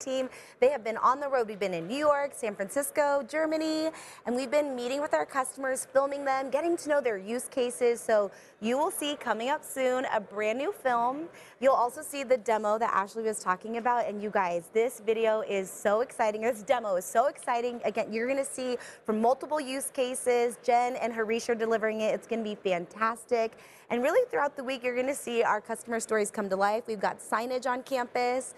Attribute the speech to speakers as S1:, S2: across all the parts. S1: Team, they have been on the road. We've been in New York, San Francisco, Germany, and we've been meeting with our customers, filming them, getting to know their use cases. So you will see coming up soon, a brand-new film. You'll also see the demo that Ashley was talking about, and you guys, this video is so exciting. This demo is so exciting. Again, you're gonna see from multiple use cases, Jenn and Harish are delivering it. It's gonna be fantastic. And really, throughout the week, you're gonna see our customer stories come to life. We've got signage on campus.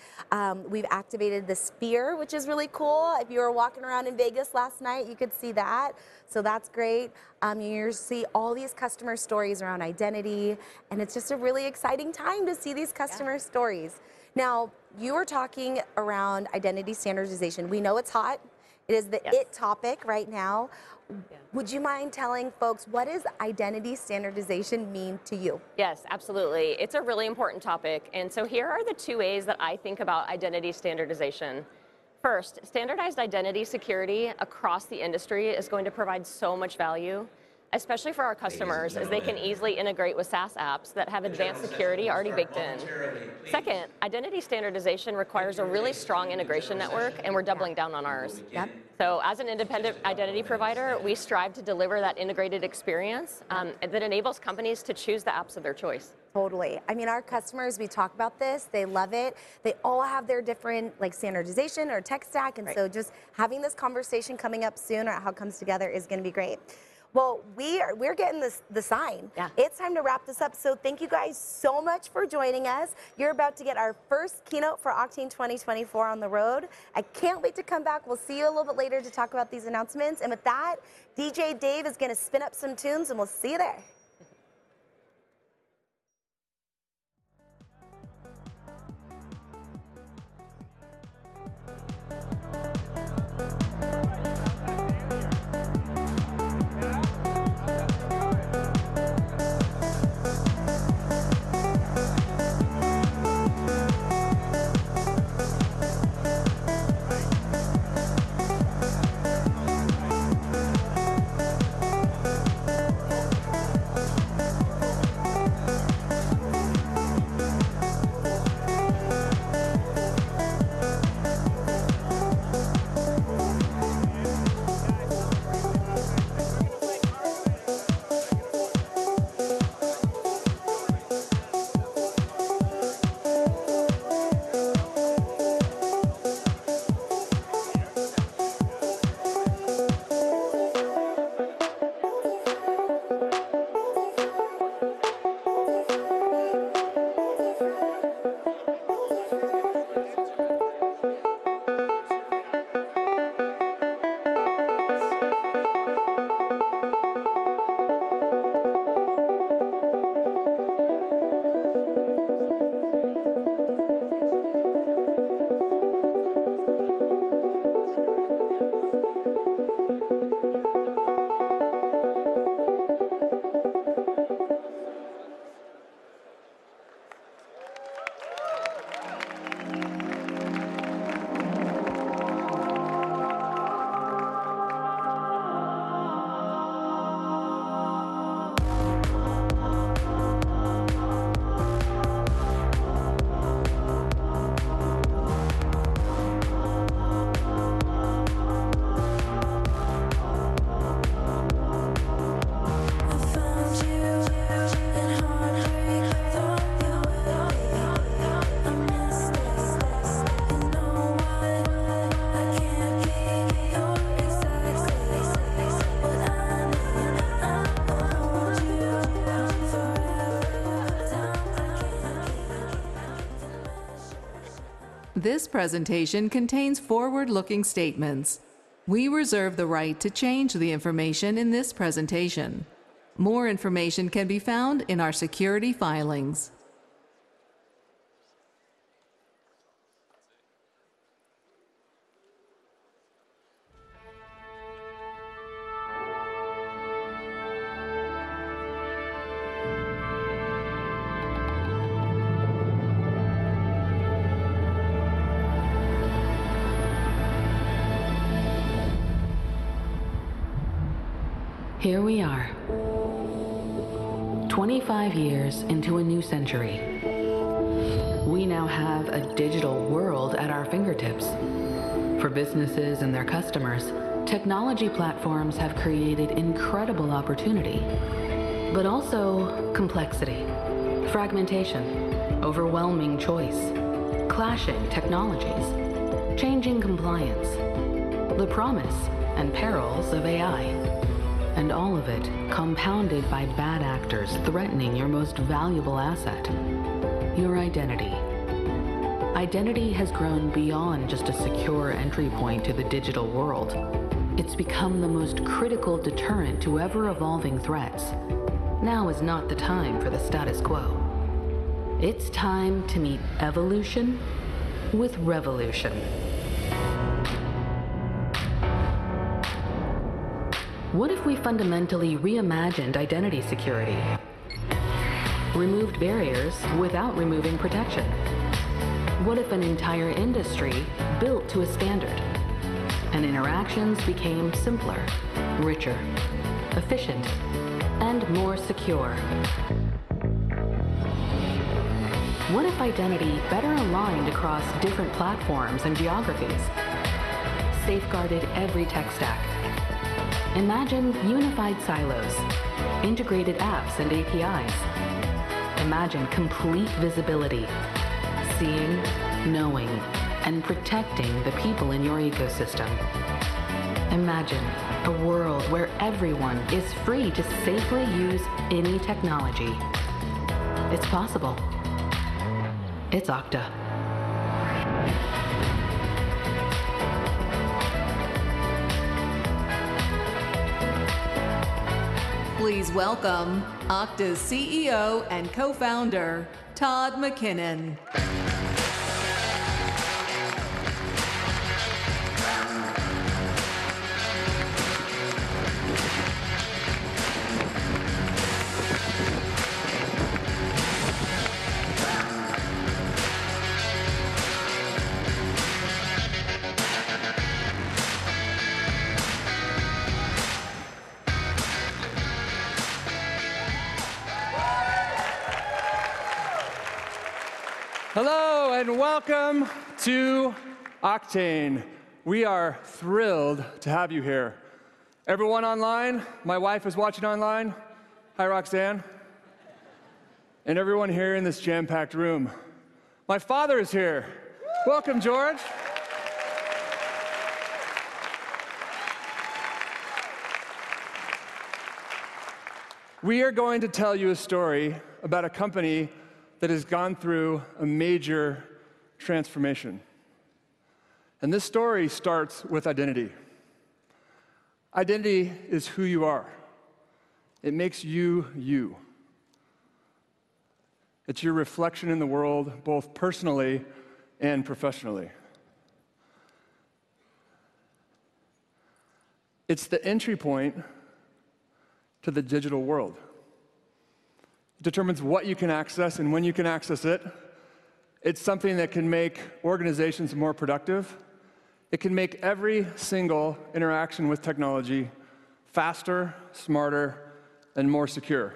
S1: We've activated the Sphere, which is really cool. If you were walking around in Vegas last night, you could see that, so that's great. You'll see all these customer stories around identity, and it's just a really exciting time to see these customer stories. Yeah. Now, you were talking around identity standardization. We know it's hot. Yes. It is the IT topic right now. Yeah. Would you mind telling folks, what does identity standardization mean to you? Yes, absolutely. It's a really important topic, and so here are the two ways that I think about identity standardization. First, standardized identity security across the industry is going to provide so much value, especially for our customers, as they can easily integrate with SaaS apps that have advanced security already baked in. Second, identity standardization requires a really strong integration network, and we're doubling down on ours. Yep. As an independent identity provider, we strive to deliver that integrated experience that enables companies to choose the apps of their choice. Totally. I mean, our customers, we talk about this, they love it. They all have their different, like, standardization or tech stack. Right. Just having this conversation coming up soon or how it comes together is gonna be great. We're getting the sign. Yeah. It's time to wrap this up, so thank you guys so much for joining us. You're about to get our first keynote for Oktane 2024 on the road. I can't wait to come back. We'll see you a little bit later to talk about these announcements. And with that, DJ Dave is gonna spin up some tunes, and we'll see you there! This presentation contains forward-looking statements. We reserve the right to change the information in this presentation. More information can be found in our SEC filings.
S2: Here we are, twenty-five years into a new century. We now have a digital world at our fingertips. For businesses and their customers, technology platforms have created incredible opportunity, but also complexity, fragmentation, overwhelming choice, clashing technologies, changing compliance, the promise and perils of AI, and all of it compounded by bad actors threatening your most valuable asset, your identity. Identity has grown beyond just a secure entry point to the digital world. It's become the most critical deterrent to ever-evolving threats. Now is not the time for the status quo. It's time to meet evolution with revolution. What if we fundamentally reimagined identity security, removed barriers without removing protection? What if an entire industry built to a standard?... and interactions became simpler, richer, efficient, and more secure. What if identity better aligned across different platforms and geographies, safeguarded every tech stack? Imagine unified silos, integrated apps and APIs. Imagine complete visibility: seeing, knowing, and protecting the people in your ecosystem. Imagine a world where everyone is free to safely use any technology. It's possible. It's Okta. Please welcome Okta's CEO and co-founder, Todd McKinnon.
S3: Hello, and welcome to Oktane. We are thrilled to have you here. Everyone online, my wife is watching online. Hi, Roxanne, and everyone here in this jam-packed room. My father is here! Welcome, George. We are going to tell you a story about a company that has gone through a major transformation, and this story starts with identity. Identity is who you are. It makes you, you. It's your reflection in the world, both personally and professionally. It's the entry point to the digital world. It determines what you can access and when you can access it. It's something that can make organizations more productive. It can make every single interaction with technology faster, smarter, and more secure.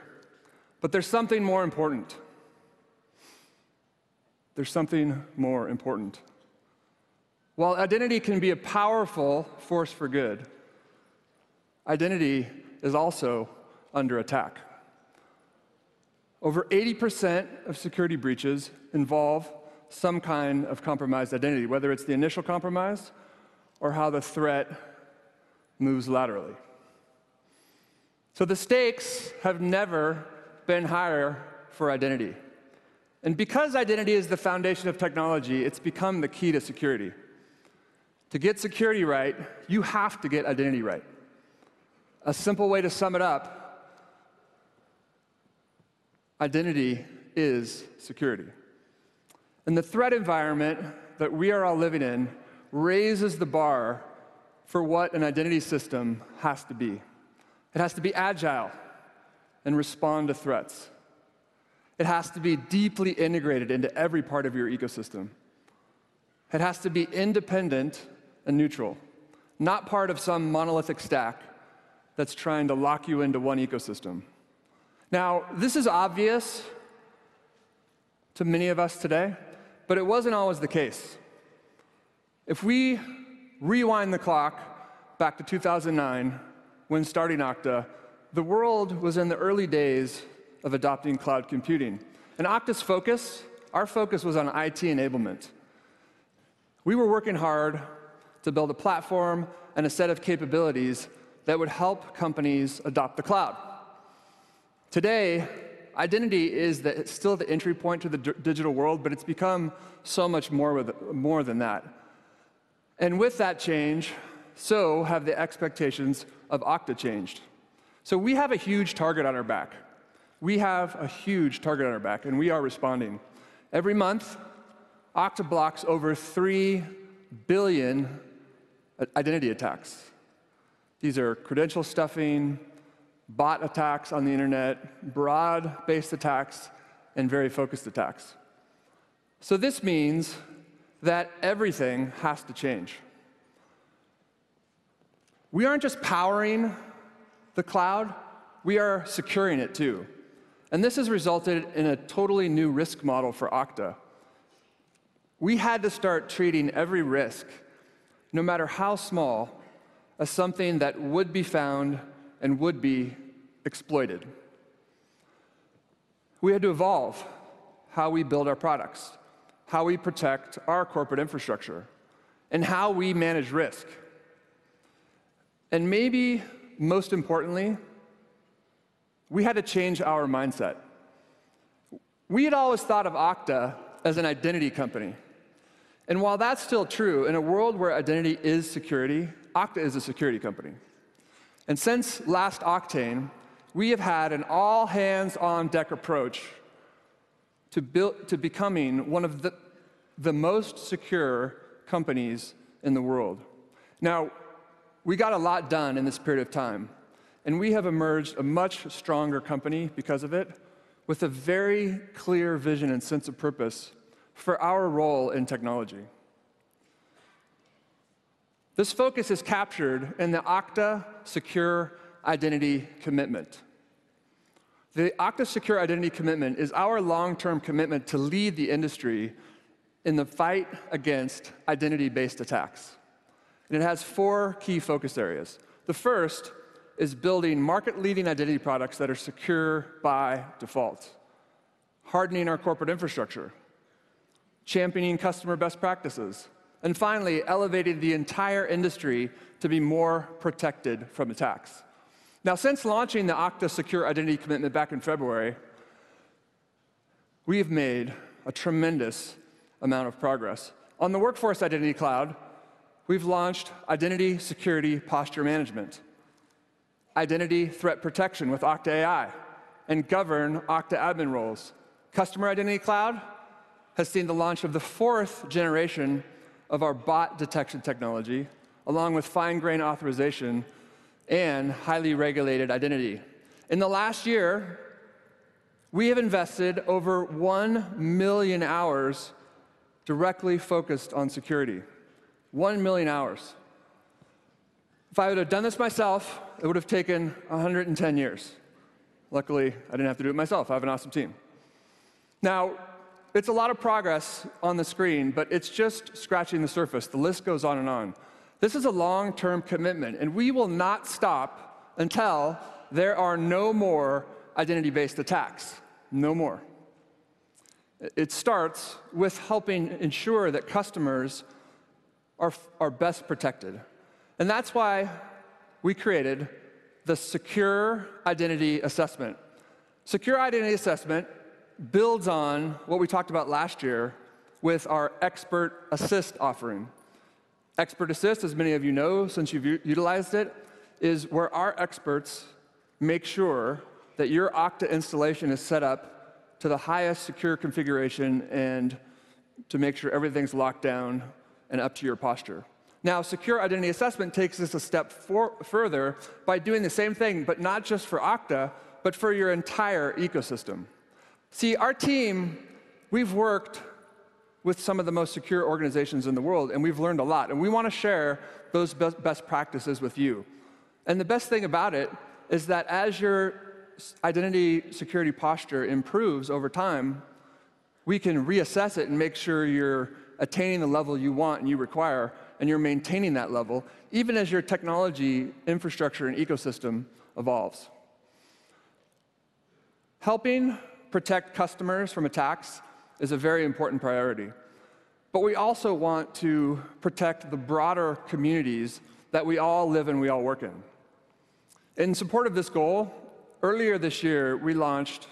S3: But there's something more important. There's something more important. While identity can be a powerful force for good, identity is also under attack. Over 80% of security breaches involve some kind of compromised identity, whether it's the initial compromise or how the threat moves laterally. So the stakes have never been higher for identity, and because identity is the foundation of technology, it's become the key to security. To get security right, you have to get identity right. A simple way to sum it up, identity is security, and the threat environment that we are all living in raises the bar for what an identity system has to be. It has to be agile and respond to threats. It has to be deeply integrated into every part of your ecosystem. It has to be independent and neutral, not part of some monolithic stack that's trying to lock you into one ecosystem. Now, this is obvious to many of us today, but it wasn't always the case. If we rewind the clock back to two thousand and nine, when starting Okta, the world was in the early days of adopting cloud computing. Okta's focus, our focus, was on IT enablement. We were working hard to build a platform and a set of capabilities that would help companies adopt the cloud. Today, identity is still the entry point to the digital world, but it's become so much more, more than that. With that change, so have the expectations of Okta changed. We have a huge target on our back. We have a huge target on our back, and we are responding. Every month, Okta blocks over three billion identity attacks. These are credential stuffing, bot attacks on the internet, broad-based attacks, and very focused attacks. This means that everything has to change. We aren't just powering the cloud. We are securing it, too, and this has resulted in a totally new risk model for Okta. We had to start treating every risk, no matter how small, as something that would be found and would be exploited. We had to evolve how we build our products, how we protect our corporate infrastructure, and how we manage risk. Maybe most importantly, we had to change our mindset. We had always thought of Okta as an identity company, and while that's still true, in a world where identity is security, Okta is a security company. Since last Oktane, we have had an all-hands-on-deck approach to becoming one of the most secure companies in the world. Now, we... We got a lot done in this period of time, and we have emerged a much stronger company because of it, with a very clear vision and sense of purpose for our role in technology. This focus is captured in the Okta Secure Identity Commitment. The Okta Secure Identity Commitment is our long-term commitment to lead the industry in the fight against identity-based attacks, and it has four key focus areas. The first is building market-leading identity products that are secure by default, hardening our corporate infrastructure, championing customer best practices, and finally, elevating the entire industry to be more protected from attacks. Now, since launching the Okta Secure Identity Commitment back in February, we have made a tremendous amount of progress. On the Workforce Identity Cloud, we've launched Identity Security Posture Management, Identity Threat Protection with Okta AI, and Governed Okta Admin Roles. Customer Identity Cloud has seen the launch of the fourth generation of our Bot Detection technology, along with Fine Grained Authorization and Highly Regulated Identity. In the last year, we have invested over one million hours directly focused on security. One million hours. If I would have done this myself, it would have taken 110 years. Luckily, I didn't have to do it myself. I have an awesome team. Now, it's a lot of progress on the screen, but it's just scratching the surface. The list goes on and on. This is a long-term commitment, and we will not stop until there are no more identity-based attacks. No more. It starts with helping ensure that customers are best protected, and that's why we created the Secure Identity Assessment. Secure Identity Assessment builds on what we talked about last year with our Expert Assist offering. Expert Assist, as many of you know, since you've utilized it, is where our experts make sure that your Okta installation is set up to the highest secure configuration and to make sure everything's locked down and up to your posture. Now, Secure Identity Assessment takes this a step further by doing the same thing, but not just for Okta, but for your entire ecosystem. See, our team, we've worked with some of the most secure organizations in the world, and we've learned a lot, and we want to share those best practices with you, and the best thing about it is that as your identity security posture improves over time, we can reassess it and make sure you're attaining the level you want and you require, and you're maintaining that level, even as your technology, infrastructure, and ecosystem evolves. Helping protect customers from attacks is a very important priority, but we also want to protect the broader communities that we all live and we all work in. In support of this goal, earlier this year, we launched,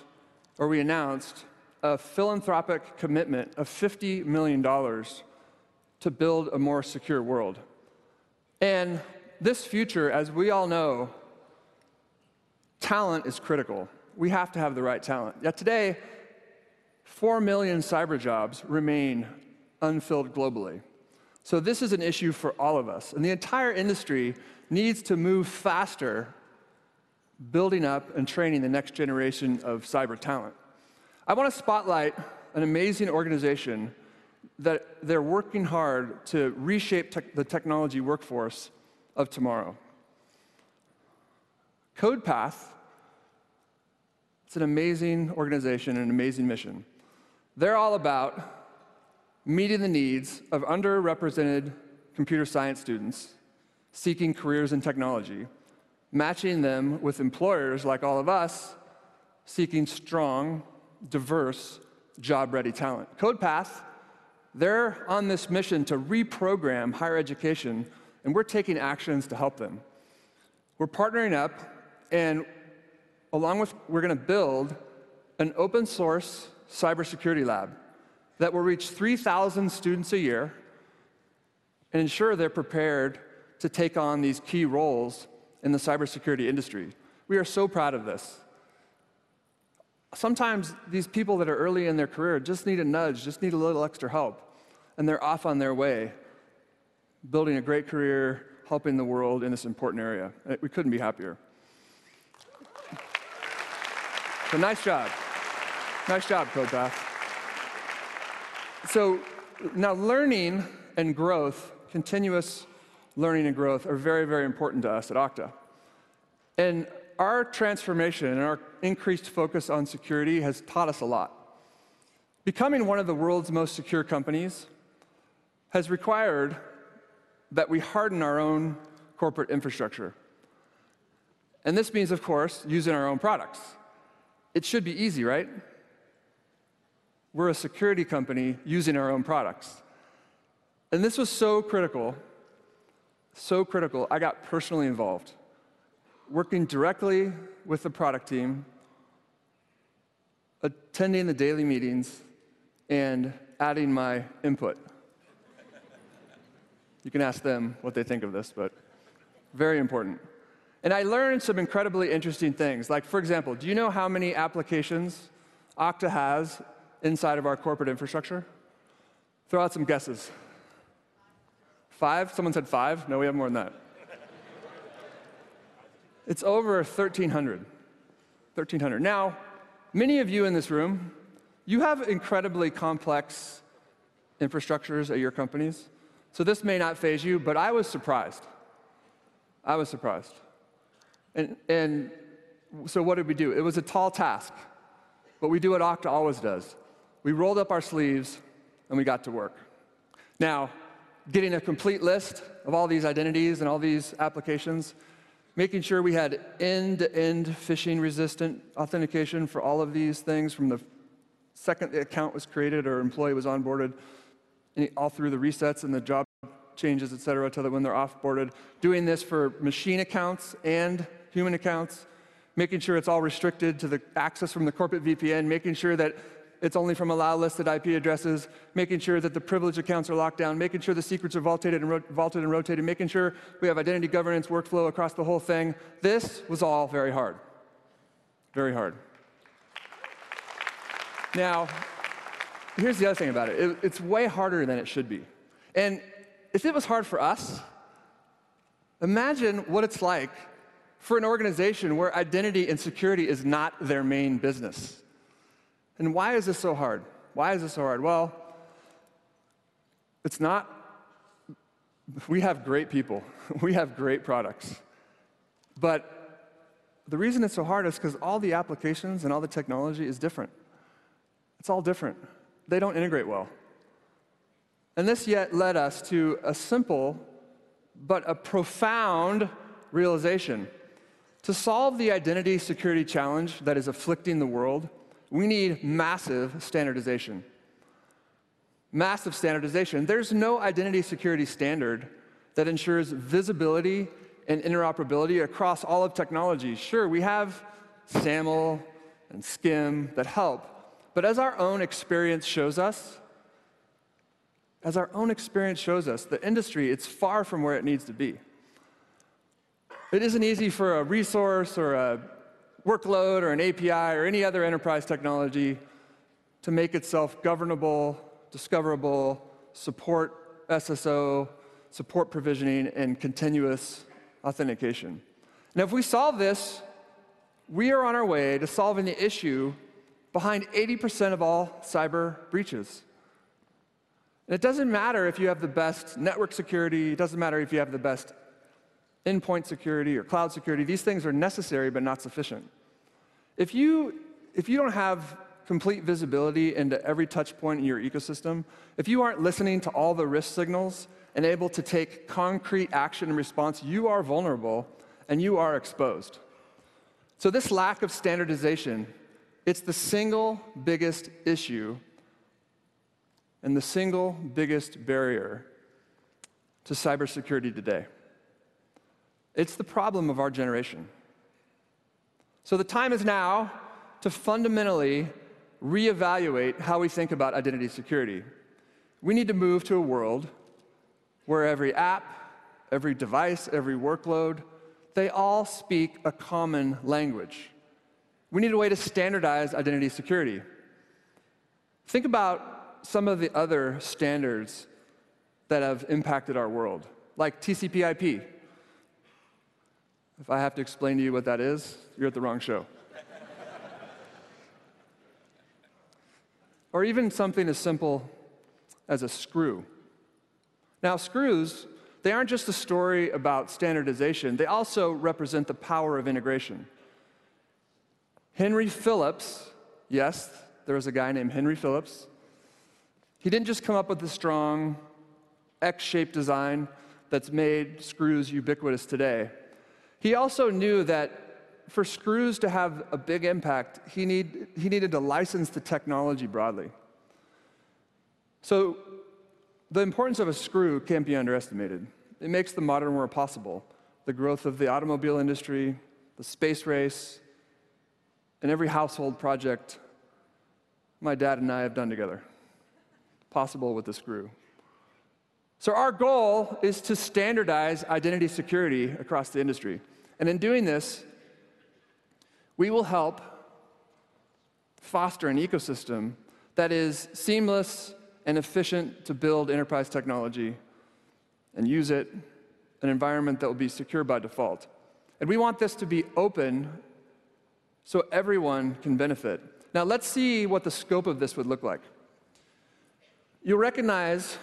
S3: or we announced, a philanthropic commitment of $50 million to build a more secure world. And this future, as we all know, talent is critical. We have to have the right talent. Yet today, four million cyber jobs remain unfilled globally. So this is an issue for all of us, and the entire industry needs to move faster, building up and training the next generation of cyber talent. I want to spotlight an amazing organization that they're working hard to reshape the technology workforce of tomorrow. CodePath, it's an amazing organization and an amazing mission. They're all about meeting the needs of underrepresented computer science students seeking careers in technology, matching them with employers, like all of us, seeking strong, diverse, job-ready talent. CodePath, they're on this mission to reprogram higher education, and we're taking actions to help them. We're partnering up, and along with. We're going to build an open source cybersecurity lab that will reach three thousand students a year and ensure they're prepared to take on these key roles in the cybersecurity industry. We are so proud of this. Sometimes these people that are early in their career just need a nudge, just need a little extra help, and they're off on their way, building a great career, helping the world in this important area. We couldn't be happier. So nice job. Nice job, CodePath. Now, learning and growth, continuous learning and growth are very, very important to us at Okta, and our transformation and our increased focus on security has taught us a lot. Becoming one of the world's most secure companies has required that we harden our own corporate infrastructure, and this means, of course, using our own products. It should be easy, right? We're a security company using our own products. And this was so critical, so critical, I got personally involved, working directly with the product team, attending the daily meetings, and adding my input. You can ask them what they think of this, but very important. And I learned some incredibly interesting things, like, for example, do you know how many applications Okta has inside of our corporate infrastructure? Throw out some guesses. Five? Someone said five. No, we have more than that. It's over thirteen hundred. Thirteen hundred. Now, many of you in this room, you have incredibly complex infrastructures at your companies, so this may not faze you, but I was surprised. I was surprised. And so what did we do? It was a tall task, but we do what Okta always does. We rolled up our sleeves, and we got to work. Now, getting a complete list of all these identities and all these applications, making sure we had end-to-end phishing-resistant authentication for all of these things, from the second the account was created or employee was onboarded, all through the resets and the job changes, et cetera, to when they're off-boarded. Doing this for machine accounts and human accounts, making sure it's all restricted to the access from the corporate VPN, making sure that it's only from allowlisted IP addresses, making sure that the privileged accounts are locked down, making sure the secrets are vaulted and rotated, making sure we have identity governance workflow across the whole thing. This was all very hard. Very hard. Now, here's the other thing about it: it, it's way harder than it should be. And if it was hard for us, imagine what it's like for an organization where identity and security is not their main business. And why is this so hard? Why is this so hard? Well, it's not. We have great people, we have great products, but the reason it's so hard is 'cause all the applications and all the technology is different. It's all different. They don't integrate well. And this yet led us to a simple but a profound realization: to solve the identity security challenge that is afflicting the world, we need massive standardization. Massive standardization. There's no identity security standard that ensures visibility and interoperability across all of technology. Sure, we have SAML and SCIM that help, but as our own experience shows us, as our own experience shows us, the industry, it's far from where it needs to be. It isn't easy for a resource or a workload or an API or any other enterprise technology to make itself governable, discoverable, support SSO, support provisioning, and continuous authentication. Now, if we solve this, we are on our way to solving the issue behind 80% of all cyber breaches. It doesn't matter if you have the best network security. It doesn't matter if you have the best endpoint security or cloud security. These things are necessary, but not sufficient. If you don't have complete visibility into every touchpoint in your ecosystem, if you aren't listening to all the risk signals and able to take concrete action and response, you are vulnerable, and you are exposed. This lack of standardization is the single biggest issue and the single biggest barrier to cybersecurity today. It's the problem of our generation. The time is now to fundamentally reevaluate how we think about identity security. We need to move to a world where every app, every device, every workload, they all speak a common language. We need a way to standardize identity security. Think about some of the other standards that have impacted our world, like TCP/IP. If I have to explain to you what that is, you're at the wrong show. Or even something as simple as a screw. Now, screws, they aren't just a story about standardization, they also represent the power of integration. Henry Phillips. Yes, there was a guy named Henry Phillips. He didn't just come up with the strong X-shaped design that's made screws ubiquitous today, he also knew that for screws to have a big impact, he needed to license the technology broadly. So the importance of a screw can't be underestimated. It makes the modern world possible. The growth of the automobile industry, the space race, and every household project my dad and I have done together, possible with the screw. Our goal is to standardize identity security across the industry, and in doing this, we will help foster an ecosystem that is seamless and efficient to build enterprise technology and use it, an environment that will be secure by default. We want this to be open so everyone can benefit. Now, let's see what the scope of this would look like. You'll recognize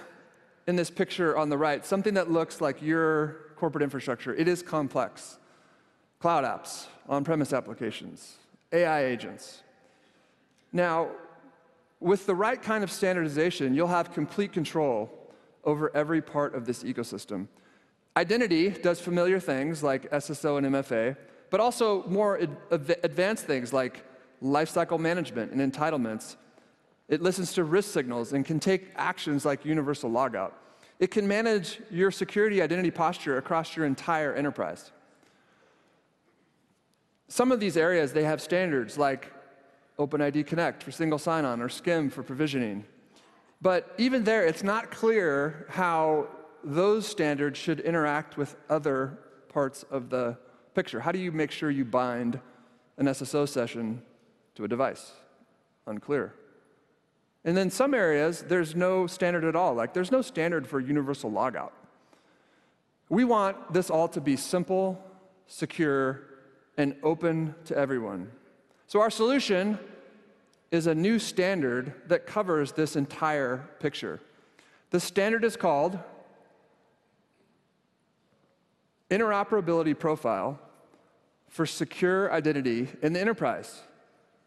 S3: in this picture on the right, something that looks like your corporate infrastructure. It is complex. Cloud apps, on-premises applications, AI agents. Now, with the right kind of standardization, you'll have complete control over every part of this ecosystem. Identity does familiar things like SSO and MFA, but also more advanced things like lifecycle management and entitlements. It listens to risk signals and can take actions like Universal Logout. It can manage your identity security posture across your entire enterprise. Some of these areas, they have standards like OpenID Connect for single sign-on or SCIM for provisioning. But even there, it's not clear how those standards should interact with other parts of the picture. How do you make sure you bind an SSO session to a device? Unclear. And in some areas, there's no standard at all, like there's no standard for Universal Logout. We want this all to be simple, secure, and open to everyone, so our solution is a new standard that covers this entire picture. The standard is called Interoperability Profile for Secure Identity in the Enterprise,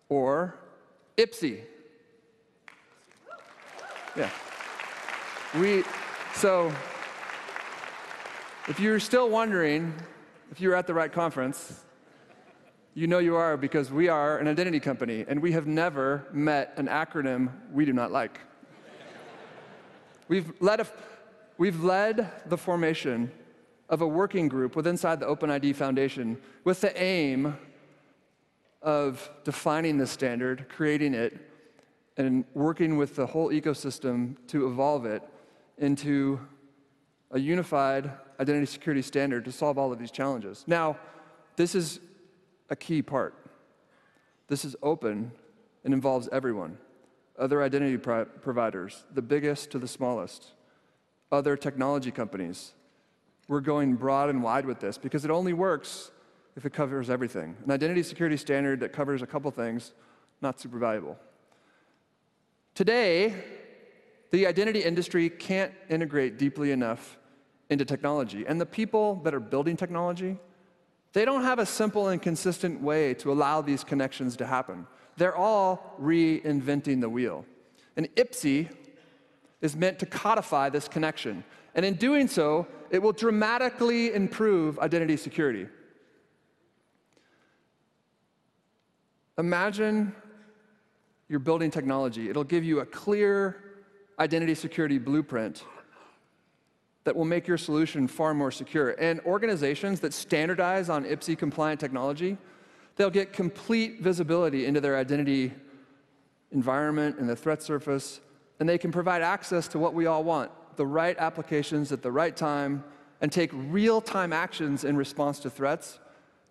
S3: or IPSIE. Yeah, so if you're still wondering if you're at the right conference, you know you are, because we are an identity company, and we have never met an acronym we do not like. We've led the formation of a working group within the OpenID Foundation, with the aim of defining the standard, creating it, and working with the whole ecosystem to evolve it into a unified identity security standard to solve all of these challenges. Now, this is a key part. This is open and involves everyone, other identity providers, the biggest to the smallest, other technology companies. We're going broad and wide with this because it only works if it covers everything. An identity security standard that covers a couple of things, not super valuable. Today, the identity industry can't integrate deeply enough into technology, and the people that are building technology, they don't have a simple and consistent way to allow these connections to happen. They're all reinventing the wheel. IPSIE is meant to codify this connection, and in doing so, it will dramatically improve identity security. Imagine you're building technology. It'll give you a clear identity security blueprint that will make your solution far more secure. Organizations that standardize on IPSIE-compliant technology will get complete visibility into their identity environment and the threat surface, and they can provide access to what we all want, the right applications at the right time, and take real-time actions in response to threats.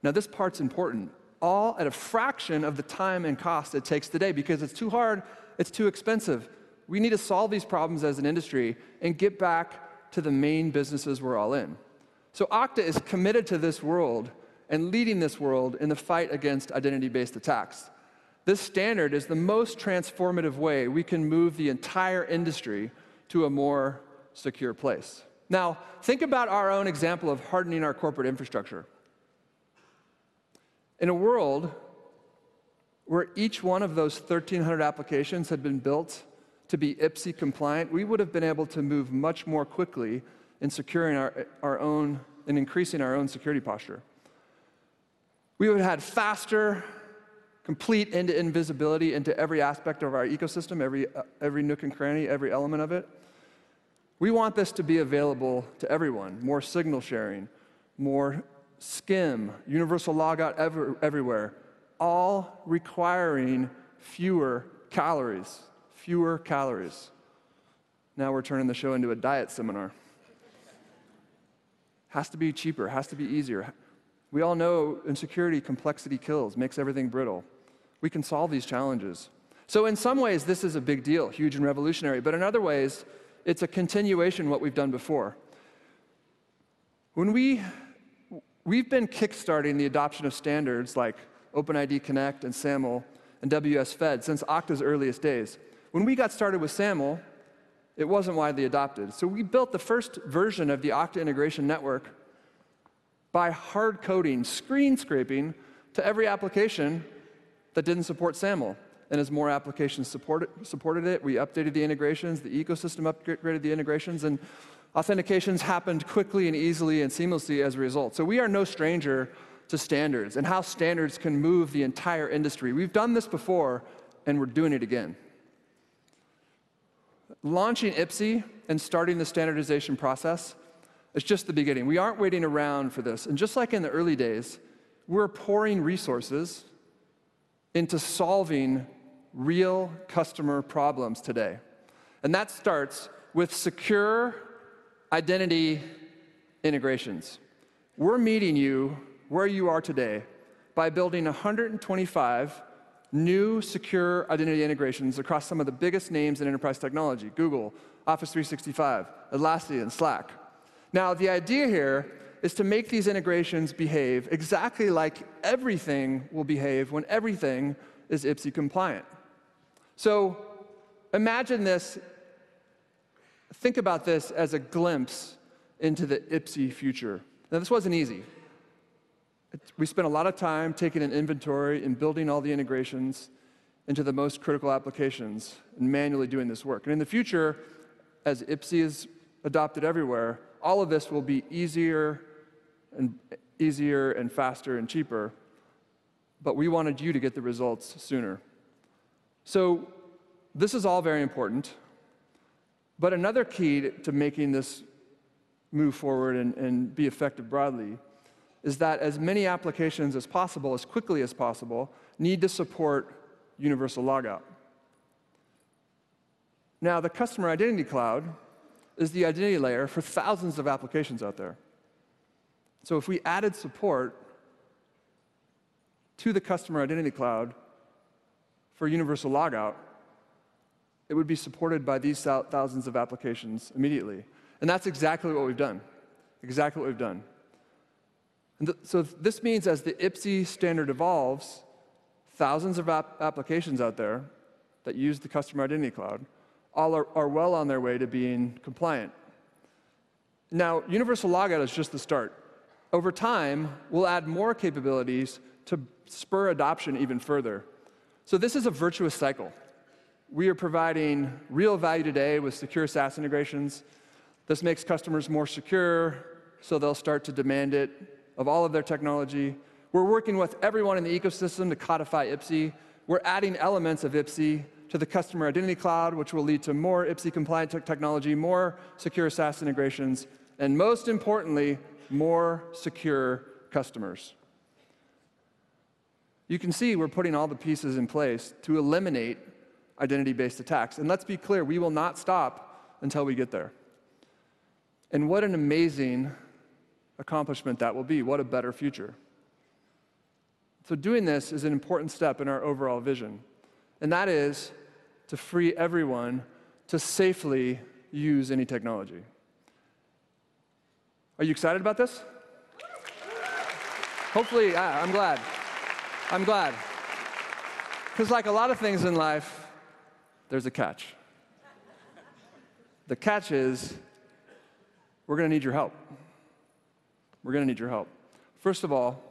S3: Now, this part's important, all at a fraction of the time and cost it takes today because it's too hard, it's too expensive. We need to solve these problems as an industry and get back to the main businesses we're all in. Okta is committed to this world and leading this world in the fight against identity-based attacks. This standard is the most transformative way we can move the entire industry to a more secure place. Now, think about our own example of hardening our corporate infrastructure. In a world where each one of those 1,300 applications had been built to be IPSIE compliant, we would have been able to move much more quickly in securing our own and increasing our own security posture. We would have had faster, complete end-to-end visibility into every aspect of our ecosystem, every every nook and cranny, every element of it. We want this to be available to everyone, more signal sharing, more SCIM, Universal Logout everywhere, all requiring fewer calories. Fewer calories. Now we're turning the show into a diet seminar. Has to be cheaper, has to be easier. We all know in security, complexity kills, makes everything brittle. We can solve these challenges. So in some ways, this is a big deal, huge and revolutionary, but in other ways, it's a continuation of what we've done before. When we've been kickstarting the adoption of standards like OpenID Connect and SAML and WS-Fed since Okta's earliest days. When we got started with SAML, it wasn't widely adopted, so we built the first version of the Okta Integration Network by hard coding, screen scraping to every application that didn't support SAML, and as more applications supported it, we updated the integrations, the ecosystem upgraded the integrations, and authentications happened quickly and easily and seamlessly as a result. So we are no stranger to standards and how standards can move the entire industry. We've done this before, and we're doing it again. Launching IPSIE and starting the standardization process is just the beginning. We aren't waiting around for this. Just like in the early days, we're pouring resources into solving real customer problems today, and that starts with secure identity integrations. We're meeting you where you are today by building 125 new secure identity integrations across some of the biggest names in enterprise technology, Google, Office 365, Atlassian, Slack. Now, the idea here is to make these integrations behave exactly like everything will behave when everything is IPSIE compliant. Imagine this, think about this as a glimpse into the IPSIE future. Now, this wasn't easy. We spent a lot of time taking an inventory and building all the integrations into the most critical applications and manually doing this work. In the future, as IPSIE is adopted everywhere, all of this will be easier and faster and cheaper, but we wanted you to get the results sooner. This is all very important, but another key to making this move forward and be effective broadly is that as many applications as possible, as quickly as possible, need to support Universal Logout. Now, the Customer Identity Cloud is the identity layer for thousands of applications out there. So if we added support to the Customer Identity Cloud for Universal Logout, it would be supported by these thousands of applications immediately, and that's exactly what we've done. Exactly what we've done. So this means as the IPSIE standard evolves, thousands of applications out there that use the Customer Identity Cloud all are well on their way to being compliant. Now, Universal Logout is just the start. Over time, we'll add more capabilities to spur adoption even further. This is a virtuous cycle. We are providing real value today with secure SaaS integrations. This makes customers more secure, so they'll start to demand it of all of their technology. We're working with everyone in the ecosystem to codify IPSIE. We're adding elements of IPSIE to the Customer Identity Cloud, which will lead to more IPSIE-compliant technology, more secure SaaS integrations, and most importantly, more secure customers. You can see we're putting all the pieces in place to eliminate identity-based attacks. And let's be clear, we will not stop until we get there. And what an amazing accomplishment that will be, what a better future. So doing this is an important step in our overall vision, and that is to free everyone to safely use any technology. Are you excited about this? Hopefully... Ah, I'm glad. I'm glad. 'Cause like a lot of things in life, there's a catch. The catch is, we're gonna need your help. We're gonna need your help. First of all,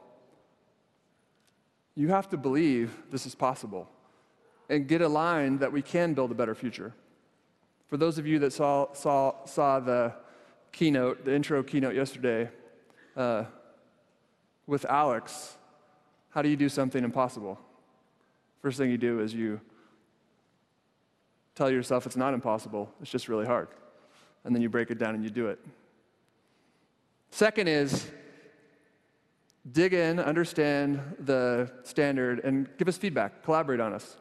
S3: you have to believe this is possible and get aligned that we can build a better future. For those of you that saw the keynote, the intro keynote yesterday, with Alex, how do you do something impossible? First thing you do is you tell yourself it's not impossible, it's just really hard, and then you break it down and you do it. Second is, dig in, understand the standard, and give us feedback. Collaborate on us.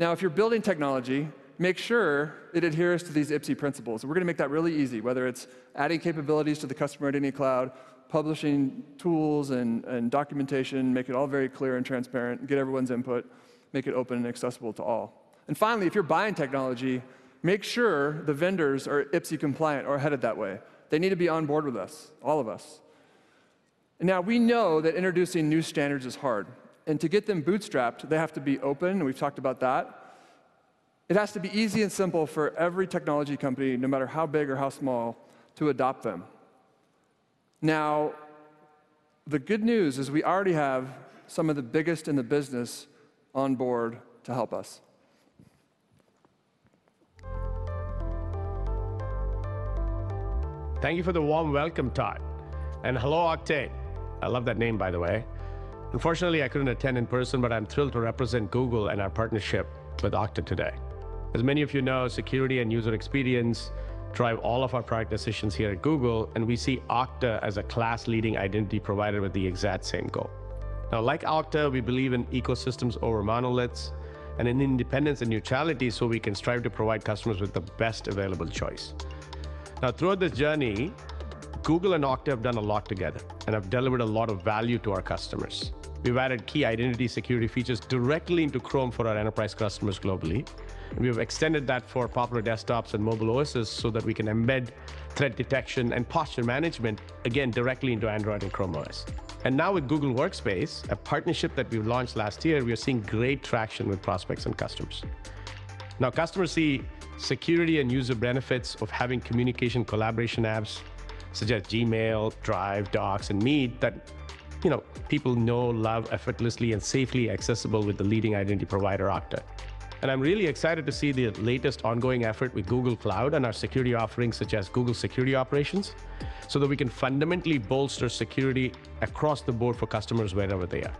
S3: Now, if you're building technology, make sure it adheres to these IPSIE principles. We're gonna make that really easy, whether it's adding capabilities to the Customer Identity Cloud, publishing tools and documentation, make it all very clear and transparent, and get everyone's input, make it open and accessible to all. And finally, if you're buying technology, make sure the vendors are IPSIE compliant or headed that way. They need to be on board with us, all of us. Now, we know that introducing new standards is hard, and to get them bootstrapped, they have to be open, and we've talked about that. It has to be easy and simple for every technology company, no matter how big or how small, to adopt them. Now, the good news is we already have some of the biggest in the business on board to help us.
S4: Thank you for the warm welcome, Todd, and hello, Okta. I love that name, by the way. Unfortunately, I couldn't attend in person, but I'm thrilled to represent Google and our partnership with Okta today. As many of you know, security and user experience drive all of our product decisions here at Google, and we see Okta as a class-leading identity provider with the exact same goal. Now, like Okta, we believe in ecosystems over monoliths and in independence and neutrality, so we can strive to provide customers with the best available choice. Now, throughout this journey, Google and Okta have done a lot together and have delivered a lot of value to our customers. We've added key identity security features directly into Chrome for our enterprise customers globally. We have extended that for popular desktops and mobile OSs, so that we can embed threat detection and posture management, again, directly into Android and Chrome OS, and now with Google Workspace, a partnership that we launched last year, we are seeing great traction with prospects and customers. Now, customers see security and user benefits of having communication collaboration apps, such as Gmail, Drive, Docs, and Meet, that, you know, people know, love, effortlessly and safely accessible with the leading identity provider, Okta, and I'm really excited to see the latest ongoing effort with Google Cloud and our security offerings, such as Google Security Operations, so that we can fundamentally bolster security across the board for customers wherever they are,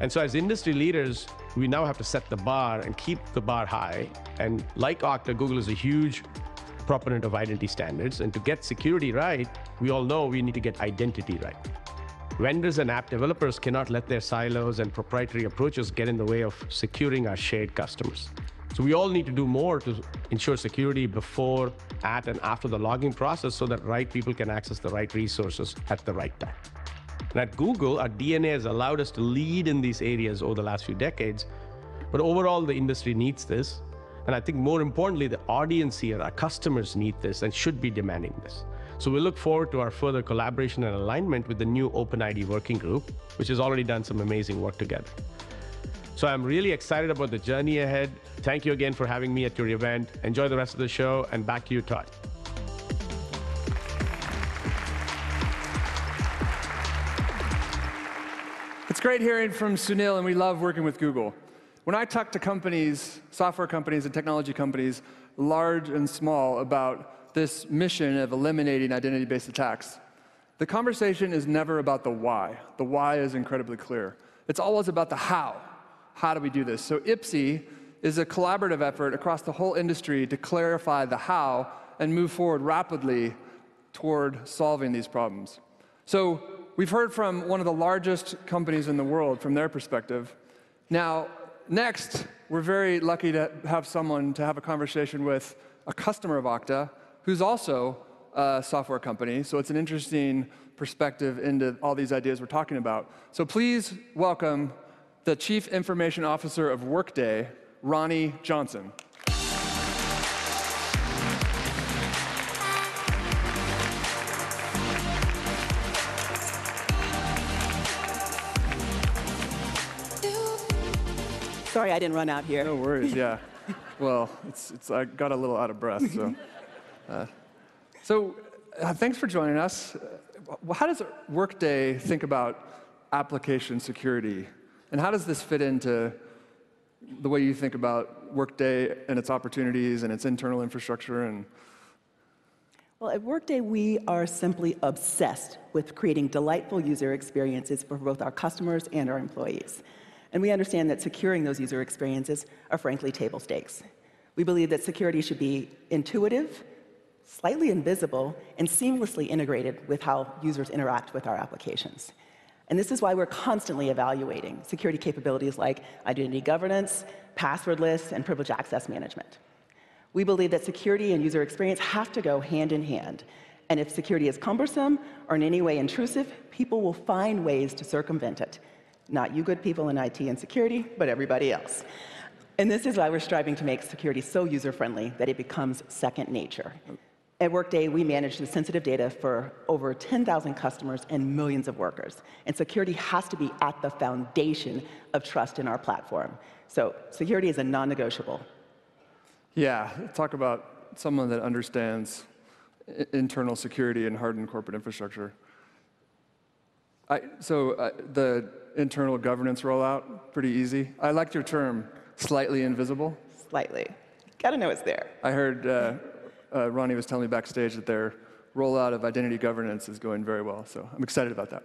S4: and so as industry leaders, we now have to set the bar and keep the bar high. Like Okta, Google is a huge proponent of identity standards, and to get security right, we all know we need to get identity right. Vendors and app developers cannot let their silos and proprietary approaches get in the way of securing our shared customers. We all need to do more to ensure security before, at, and after the login process, so that right people can access the right resources at the right time. At Google, our DNA has allowed us to lead in these areas over the last few decades, but overall, the industry needs this, and I think more importantly, the audience here, our customers, need this and should be demanding this. We look forward to our further collaboration and alignment with the new OpenID Working Group, which has already done some amazing work together. I'm really excited about the journey ahead. Thank you again for having me at your event. Enjoy the rest of the show, and back to you, Todd.
S3: It's great hearing from Sunil, and we love working with Google. When I talk to companies, software companies and technology companies, large and small, about this mission of eliminating identity-based attacks, the conversation is never about the why. The why is incredibly clear. It's always about the how. How do we do this? So IPSIE is a collaborative effort across the whole industry to clarify the how and move forward rapidly toward solving these problems. So we've heard from one of the largest companies in the world, from their perspective. Now, next, we're very lucky to have someone to have a conversation with, a customer of Okta, who's also a software company, so it's an interesting perspective into all these ideas we're talking about. So please welcome the Chief Information Officer of Workday, Rani Johnson.
S5: Sorry I didn't run out here.
S3: No worries, yeah. Well, I got a little out of breath, so thanks for joining us. How does Workday think about application security, and how does this fit into the way you think about Workday and its opportunities and its internal infrastructure and-
S5: At Workday, we are simply obsessed with creating delightful user experiences for both our customers and our employees, and we understand that securing those user experiences are, frankly, table stakes. We believe that security should be intuitive, slightly invisible, and seamlessly integrated with how users interact with our applications. This is why we're constantly evaluating security capabilities like identity governance, passwordless, and privileged access management. We believe that security and user experience have to go hand in hand, and if security is cumbersome or in any way intrusive, people will find ways to circumvent it. Not you good people in IT and security, but everybody else. This is why we're striving to make security so user friendly that it becomes second nature. At Workday, we manage the sensitive data for over 10,000 customers and millions of workers, and security has to be at the foundation of trust in our platform, so security is a non-negotiable.
S3: Yeah, talk about someone that understands internal security and hardened corporate infrastructure. So, the internal governance rollout, pretty easy? I liked your term, "slightly invisible.
S5: Slightly. Gotta know it's there.
S3: I heard Rani was telling me backstage that their rollout of identity governance is going very well, so I'm excited about that.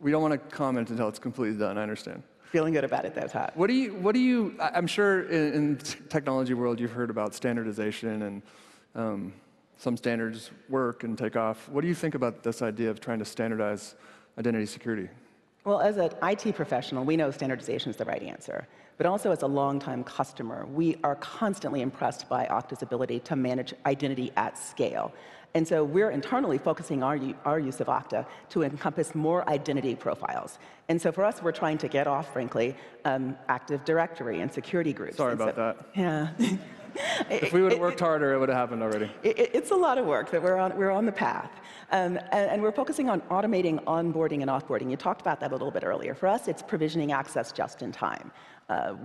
S3: We don't want to comment until it's completely done, I understand.
S5: Feeling good about it, though, Todd.
S3: What do you... I'm sure in the technology world, you've heard about standardization and some standards work and take off. What do you think about this idea of trying to standardize identity security?
S5: As an IT professional, we know standardization is the right answer, but also, as a long-time customer, we are constantly impressed by Okta's ability to manage identity at scale. We're internally focusing our use of Okta to encompass more identity profiles. For us, we're trying to get off, frankly, Active Directory and security groups-
S3: Sorry about that.
S5: Yeah.
S3: If we would've worked harder, it would've happened already.
S5: It's a lot of work, but we're on the path. And we're focusing on automating onboarding and off-boarding. You talked about that a little bit earlier. For us, it's provisioning access just in time.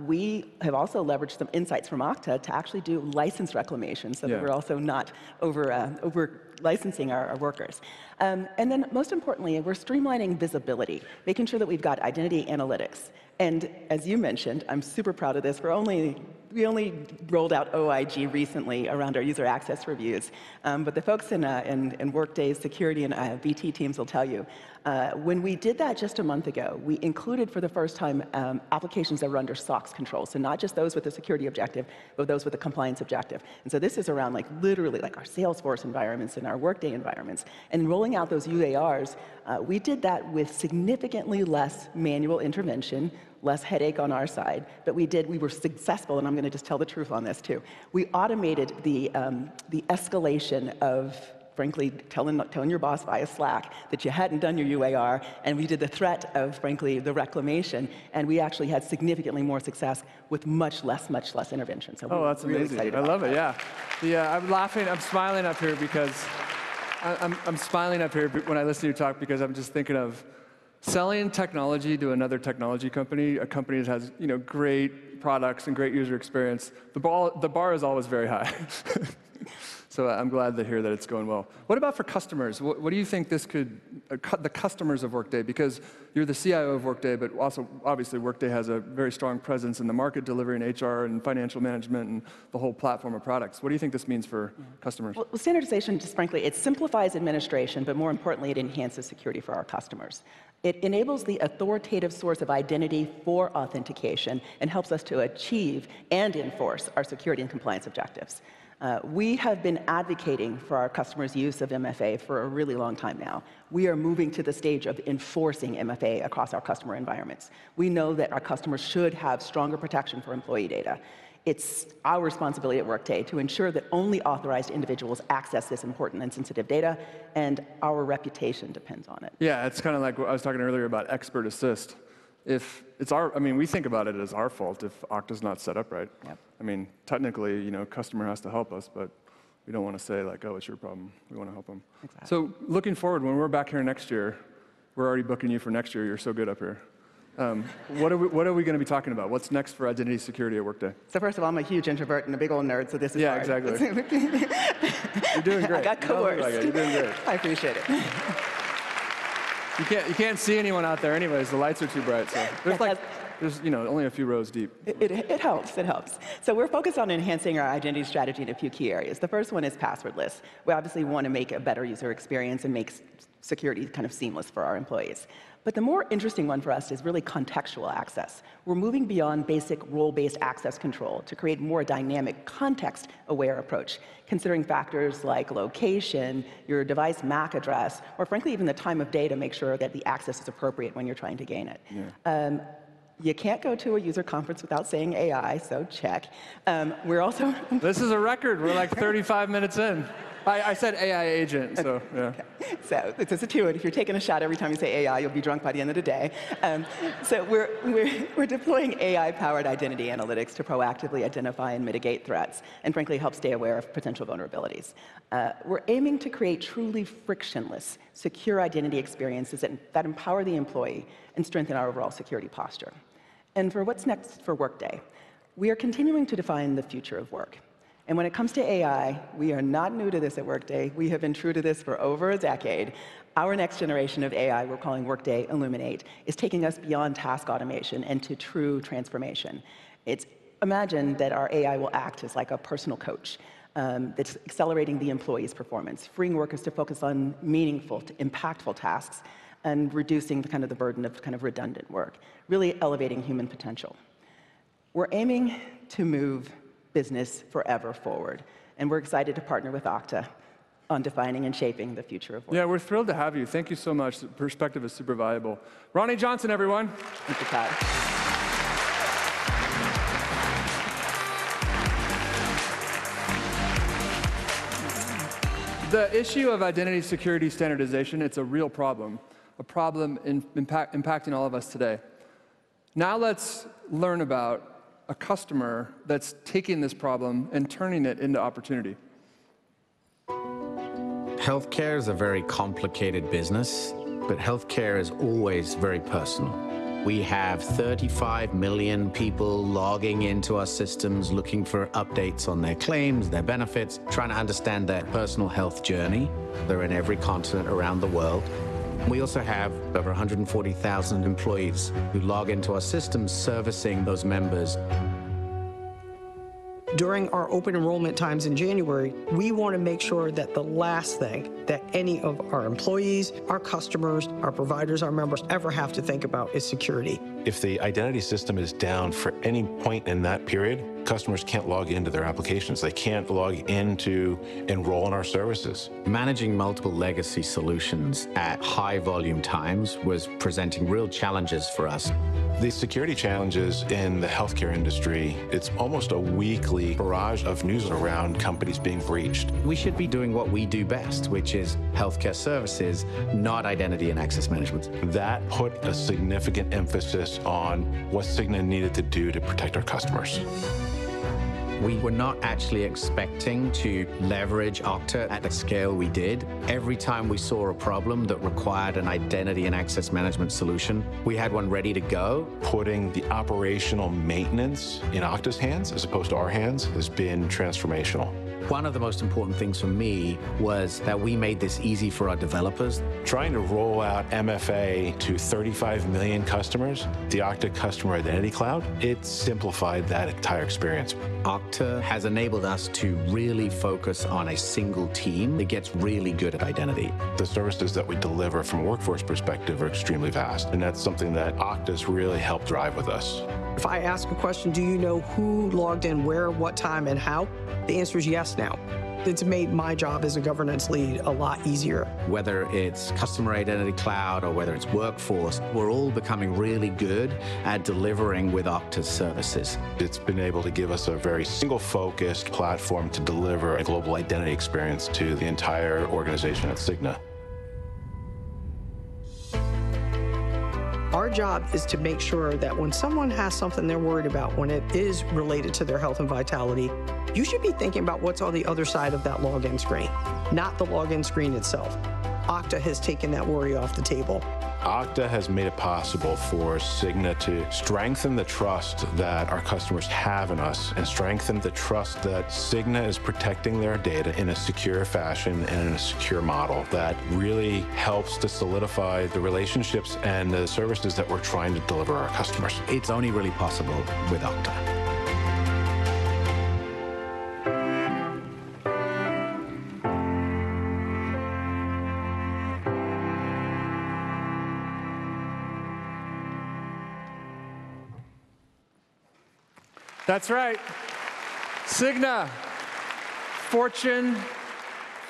S5: We have also leveraged some insights from Okta to actually do license reclamation-
S3: Yeah...
S5: so that we're also not over-licensing our workers. And then, most importantly, we're streamlining visibility, making sure that we've got identity analytics. And as you mentioned, I'm super proud of this, we only rolled out OIG recently around our user access reviews. But the folks in Workday's security and IT teams will tell you, when we did that just a month ago, we included for the first time, applications that were under SOX control, so not just those with a security objective, but those with a compliance objective. And so this is around, like, literally, like, our Salesforce environments and our Workday environments. Rolling out those UARs, we did that with significantly less manual intervention, less headache on our side, but we were successful, and I'm going to just tell the truth on this, too. We automated the escalation of, frankly, telling your boss via Slack that you hadn't done your UAR, and we did the threat of, frankly, the reclamation, and we actually had significantly more success with much less intervention. So we're really excited.
S3: Oh, that's amazing. I love it, yeah. I'm smiling up here when I listen to you talk because I'm just thinking of selling technology to another technology company, a company which has, you know, great products and great user experience. The bar is always very high. So I'm glad to hear that it's going well. What about for customers? What do you think this could... the customers of Workday, because you're the CIO of Workday, but also, obviously, Workday has a very strong presence in the market, delivering HR and financial management and the whole platform of products. What do you think this means for customers?
S5: Well, well, standardization, just frankly, it simplifies administration, but more importantly, it enhances security for our customers. It enables the authoritative source of identity for authentication and helps us to achieve and enforce our security and compliance objectives. We have been advocating for our customers' use of MFA for a really long time now. We are moving to the stage of enforcing MFA across our customer environments. We know that our customers should have stronger protection for employee data. It's our responsibility at Workday to ensure that only authorized individuals access this important and sensitive data, and our reputation depends on it.
S3: Yeah, it's kind of like what I was talking earlier about Expert Assist. If it's our... I mean, we think about it as our fault if Okta's not set up right.
S5: Yep.
S3: I mean, technically, you know, a customer has to help us, but we don't want to say, like, "Oh, it's your problem." We want to help them.
S5: Exactly.
S3: So looking forward, when we're back here next year, we're already booking you for next year, you're so good up here. What are we gonna be talking about? What's next for identity security at Workday?
S5: So first of all, I'm a huge introvert and a big old nerd, so this is hard.
S3: Yeah, exactly. You're doing great.
S5: I've got coworkers.
S3: Don't worry about it. You're doing great.
S5: I appreciate it.
S3: You can't see anyone out there anyways. The lights are too bright, so.... There's like, you know, only a few rows deep.
S5: It helps, so we're focused on enhancing our identity strategy in a few key areas. The first one is passwordless. We obviously want to make a better user experience and make security kind of seamless for our employees. But the more interesting one for us is really contextual access. We're moving beyond basic role-based access control to create a more dynamic, context-aware approach, considering factors like location, your device MAC address, or frankly, even the time of day, to make sure that the access is appropriate when you're trying to gain it.
S3: Yeah.
S5: You can't go to a user conference without saying AI, so check. We're also-
S3: This is a record. We're like 35 minutes in. I said AI agent, so yeah.
S5: Okay. So it's a two, and if you're taking a shot every time you say AI, you'll be drunk by the end of the day. So we're deploying AI-powered identity analytics to proactively identify and mitigate threats and, frankly, help stay aware of potential vulnerabilities. We're aiming to create truly frictionless, secure identity experiences that empower the employee and strengthen our overall security posture. And for what's next for Workday, we are continuing to define the future of work, and when it comes to AI, we are not new to this at Workday. We have been true to this for over a decade. Our next generation of AI, we're calling Workday Illuminate, is taking us beyond task automation and to true transformation. It's... Imagine that our AI will act as like a personal coach, that's accelerating the employee's performance, freeing workers to focus on meaningful, impactful tasks and reducing the kind of burden of kind of redundant work, really elevating human potential. We're aiming to move business forever forward, and we're excited to partner with Okta on defining and shaping the future of work.
S3: Yeah, we're thrilled to have you. Thank you so much. The perspective is super valuable. Rani Johnson, everyone.
S5: Thank you, Todd.
S3: The issue of identity security standardization, it's a real problem, a problem impacting all of us today. Now let's learn about a customer that's taking this problem and turning it into opportunity.
S6: Healthcare is a very complicated business, but healthcare is always very personal. We have 35 million people logging into our systems, looking for updates on their claims, their benefits, trying to understand their personal health journey. They're in every continent around the world. We also have over 140,000 employees who log into our system servicing those members. During our open enrollment times in January, we want to make sure that the last thing that any of our employees, our customers, our providers, our members ever have to think about is security. If the identity system is down for any point in that period, customers can't log into their applications. They can't log in to enroll in our services. Managing multiple legacy solutions at high-volume times was presenting real challenges for us. The security challenges in the healthcare industry. It's almost a weekly barrage of news around companies being breached. We should be doing what we do best, which is healthcare services, not identity and access management. That put a significant emphasis on what Cigna needed to do to protect our customers. We were not actually expecting to leverage Okta at the scale we did. Every time we saw a problem that required an identity and access management solution, we had one ready to go. Putting the operational maintenance in Okta's hands, as opposed to our hands, has been transformational. One of the most important things for me was that we made this easy for our developers. Trying to roll out MFA to 35 million customers, the Okta Customer Identity Cloud, it simplified that entire experience. Okta has enabled us to really focus on a single team that gets really good at identity. The services that we deliver from a workforce perspective are extremely vast, and that's something that Okta's really helped drive with us. If I ask a question, "Do you know who logged in where, what time, and how?" The answer is yes now. It's made my job as a governance lead a lot easier. Whether it's Customer Identity Cloud or whether it's Workforce, we're all becoming really good at delivering with Okta's services. It's been able to give us a very single-focused platform to deliver a global identity experience to the entire organization at Cigna. Our job is to make sure that, when someone has something they're worried about, when it is related to their health and vitality, you should be thinking about what's on the other side of that login screen, not the login screen itself. Okta has taken that worry off the table. Okta has made it possible for Cigna to strengthen the trust that our customers have in us and strengthen the trust that Cigna is protecting their data in a secure fashion and in a secure model. That really helps to solidify the relationships and the services that we're trying to deliver our customers. It's only really possible with Okta.
S3: That's right, Cigna, Fortune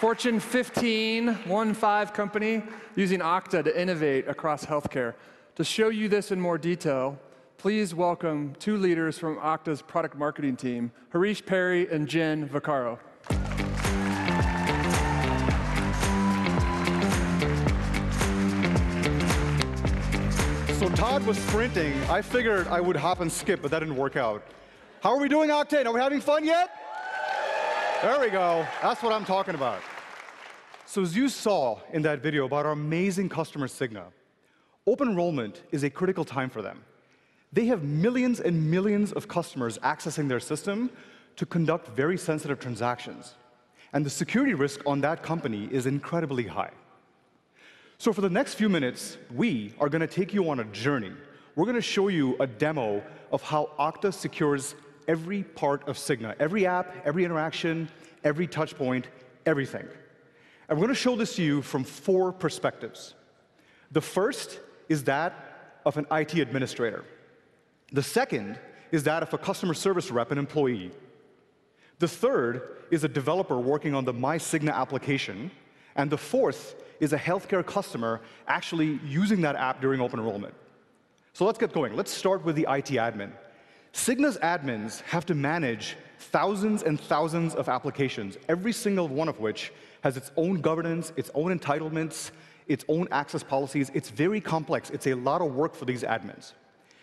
S3: 15, one-five company, using Okta to innovate across healthcare. To show you this in more detail, please welcome two leaders from Okta's product marketing team, Harish Peri and Jenn Vicario.
S7: So Todd was sprinting. I figured I would hop and skip, but that didn't work out. How are we doing, Okta? Are we having fun yet? There we go. That's what I'm talking about. So as you saw in that video about our amazing customer, Cigna, open enrollment is a critical time for them. They have millions and millions of customers accessing their system to conduct very sensitive transactions. The security risk on that company is incredibly high. So for the next few minutes, we are going to take you on a journey. We're going to show you a demo of how Okta secures every part of Cigna, every app, every interaction, every touch point, everything. And we're going to show this to you from four perspectives. The first is that of an IT administrator. The second is that of a customer service rep, an employee. The third is a developer working on the myCigna application, and the fourth is a healthcare customer actually using that app during open enrollment. So let's get going. Let's start with the IT admin. Cigna's admins have to manage thousands and thousands of applications, every single one of which has its own governance, its own entitlements, its own access policies. It's very complex. It's a lot of work for these admins.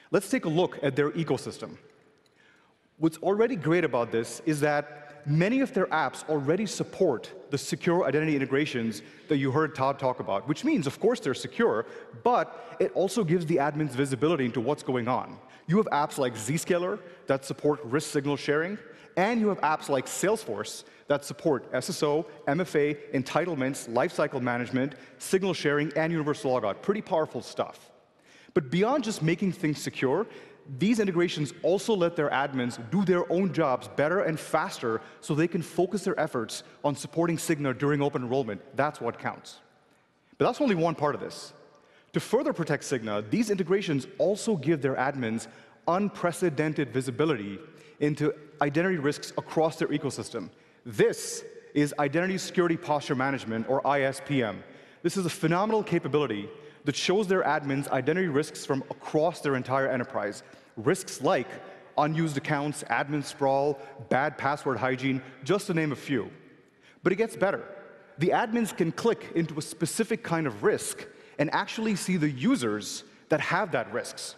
S7: Let's take a look at their ecosystem. What's already great about this is that many of their apps already support the secure identity integrations that you heard Todd talk about, which means, of course, they're secure, but it also gives the admins visibility into what's going on. You have apps like Zscaler that support risk signal sharing, and you have apps like Salesforce that support SSO, MFA, entitlements, lifecycle management, signal sharing, and Universal Logout. Pretty powerful stuff. But beyond just making things secure, these integrations also let their admins do their own jobs better and faster, so they can focus their efforts on supporting Cigna during open enrollment. That's what counts. But that's only one part of this. To further protect Cigna, these integrations also give their admins unprecedented visibility into identity risks across their ecosystem. This is Identity Security Posture Management, or ISPM. This is a phenomenal capability that shows their admins identity risks from across their entire enterprise. Risks like unused accounts, admin sprawl, bad password hygiene, just to name a few. But it gets better. The admins can click into a specific kind of risk and actually see the users that have that risks.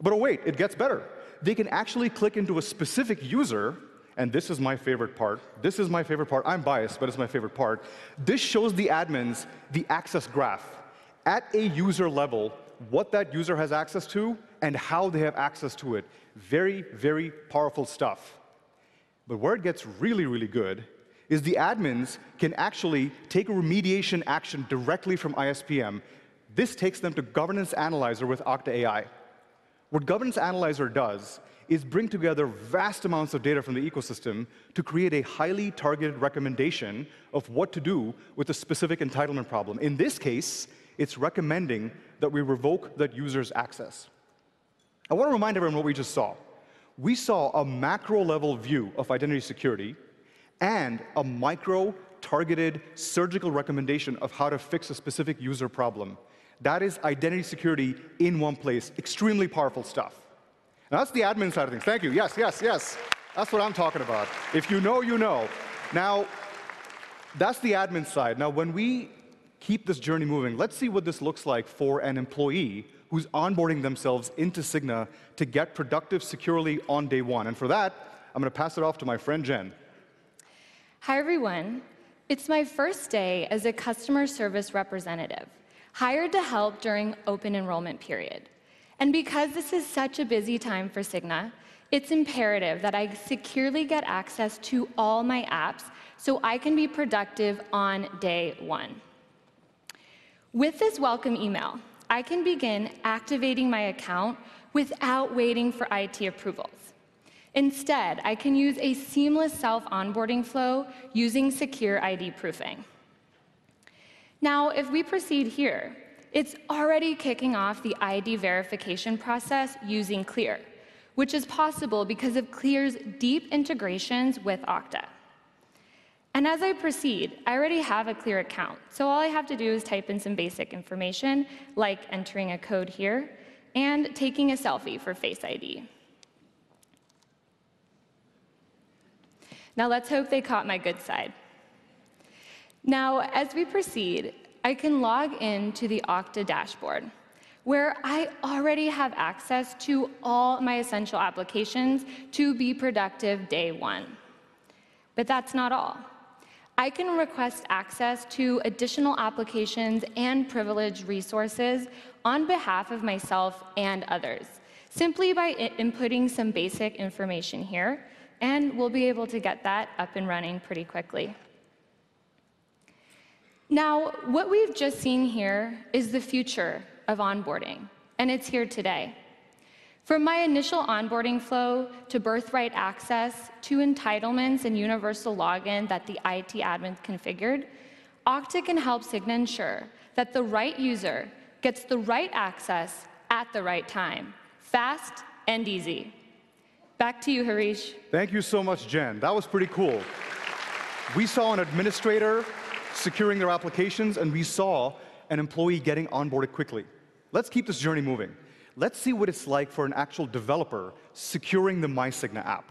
S7: But wait, it gets better! They can actually click into a specific user, and this is my favorite part. This is my favorite part. I'm biased, but it's my favorite part. This shows the admins the access graph. At a user level, what that user has access to and how they have access to it. Very, very powerful stuff. But where it gets really, really good is the admins can actually take a remediation action directly from ISPM. This takes them to Governance Analyzer with Okta AI. What Governance Analyzer does is bring together vast amounts of data from the ecosystem to create a highly targeted recommendation of what to do with a specific entitlement problem. In this case, it's recommending that we revoke that user's access. I want to remind everyone what we just saw. We saw a macro-level view of identity security and a micro-targeted surgical recommendation of how to fix a specific user problem. That is identity security in one place. Extremely powerful stuff, and that's the admin side of things. Thank you. Yes, yes, yes. That's what I'm talking about. If you know, you know. Now, that's the admin side. Now, when we keep this journey moving, let's see what this looks like for an employee who's onboarding themselves into Cigna to get productive securely on day one, and for that, I'm going to pass it off to my friend, Jenn.
S8: Hi, everyone. It's my first day as a customer service representative, hired to help during open enrollment period, and because this is such a busy time for Cigna, it's imperative that I securely get access to all my apps, so I can be productive on day one. With this welcome email, I can begin activating my account without waiting for IT approvals. Instead, I can use a seamless self-onboarding flow using secure ID proofing. Now, if we proceed here, it's already kicking off the ID verification process using CLEAR, which is possible because of CLEAR's deep integrations with Okta, and as I proceed, I already have a CLEAR account, so all I have to do is type in some basic information, like entering a code here and taking a selfie for Face ID. Now, let's hope they caught my good side. Now, as we proceed, I can log in to the Okta dashboard, where I already have access to all my essential applications to be productive day one. But that's not all. I can request access to additional applications and privileged resources on behalf of myself and others, simply by inputting some basic information here, and we'll be able to get that up and running pretty quickly. Now, what we've just seen here is the future of onboarding, and it's here today. From my initial onboarding flow to birthright access, to entitlements and Universal Login that the IT admin configured, Okta can help Cigna ensure that the right user gets the right access at the right time, fast and easy. Back to you, Harish.
S7: Thank you so much, Jenn. That was pretty cool. We saw an administrator securing their applications, and we saw an employee getting onboarded quickly. Let's keep this journey moving. Let's see what it's like for an actual developer securing the myCigna app.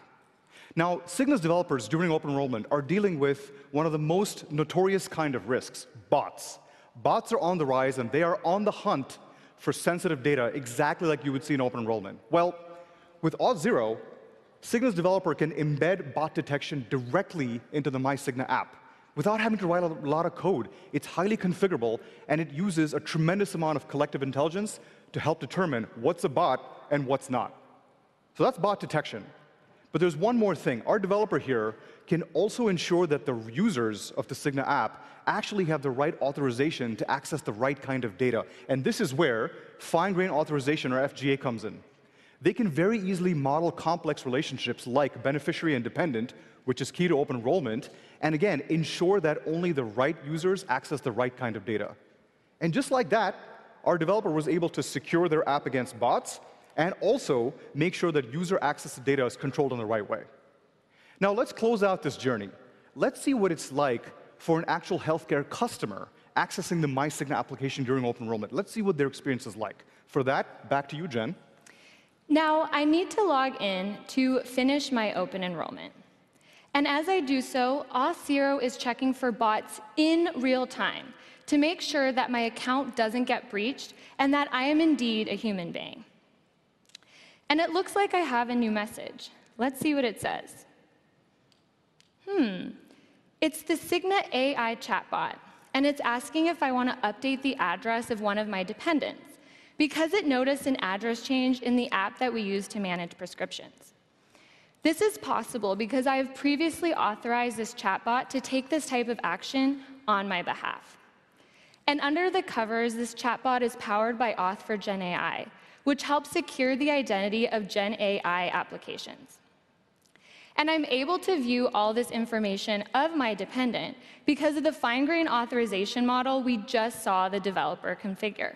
S7: Now, Cigna's developers, during open enrollment, are dealing with one of the most notorious kind of risks: bots. Bots are on the rise, and they are on the hunt for sensitive data, exactly like you would see in open enrollment. Well, with Auth0, Cigna's developer can embed bot detection directly into the myCigna app without having to write a lot of code. It's highly configurable, and it uses a tremendous amount of collective intelligence to help determine what's a bot and what's not.... So that's bot detection. But there's one more thing. Our developer here can also ensure that the users of the Cigna app actually have the right authorization to access the right kind of data, and this is where Fine-Grained Authorization, or FGA, comes in. They can very easily model complex relationships like beneficiary and dependent, which is key to open enrollment, and again, ensure that only the right users access the right kind of data. And just like that, our developer was able to secure their app against bots and also make sure that user access to data is controlled in the right way. Now, let's close out this journey. Let's see what it's like for an actual healthcare customer accessing the myCigna application during open enrollment. Let's see what their experience is like. For that, back to you, Jenn.
S8: Now, I need to log in to finish my open enrollment, and as I do so, Auth0 is checking for bots in real time to make sure that my account doesn't get breached and that I am indeed a human being. And it looks like I have a new message. Let's see what it says. Hmm, it's the Cigna AI chatbot, and it's asking if I want to update the address of one of my dependents because it noticed an address change in the app that we use to manage prescriptions. This is possible because I have previously authorized this chatbot to take this type of action on my behalf. And under the covers, this chatbot is powered by Auth for GenAI, which helps secure the identity of GenAI applications. I'm able to view all this information of my dependent because of the fine-grained authorization model we just saw the developer configure.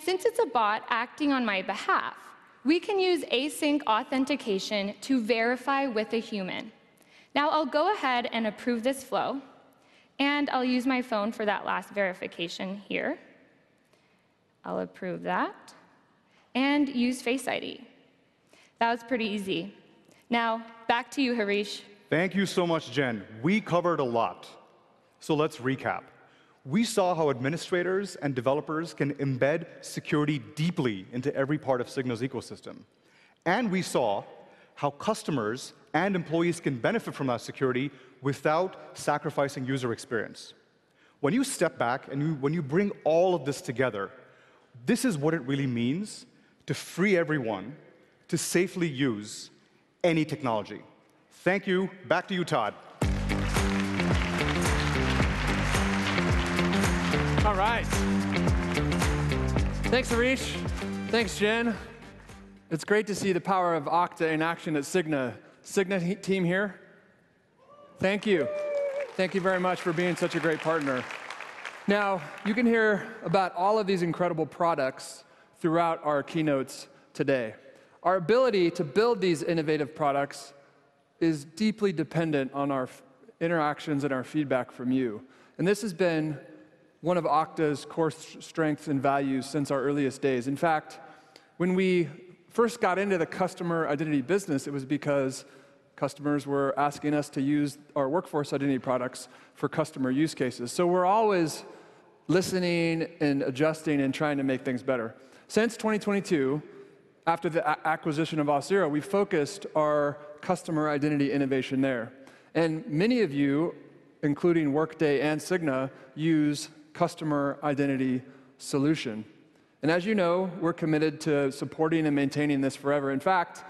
S8: Since it's a bot acting on my behalf, we can use async authentication to verify with a human. Now, I'll go ahead and approve this flow, and I'll use my phone for that last verification here. I'll approve that and use Face ID. That was pretty easy. Now, back to you, Harish.
S7: Thank you so much, Jenn. We covered a lot, so let's recap. We saw how administrators and developers can embed security deeply into every part of Cigna's ecosystem, and we saw how customers and employees can benefit from that security without sacrificing user experience. When you step back, and when you bring all of this together, this is what it really means to free everyone to safely use any technology. Thank you. Back to you, Todd.
S3: All right. Thanks, Harish. Thanks, Jenn. It's great to see the power of Okta in action at Cigna. Cigna team here, thank you. Thank you very much for being such a great partner. Now, you can hear about all of these incredible products throughout our keynotes today. Our ability to build these innovative products is deeply dependent on our interactions and our feedback from you, and this has been one of Okta's core strengths and values since our earliest days. In fact, when we first got into the customer identity business, it was because customers were asking us to use our workforce identity products for customer use cases. So we're always listening and adjusting and trying to make things better. Since 2022, after the acquisition of Auth0, we focused our customer identity innovation there, and many of you, including Workday and Cigna, use Customer Identity Solution. As you know, we're committed to supporting and maintaining this forever. In fact,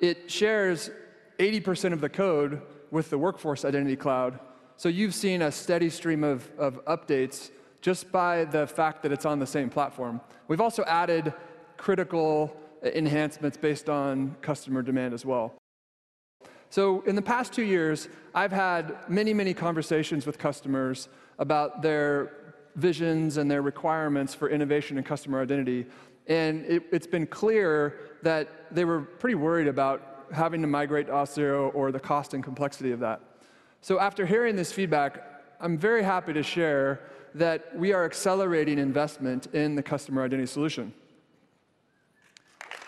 S3: it shares 80% of the code with the Workforce Identity Cloud, so you've seen a steady stream of updates just by the fact that it's on the same platform. We've also added critical enhancements based on customer demand as well. In the past two years, I've had many, many conversations with customers about their visions and their requirements for innovation and customer identity, and it's been clear that they were pretty worried about having to migrate to Auth0 or the cost and complexity of that. After hearing this feedback, I'm very happy to share that we are accelerating investment in the Customer Identity Solution.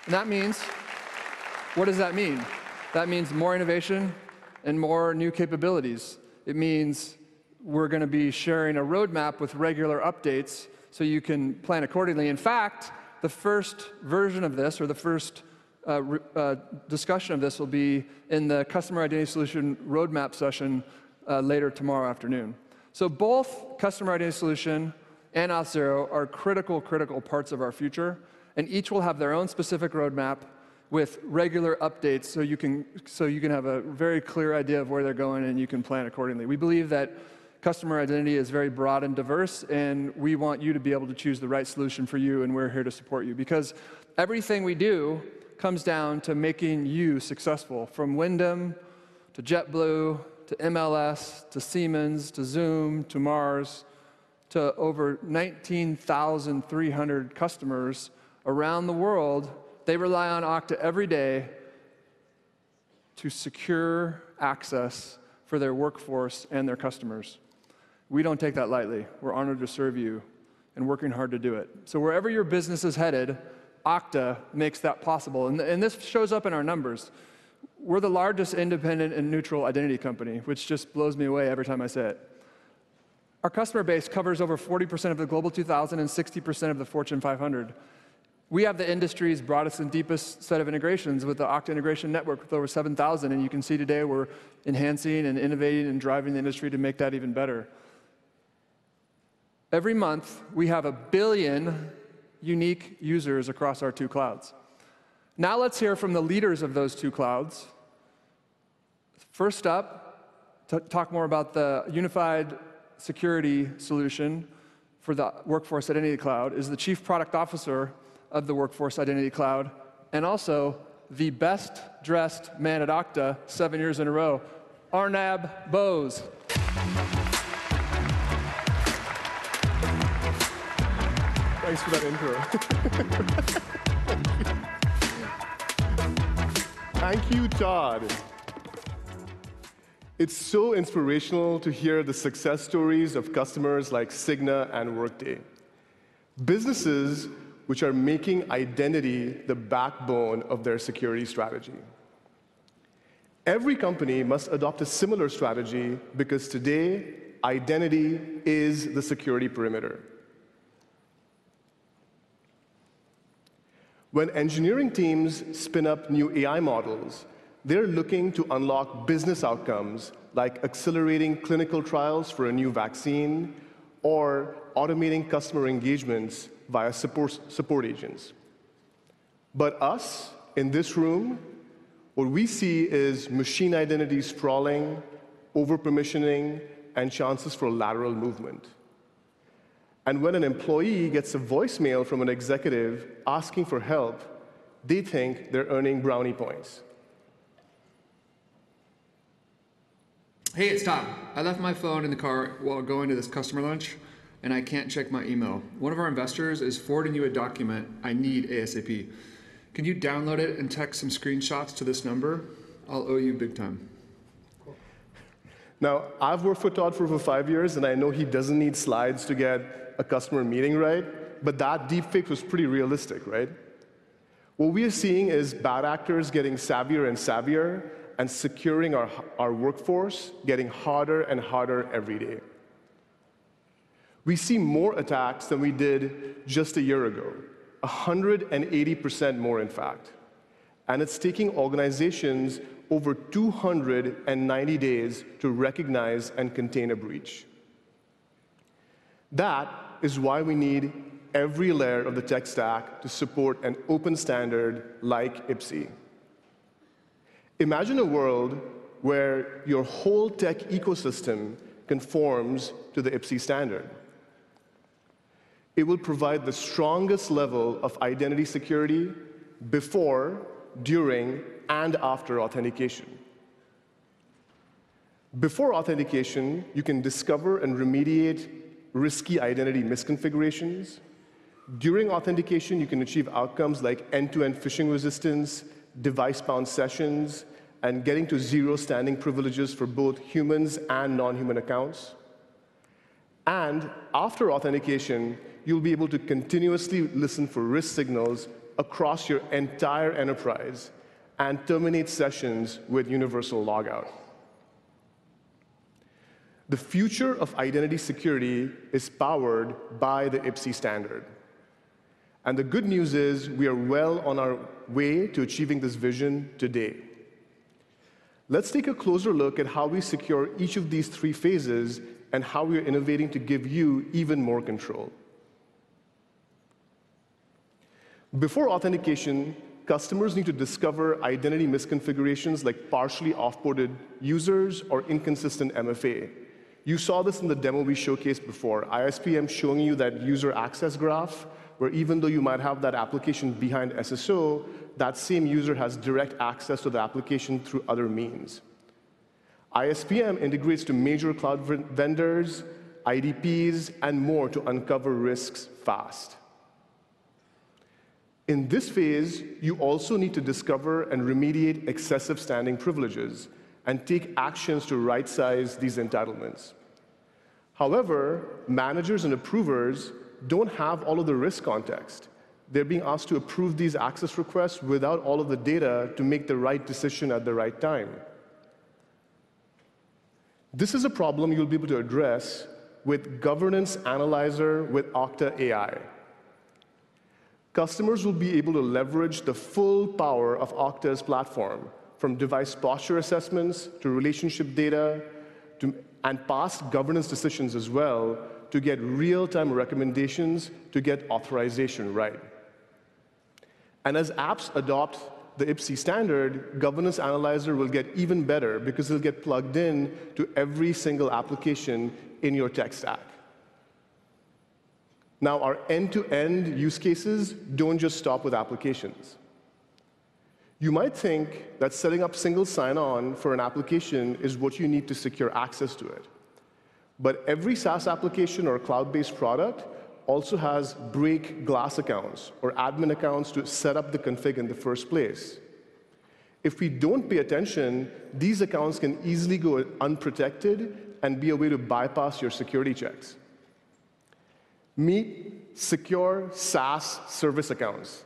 S3: That means... What does that mean? That means more innovation and more new capabilities. It means we're going to be sharing a roadmap with regular updates so you can plan accordingly. In fact, the first version of this, or the first discussion of this, will be in the Customer Identity Solution roadmap session later tomorrow afternoon. So both Customer Identity Solution and Auth0 are critical, critical parts of our future, and each will have their own specific roadmap with regular updates, so you can so you can have a very clear idea of where they're going, and you can plan accordingly. We believe that customer identity is very broad and diverse, and we want you to be able to choose the right solution for you, and we're here to support you. Because everything we do comes down to making you successful. From Wyndham to JetBlue to MLS, to Siemens, to Zoom, to Mars, to over 19,300 customers around the world, they rely on Okta every day to secure access for their workforce and their customers. We don't take that lightly. We're honored to serve you and working hard to do it. So wherever your business is headed, Okta makes that possible, and this shows up in our numbers. We're the largest independent and neutral identity company, which just blows me away every time I say it. Our customer base covers over 40% of the Global 2000 and 60% of the Fortune 500. We have the industry's broadest and deepest set of integrations with the Okta Integration Network, with over 7,000, and you can see today we're enhancing and innovating and driving the industry to make that even better. Every month, we have a billion unique users across our two clouds. Now, let's hear from the leaders of those two clouds. First up, to talk more about the unified security solution for the Workforce Identity Cloud, is the Chief Product Officer of the Workforce Identity Cloud, and also the best-dressed man at Okta seven years in a row, Arnab Bose.
S9: Thanks for that intro. Thank you, Todd. It's so inspirational to hear the success stories of customers like Cigna and Workday, businesses which are making identity the backbone of their security strategy. Every company must adopt a similar strategy because today, identity is the security perimeter. When engineering teams spin up new AI models, they're looking to unlock business outcomes, like accelerating clinical trials for a new vaccine or automating customer engagements via support agents. But us, in this room, what we see is machine identity sprawling, over-permissioning, and chances for lateral movement. And when an employee gets a voicemail from an executive asking for help, they think they're earning brownie points.
S3: Hey, it's Todd. I left my phone in the car while going to this customer lunch, and I can't check my email. One of our investors is forwarding you a document I need ASAP. Can you download it and text some screenshots to this number? I'll owe you big time.
S9: Cool. Now, I've worked for Todd for over five years, and I know he doesn't need slides to get a customer meeting right, but that deep fake was pretty realistic, right? What we are seeing is bad actors getting savvier and savvier, and securing our our workforce, getting harder and harder every day. We see more attacks than we did just a year ago, 180% more, in fact, and it's taking organizations over 290 days to recognize and contain a breach. That is why we need every layer of the tech stack to support an open standard like IPSIE. Imagine a world where your whole tech ecosystem conforms to the IPSIE standard. It will provide the strongest level of identity security before, during, and after authentication. Before authentication, you can discover and remediate risky identity misconfigurations. During authentication, you can achieve outcomes like end-to-end phishing resistance, device-bound sessions, and getting to zero standing privileges for both humans and non-human accounts. And after authentication, you'll be able to continuously listen for risk signals across your entire enterprise and terminate sessions with Universal Logout. The future of identity security is powered by the IPSIE standard, and the good news is, we are well on our way to achieving this vision today. Let's take a closer look at how we secure each of these three phases and how we are innovating to give you even more control. Before authentication, customers need to discover identity misconfigurations, like partially off-boarded users or inconsistent MFA. You saw this in the demo we showcased before, ISPM showing you that user access graph, where even though you might have that application behind SSO, that same user has direct access to the application through other means. ISPM integrates to major cloud vendors, IdPs, and more to uncover risks fast. In this phase, you also need to discover and remediate excessive standing privileges and take actions to rightsize these entitlements. However, managers and approvers don't have all of the risk context. They're being asked to approve these access requests without all of the data to make the right decision at the right time. This is a problem you'll be able to address with Governance Analyzer with Okta AI. Customers will be able to leverage the full power of Okta's platform, from device posture assessments to relationship data, and past governance decisions as well, to get real-time recommendations to get authorization right. And as apps adopt the IPSIE standard, Governance Analyzer will get even better because it'll get plugged in to every single application in your tech stack. Now, our end-to-end use cases don't just stop with applications. You might think that setting up single sign-on for an application is what you need to secure access to it, but every SaaS application or cloud-based product also has break glass accounts or admin accounts to set up the config in the first place. If we don't pay attention, these accounts can easily go unprotected and be a way to bypass your security checks. Meet Secure SaaS Service Accounts.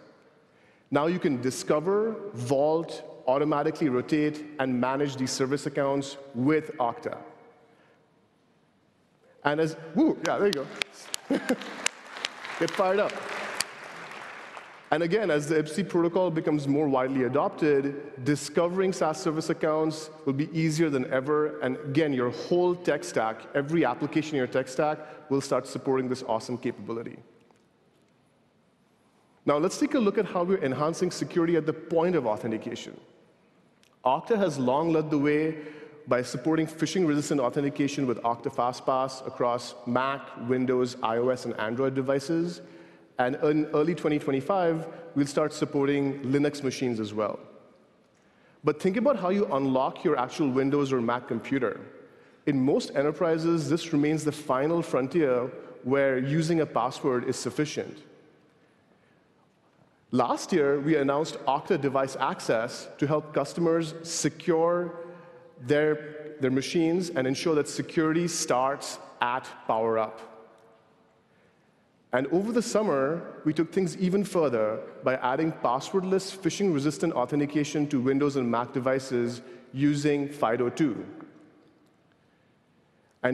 S9: Now, you can discover, vault, automatically rotate, and manage these service accounts with Okta. And as... Woo! Yeah, there you go. It fired up.... And again, as the IPSIE protocol becomes more widely adopted, discovering SaaS service accounts will be easier than ever, and again, your whole tech stack, every application in your tech stack, will start supporting this awesome capability. Now, let's take a look at how we're enhancing security at the point of authentication. Okta has long led the way by supporting phishing-resistant authentication with Okta FastPass across Mac, Windows, iOS, and Android devices, and in early 2025, we'll start supporting Linux machines as well. But think about how you unlock your actual Windows or Mac computer. In most enterprises, this remains the final frontier where using a password is sufficient. Last year, we announced Okta Device Access to help customers secure their machines and ensure that security starts at power-up. Over the summer, we took things even further by adding passwordless, phishing-resistant authentication to Windows and Mac devices using FIDO2.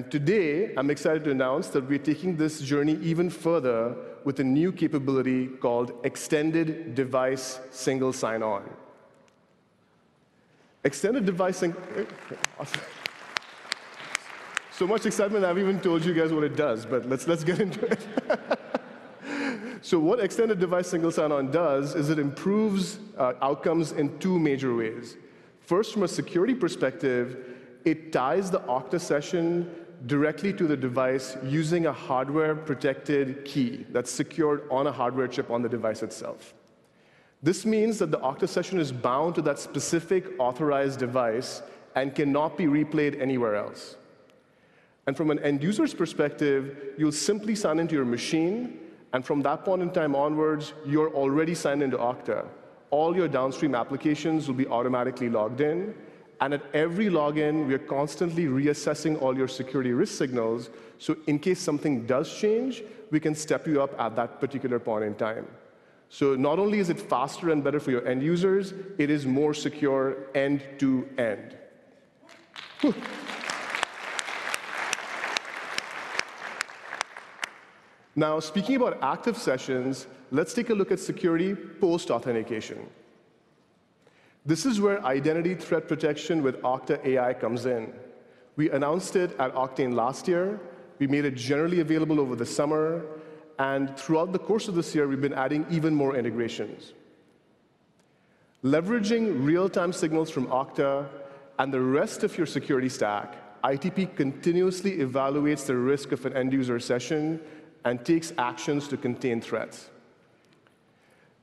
S9: Today, I'm excited to announce that we're taking this journey even further with a new capability called Extended Device Single Sign-On. Awesome. So much excitement, I haven't even told you guys what it does, but let's get into it. What Extended Device Single Sign-On does is it improves outcomes in two major ways. First, from a security perspective, it ties the Okta session directly to the device using a hardware-protected key that's secured on a hardware chip on the device itself. This means that the Okta session is bound to that specific authorized device and cannot be replayed anywhere else. From an end user's perspective, you'll simply sign into your machine, and from that point in time onwards, you're already signed into Okta. All your downstream applications will be automatically logged in, and at every login, we are constantly reassessing all your security risk signals, so in case something does change, we can step you up at that particular point in time. Not only is it faster and better for your end users, it is more secure end to end. Now, speaking about active sessions, let's take a look at security post-authentication. This is where Identity Threat Protection with Okta AI comes in. We announced it at Oktane last year, we made it generally available over the summer, and throughout the course of this year, we've been adding even more integrations. Leveraging real-time signals from Okta and the rest of your security stack, ITP continuously evaluates the risk of an end user session and takes actions to contain threats.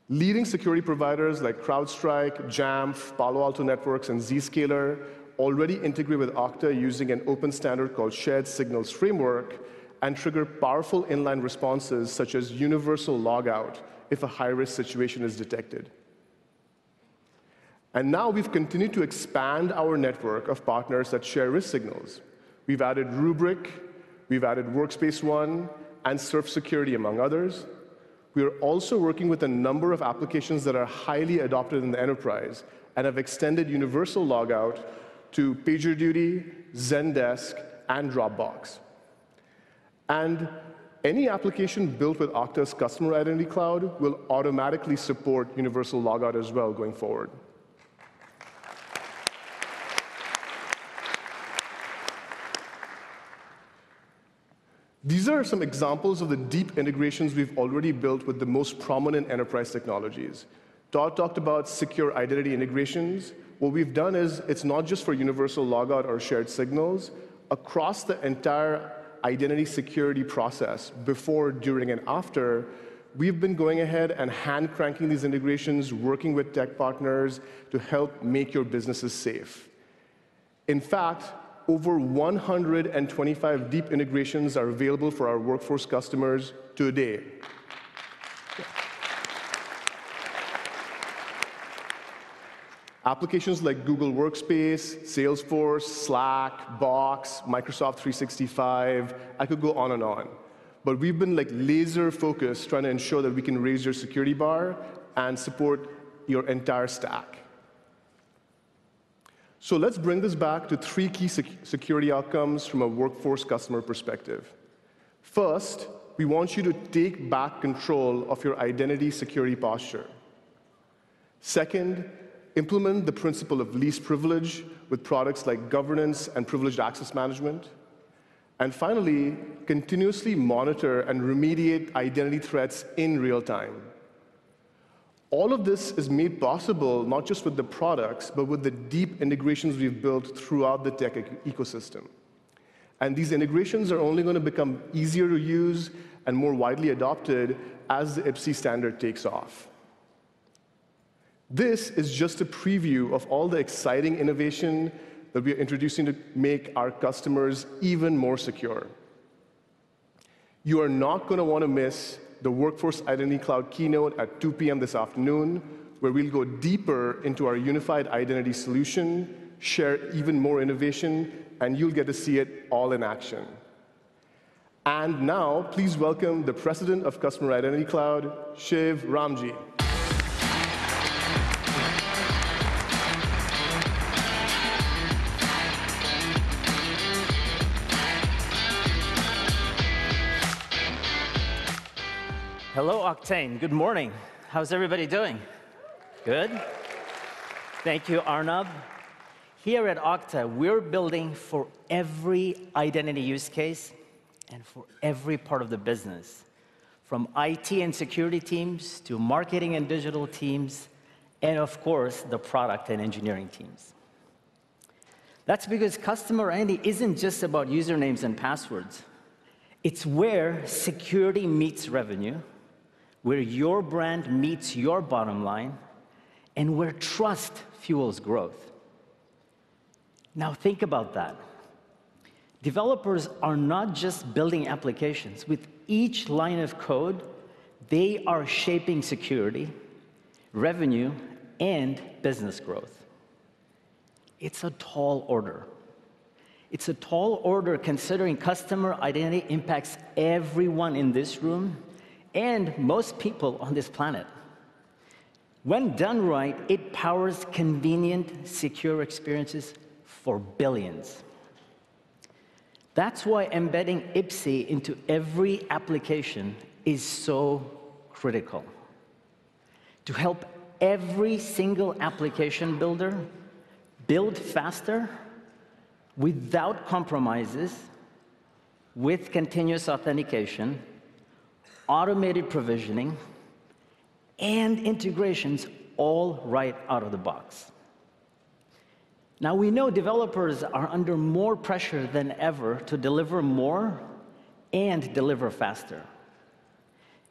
S9: Leading security providers like CrowdStrike, Jamf, Palo Alto Networks, and Zscaler already integrate with Okta using an open standard called Shared Signals Framework and trigger powerful inline responses, such as Universal Logout, if a high-risk situation is detected. And now, we've continued to expand our network of partners that share risk signals. We've added Rubrik, we've added Workspace ONE, and Surf Security, among others. We are also working with a number of applications that are highly adopted in the enterprise and have extended Universal Logout to PagerDuty, Zendesk, and Dropbox. And any application built with Okta's Customer Identity Cloud will automatically support Universal Logout as well going forward. These are some examples of the deep integrations we've already built with the most prominent enterprise technologies. Todd talked about secure identity integrations. What we've done is, it's not just for Universal Logout or shared signals. Across the entire identity security process, before, during, and after, we've been going ahead and hand-cranking these integrations, working with tech partners to help make your businesses safe. In fact, over 125 deep integrations are available for our workforce customers today. Applications like Google Workspace, Salesforce, Slack, Box, Microsoft 365, I could go on and on, but we've been, like, laser-focused trying to ensure that we can raise your security bar and support your entire stack. So let's bring this back to three key security outcomes from a workforce customer perspective. First, we want you to take back control of your identity security posture. Second, implement the principle of least privilege with products like governance and privileged access management. And finally, continuously monitor and remediate identity threats in real time. All of this is made possible not just with the products, but with the deep integrations we've built throughout the tech ecosystem, and these integrations are only going to become easier to use and more widely adopted as the IPSIE standard takes off. This is just a preview of all the exciting innovation that we are introducing to make our customers even more secure. You are not going to want to miss the Workforce Identity Cloud keynote at 2:00 P.M. this afternoon, where we'll go deeper into our unified identity solution, share even more innovation, and you'll get to see it all in action. And now, please welcome the President of Customer Identity Cloud, Shiv Ramji.
S10: Hello, Oktane. Good morning. How's everybody doing? Good. Thank you, Arnab. Here at Okta, we're building for every identity use case and for every part of the business, from IT and security teams to marketing and digital teams, and of course, the product and engineering teams. That's because customer identity isn't just about usernames and passwords. It's where security meets revenue, where your brand meets your bottom line, and where trust fuels growth. Now, think about that. Developers are not just building applications. With each line of code, they are shaping security, revenue, and business growth. It's a tall order. It's a tall order, considering customer identity impacts everyone in this room and most people on this planet. When done right, it powers convenient, secure experiences for billions. That's why embedding IPSIE into every application is so critical, to help every single application builder build faster, without compromises, with continuous authentication, automated provisioning, and integrations all right out of the box. Now, we know developers are under more pressure than ever to deliver more and deliver faster,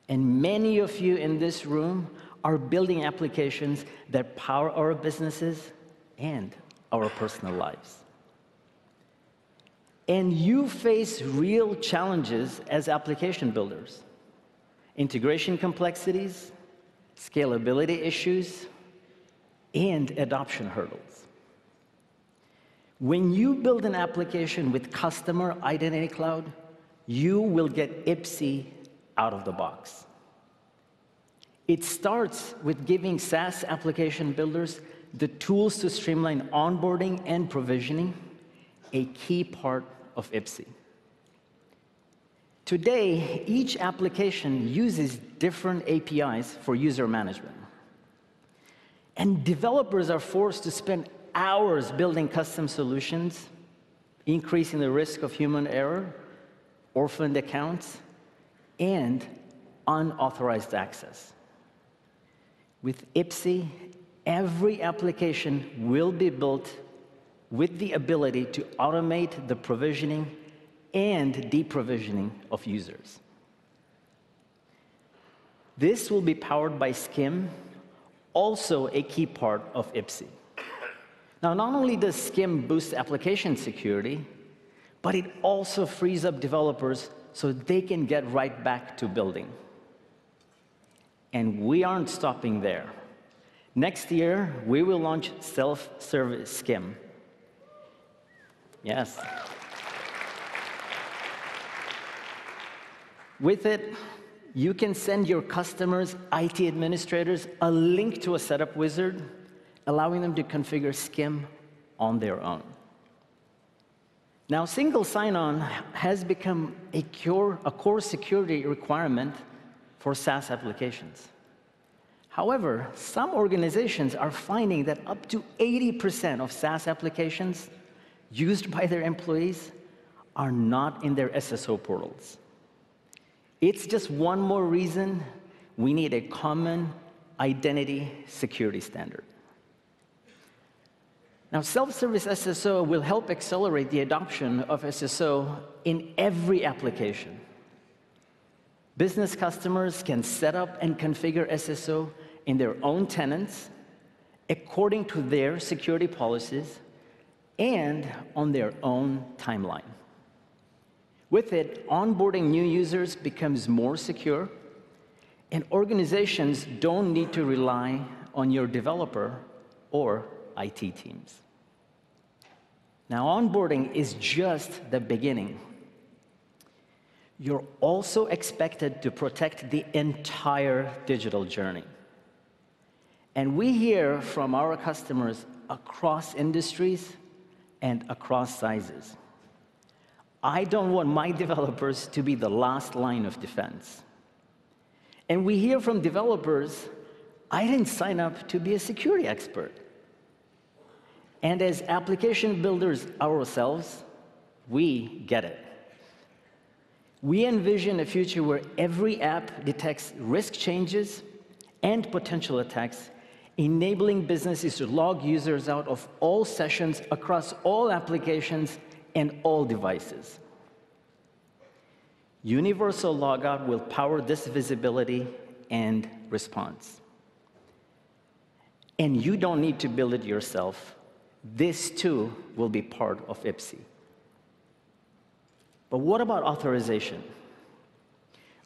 S10: and many of you in this room are building applications that power our businesses and our personal lives, and you face real challenges as application builders: integration complexities, scalability issues, and adoption hurdles. When you build an application with Customer Identity Cloud, you will get IPSIE out of the box. It starts with giving SaaS application builders the tools to streamline onboarding and provisioning, a key part of IPSIE. Today, each application uses different APIs for user management, and developers are forced to spend hours building custom solutions, increasing the risk of human error, orphaned accounts, and unauthorized access. With IPSIE, every application will be built with the ability to automate the provisioning and deprovisioning of users. This will be powered by SCIM, also a key part of IPSIE. Now, not only does SCIM boost application security, but it also frees up developers so they can get right back to building. And we aren't stopping there. Next year, we will launch self-service SCIM. Yes. With it, you can send your customers' IT administrators a link to a setup wizard, allowing them to configure SCIM on their own. Now, single sign-on has become a core security requirement for SaaS applications. However, some organizations are finding that up to 80% of SaaS applications used by their employees are not in their SSO portals. It's just one more reason we need a common identity security standard. Now, self-service SSO will help accelerate the adoption of SSO in every application. Business customers can set up and configure SSO in their own tenants according to their security policies and on their own timeline. With it, onboarding new users becomes more secure, and organizations don't need to rely on your developer or IT teams. Now, onboarding is just the beginning. You're also expected to protect the entire digital journey, and we hear from our customers across industries and across sizes, "I don't want my developers to be the last line of defense." And we hear from developers, "I didn't sign up to be a security expert." And as application builders ourselves, we get it. We envision a future where every app detects risk changes and potential attacks, enabling businesses to log users out of all sessions, across all applications and all devices. Universal Logout will power this visibility and response, and you don't need to build it yourself. This, too, will be part of IPSIE. But what about authorization?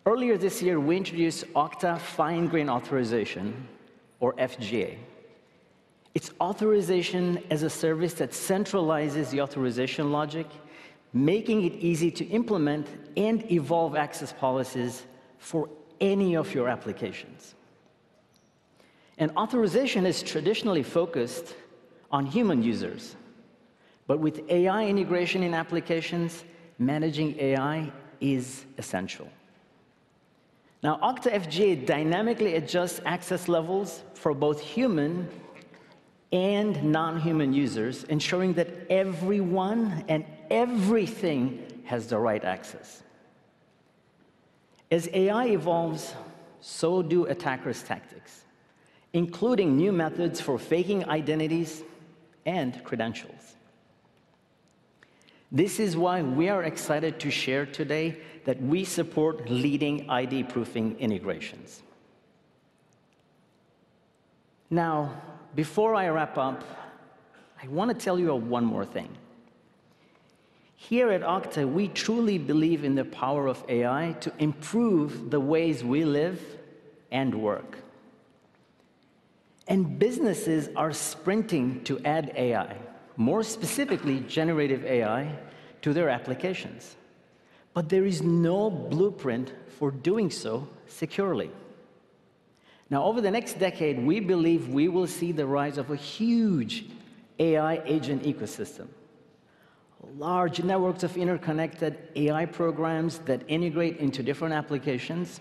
S10: Earlier this year, we introduced Okta Fine-Grained Authorization, or FGA. It's authorization as a service that centralizes the authorization logic, making it easy to implement and evolve access policies for any of your applications, and authorization is traditionally focused on human users, but with AI integration in applications, managing AI is essential. Now, Okta FGA dynamically adjusts access levels for both human and non-human users, ensuring that everyone and everything has the right access. As AI evolves, so do attackers' tactics, including new methods for faking identities and credentials. This is why we are excited to share today that we support leading ID proofing integrations. Now, before I wrap up, I want to tell you one more thing. Here at Okta, we truly believe in the power of AI to improve the ways we live and work. Businesses are sprinting to add AI, more specifically, generative AI, to their applications, but there is no blueprint for doing so securely. Now, over the next decade, we believe we will see the rise of a huge AI agent ecosystem, large networks of interconnected AI programs that integrate into different applications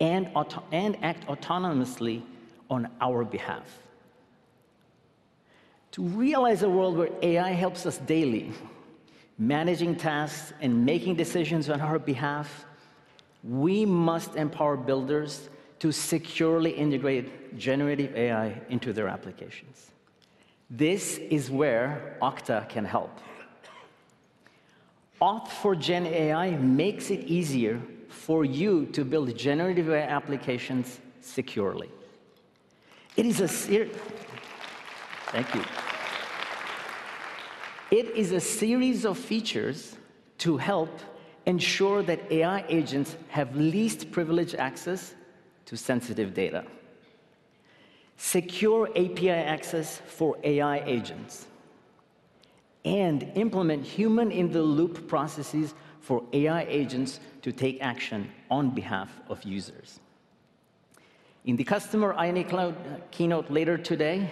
S10: and act autonomously on our behalf. To realize a world where AI helps us daily, managing tasks and making decisions on our behalf, we must empower builders to securely integrate generative AI into their applications. This is where Okta can help. Auth for GenAI makes it easier for you to build generative AI applications securely. It is a ser- Thank you. It is a series of features to help ensure that AI agents have least privileged access to sensitive data, secure API access for AI agents, and implement human-in-the-loop processes for AI agents to take action on behalf of users. In the Customer Identity Cloud keynote later today,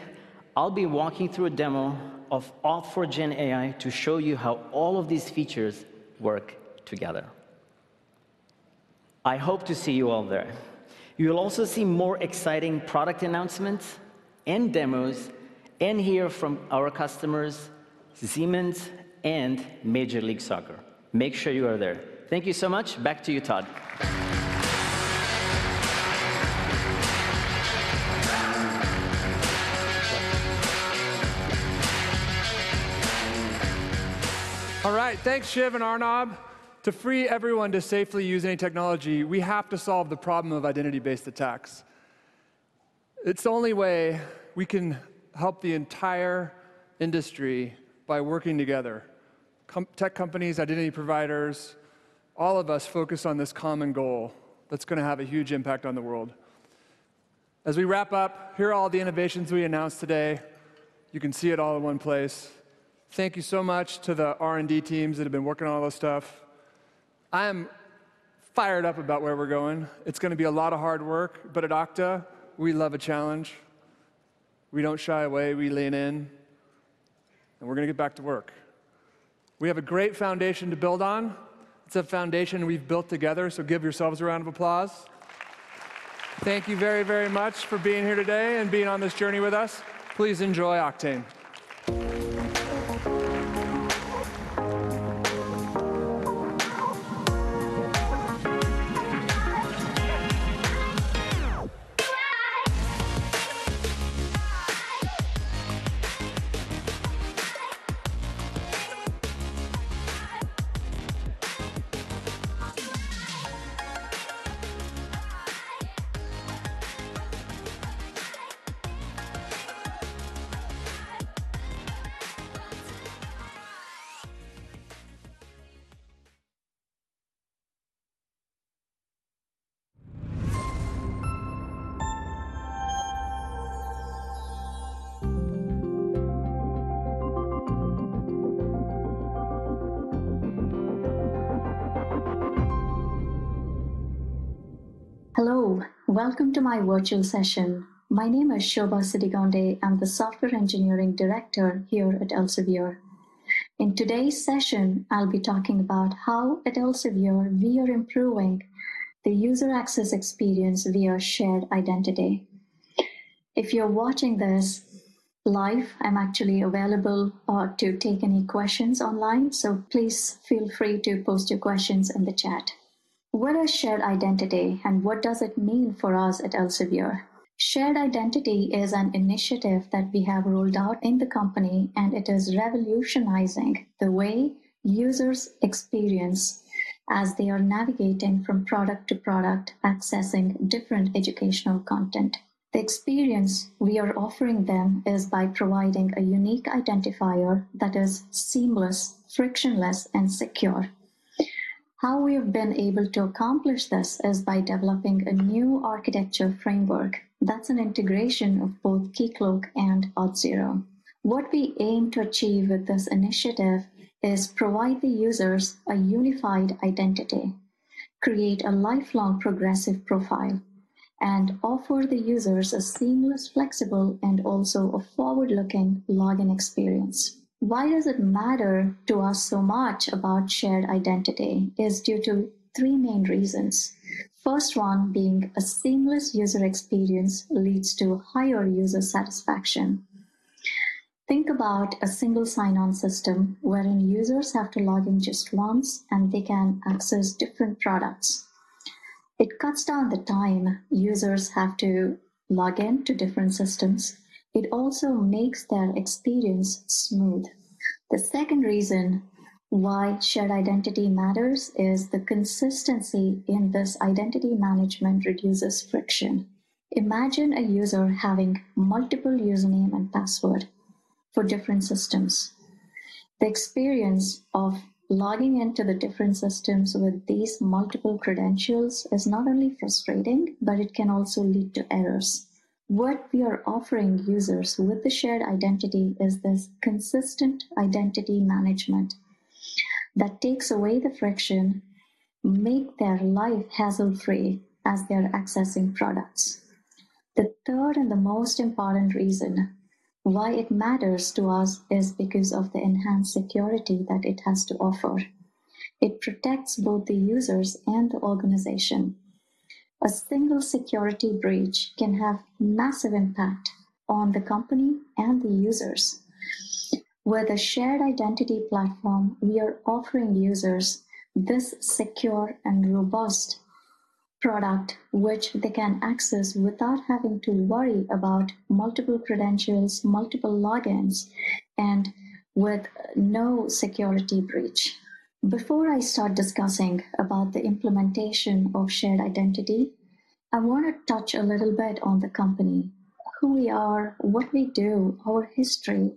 S10: I'll be walking through a demo of Auth for GenAI to show you how all of these features work together. I hope to see you all there. You'll also see more exciting product announcements and demos, and hear from our customers, Siemens and Major League Soccer. Make sure you are there. Thank you so much. Back to you, Todd.
S3: All right, thanks, Shiv and Arnab. To free everyone to safely use any technology, we have to solve the problem of identity-based attacks. It's the only way we can help the entire industry by working together. Come on, tech companies, identity providers, all of us focus on this common goal that's going to have a huge impact on the world. As we wrap up, here are all the innovations we announced today. You can see it all in one place. Thank you so much to the R&D teams that have been working on all this stuff. I am fired up about where we're going. It's going to be a lot of hard work, but at Okta, we love a challenge. We don't shy away, we lean in, and we're going to get back to work. We have a great foundation to build on. It's a foundation we've built together, so give yourselves a round of applause. Thank you very, very much for being here today and being on this journey with us. Please enjoy Oktane.
S11: Hello, welcome to my virtual session. My name is Shobha Siddigonde, I'm the Software Engineering Director here at Elsevier. In today's session, I'll be talking about how at Elsevier, we are improving the user access experience via Shared Identity. If you're watching this live, I'm actually available to take any questions online, so please feel free to post your questions in the chat. What is Shared Identity, and what does it mean for us at Elsevier? Shared Identity is an initiative that we have rolled out in the company, and it is revolutionizing the way users experience as they are navigating from product to product, accessing different educational content. The experience we are offering them is by providing a unique identifier that is seamless, frictionless, and secure. How we have been able to accomplish this is by developing a new architecture framework that's an integration of both Keycloak and Auth0. What we aim to achieve with this initiative is provide the users a unified identity... create a lifelong progressive profile and offer the users a seamless, flexible, and also a forward-looking login experience. Why does it matter to us so much about shared identity? Is due to three main reasons. First one being a seamless user experience leads to higher user satisfaction. Think about a single sign-on system wherein users have to log in just once, and they can access different products. It cuts down the time users have to log in to different systems. It also makes their experience smooth. The second reason why shared identity matters is the consistency in this identity management reduces friction. Imagine a user having multiple username and password for different systems. The experience of logging into the different systems with these multiple credentials is not only frustrating, but it can also lead to errors. What we are offering users with the shared identity is this consistent identity management that takes away the friction, make their life hassle-free as they're accessing products. The third and the most important reason why it matters to us is because of the enhanced security that it has to offer. It protects both the users and the organization. A single security breach can have massive impact on the company and the users. With a shared identity platform, we are offering users this secure and robust product, which they can access without having to worry about multiple credentials, multiple logins, and with no security breach. Before I start discussing about the implementation of shared identity, I wanna touch a little bit on the company, who we are, what we do, our history,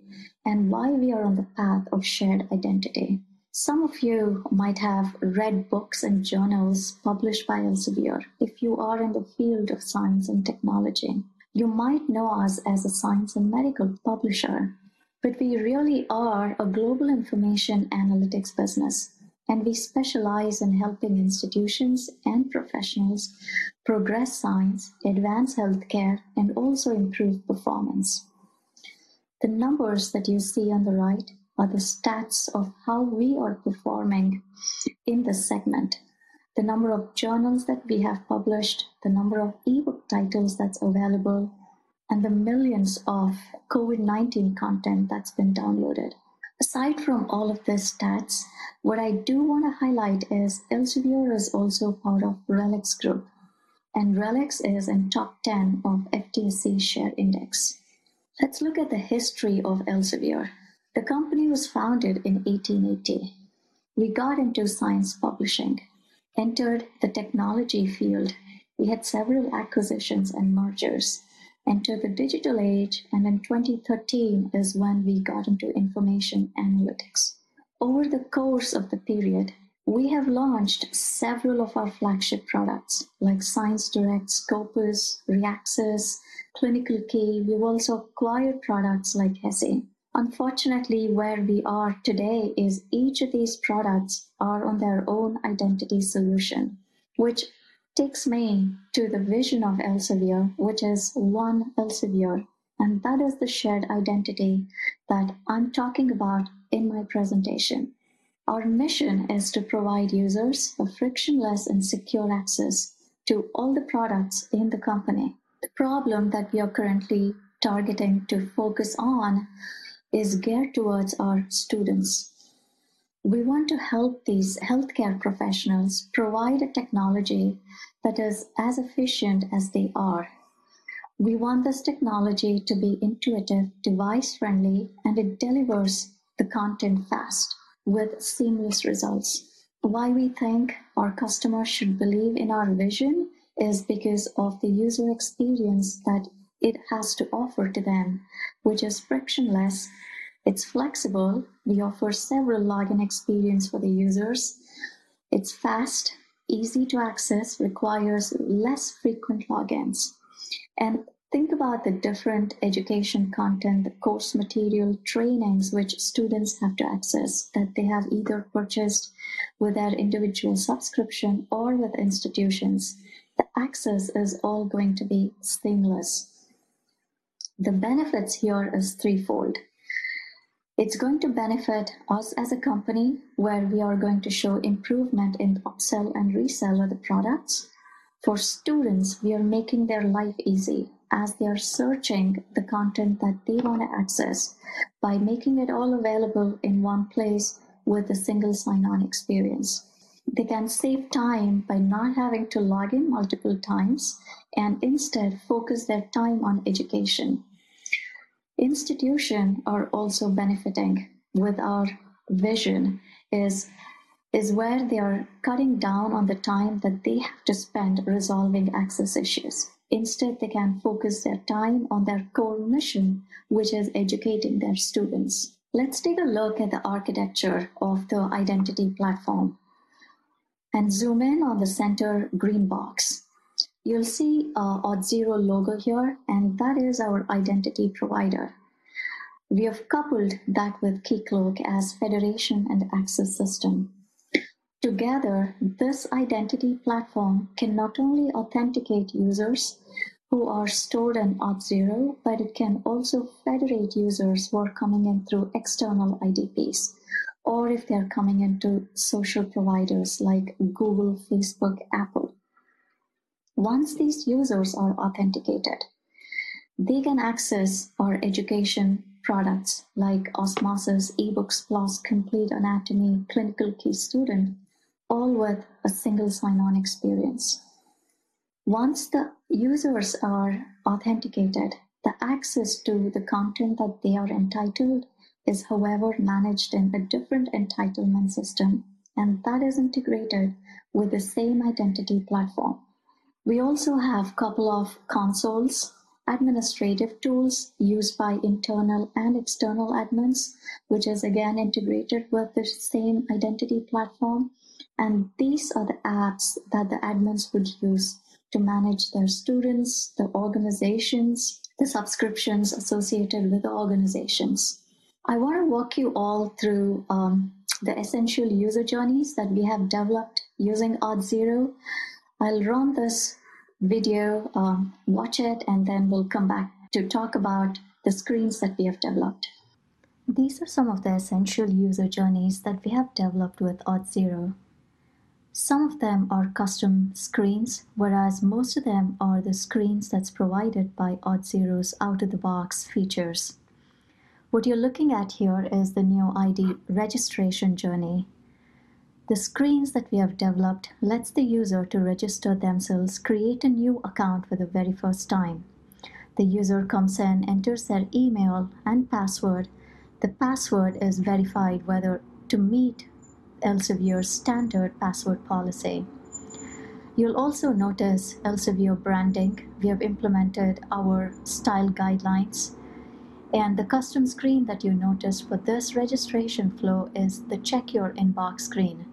S11: and why we are on the path of shared identity. Some of you might have read books and journals published by Elsevier. If you are in the field of science and technology, you might know us as a science and medical publisher, but we really are a global information analytics business, and we specialize in helping institutions and professionals progress science, advance healthcare, and also improve performance. The numbers that you see on the right are the stats of how we are performing in this segment. The number of journals that we have published, the number of e-book titles that's available, and the millions of COVID-19 content that's been downloaded. Aside from all of these stats, what I do wanna highlight is Elsevier is also part of RELX Group, and RELX is in top 10 of FTSE Share Index. Let's look at the history of Elsevier. The company was founded in 1880. We got into science publishing, entered the technology field. We had several acquisitions and mergers, entered the digital age, and in 2013 is when we got into information analytics. Over the course of the period, we have launched several of our flagship products, like ScienceDirect, Scopus, Reaxys, ClinicalKey. We've also acquired products like HESI. Unfortunately, where we are today is each of these products are on their own identity solution, which takes me to the vision of Elsevier, which is One Elsevier, and that is the shared identity that I'm talking about in my presentation. Our mission is to provide users a frictionless and secure access to all the products in the company. The problem that we are currently targeting to focus on is geared towards our students. We want to help these healthcare professionals provide a technology that is as efficient as they are. We want this technology to be intuitive, device-friendly, and it delivers the content fast with seamless results. Why we think our customers should believe in our vision is because of the user experience that it has to offer to them, which is frictionless, it's flexible, we offer several login experience for the users, it's fast, easy to access, requires less frequent logins. And think about the different education content, the course material, trainings which students have to access, that they have either purchased with their individual subscription or with institutions. The access is all going to be seamless. The benefits here is threefold. It's going to benefit us as a company, where we are going to show improvement in upsell and resell of the products. For students, we are making their life easy as they are searching the content that they want to access by making it all available in one place with a single sign-on experience. They can save time by not having to log in multiple times, and instead focus their time on education. Institutions are also benefiting with our vision, is where they are cutting down on the time that they have to spend resolving access issues. Instead, they can focus their time on their core mission, which is educating their students. Let's take a look at the architecture of the identity platform and zoom in on the center green box. You'll see a Auth0 logo here, and that is our identity provider. We have coupled that with Keycloak as federation and access system. Together, this identity platform can not only authenticate users who are stored in Auth0, but it can also federate users who are coming in through external IdPs or if they are coming into social providers like Google, Facebook, Apple. Once these users are authenticated, they can access our education products like Osmosis, eBooks+, Complete Anatomy, ClinicalKey Student, all with a single sign-on experience. Once the users are authenticated, the access to the content that they are entitled is, however, managed in a different entitlement system, and that is integrated with the same identity platform. We also have couple of consoles, administrative tools used by internal and external admins, which is again integrated with the same identity platform. These are the apps that the admins would use to manage their students, their organizations, the subscriptions associated with the organizations. I want to walk you all through the essential user journeys that we have developed using Auth0. I'll run this video, watch it, and then we'll come back to talk about the screens that we have developed. These are some of the essential user journeys that we have developed with Auth0. Some of them are custom screens, whereas most of them are the screens that's provided by Auth0's out-of-the-box features. What you're looking at here is the new ID registration journey. The screens that we have developed lets the user to register themselves, create a new account for the very first time. The user comes in, enters their email and password. The password is verified whether to meet Elsevier's standard password policy. You'll also notice Elsevier branding. We have implemented our style guidelines, and the custom screen that you notice for this registration flow is the Check Your Inbox screen,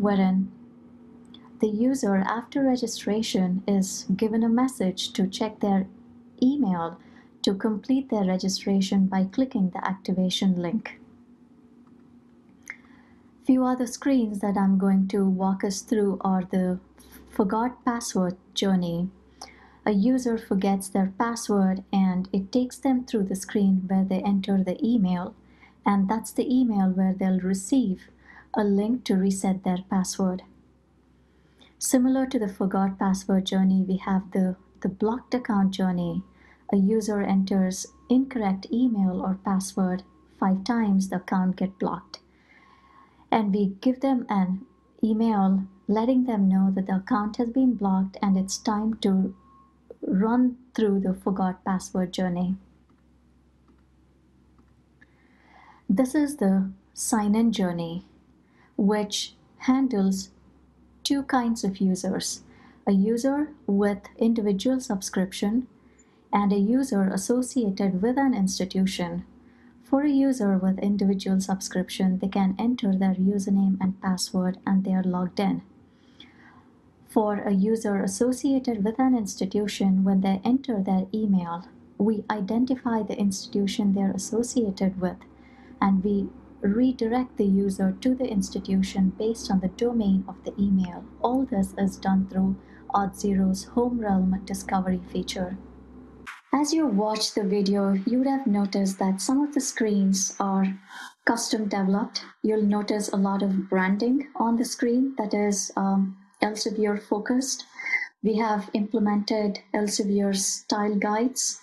S11: wherein the user, after registration, is given a message to check their email to complete their registration by clicking the activation link. Few other screens that I'm going to walk us through are the Forgot Password journey. A user forgets their password, and it takes them through the screen where they enter the email, and that's the email where they'll receive a link to reset their password. Similar to the Forgot Password journey, we have the Blocked Account journey. A user enters incorrect email or password five times, the account get blocked, and we give them an email letting them know that their account has been blocked, and it's time to run through the Forgot Password journey. This is the Sign-In journey, which handles two kinds of users: a user with individual subscription and a user associated with an institution. For a user with individual subscription, they can enter their username and password, and they are logged in. For a user associated with an institution, when they enter their email, we identify the institution they're associated with, and we redirect the user to the institution based on the domain of the email. All this is done through Auth0's Home Realm Discovery feature. As you watched the video, you would have noticed that some of the screens are custom-developed. You'll notice a lot of branding on the screen that is, Elsevier-focused. We have implemented Elsevier's style guides.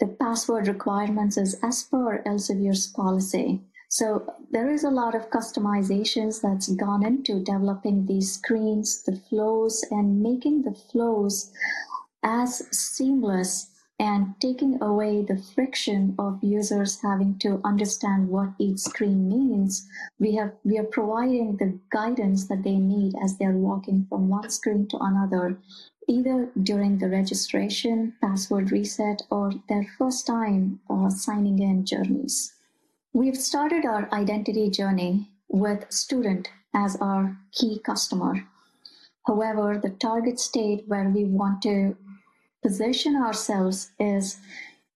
S11: The password requirements is as per Elsevier's policy. So there is a lot of customizations that's gone into developing these screens, the flows, and making the flows as seamless and taking away the friction of users having to understand what each screen means. We are providing the guidance that they need as they're walking from one screen to another, either during the registration, password reset, or their first time of signing in journeys. We've started our identity journey with student as our key customer. However, the target state where we want to position ourselves is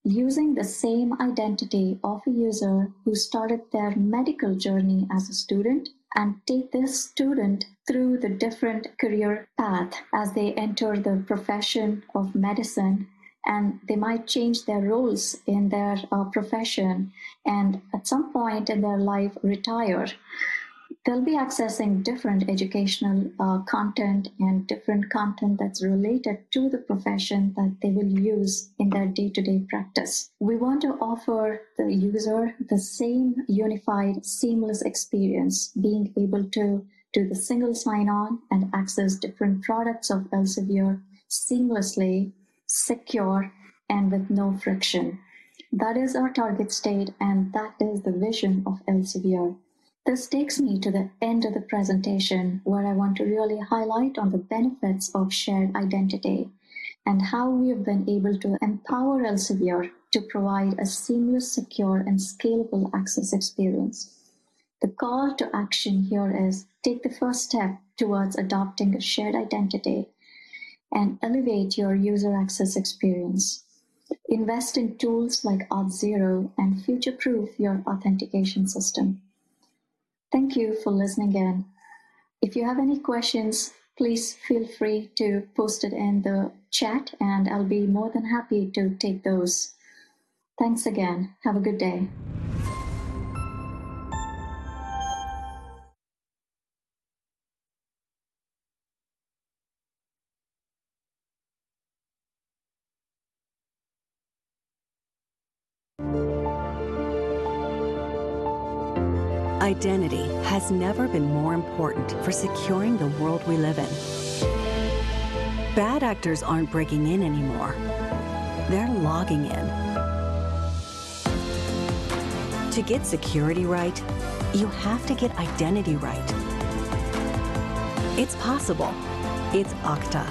S11: using the same identity of a user who started their medical journey as a student, and take this student through the different career path as they enter the profession of medicine, and they might change their roles in their profession, and at some point in their life, retire. They'll be accessing different educational content and different content that's related to the profession that they will use in their day-to-day practice. We want to offer the user the same unified, seamless experience, being able to do the single sign-on and access different products of Elsevier seamlessly, secure, and with no friction. That is our target state, and that is the vision of Elsevier. This takes me to the end of the presentation, where I want to really highlight on the benefits of shared identity and how we have been able to empower Elsevier to provide a seamless, secure, and scalable access experience. The call to action here is, take the first step towards adopting a shared identity and elevate your user access experience. Invest in tools like Auth0 and future-proof your authentication system. Thank you for listening in. If you have any questions, please feel free to post it in the chat, and I'll be more than happy to take those. Thanks again. Have a good day.
S2: Identity has never been more important for securing the world we live in. Bad actors aren't breaking in anymore, they're logging in. To get security right, you have to get identity right. It's possible. It's Okta.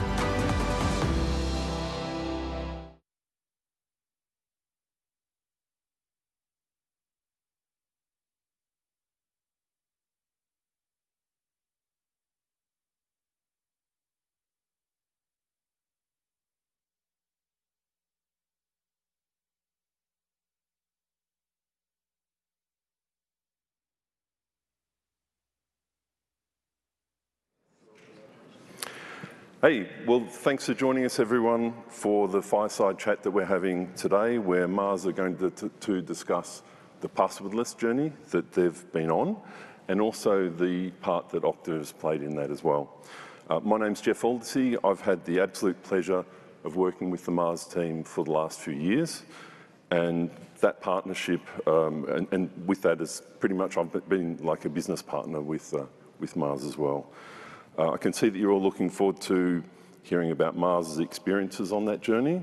S12: Hey! Well, thanks for joining us, everyone, for the fireside chat that we're having today, where Mars are going to discuss the passwordless journey that they've been on, and also the part that Okta has played in that as well. My name's Geoff Aldersey. I've had the absolute pleasure of working with the Mars team for the last few years, and that partnership and with that has pretty much I've been like a business partner with Mars as well. I can see that you're all looking forward to hearing about Mars' experiences on that journey.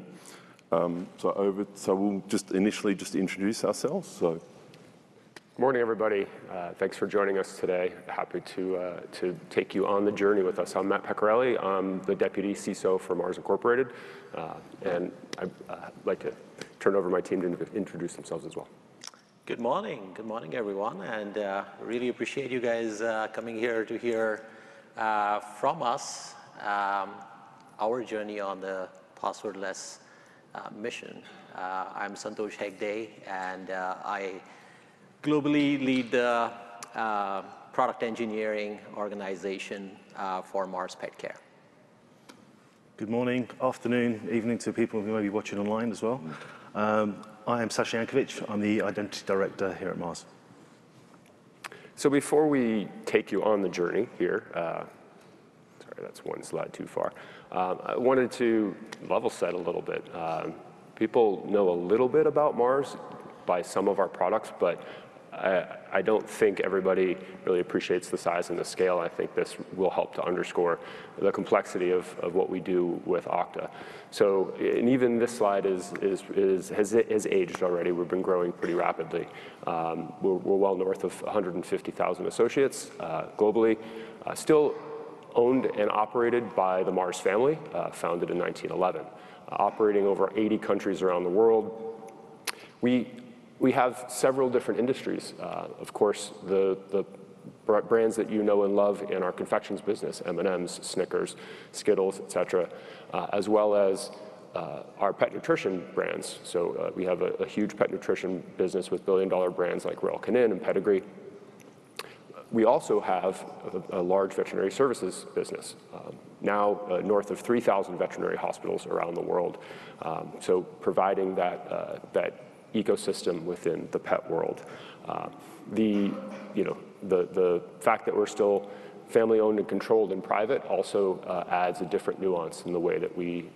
S12: So we'll just initially introduce ourselves, so.
S13: Good morning, everybody. Thanks for joining us today. Happy to take you on the journey with us. I'm Matt Pecorelli. I'm the Deputy CISO for Mars Incorporated, and I'd like to turn over my team to introduce themselves as well.
S14: Good morning. Good morning, everyone, and really appreciate you guys coming here to hear from us our journey on the passwordless mission. I'm Santhosh Hegde, and I globally lead the product engineering organization for Mars Petcare.
S15: Good morning, afternoon, evening to people who may be watching online as well. I am Sacha Yankovich. I'm the Identity Director here at Mars.
S13: So before we take you on the journey here. Sorry, that's one slide too far. I wanted to level set a little bit. People know a little bit about Mars by some of our products, but I don't think everybody really appreciates the size and the scale, and I think this will help to underscore the complexity of what we do with Okta. So, and even this slide has aged already. We've been growing pretty rapidly. We're well north of 150,000 associates globally. Still owned and operated by the Mars family, founded in 1911. Operating over 80 countries around the world. We have several different industries. Of course, the brands that you know and love in our confections business, M&M's, Snickers, Skittles, et cetera, as well as our pet nutrition brands. So, we have a huge pet nutrition business with billion-dollar brands like Royal Canin and Pedigree. We also have a large veterinary services business, now north of three thousand veterinary hospitals around the world. So providing that ecosystem within the pet world. You know, the fact that we're still family-owned and controlled and private also adds a different nuance in the way that we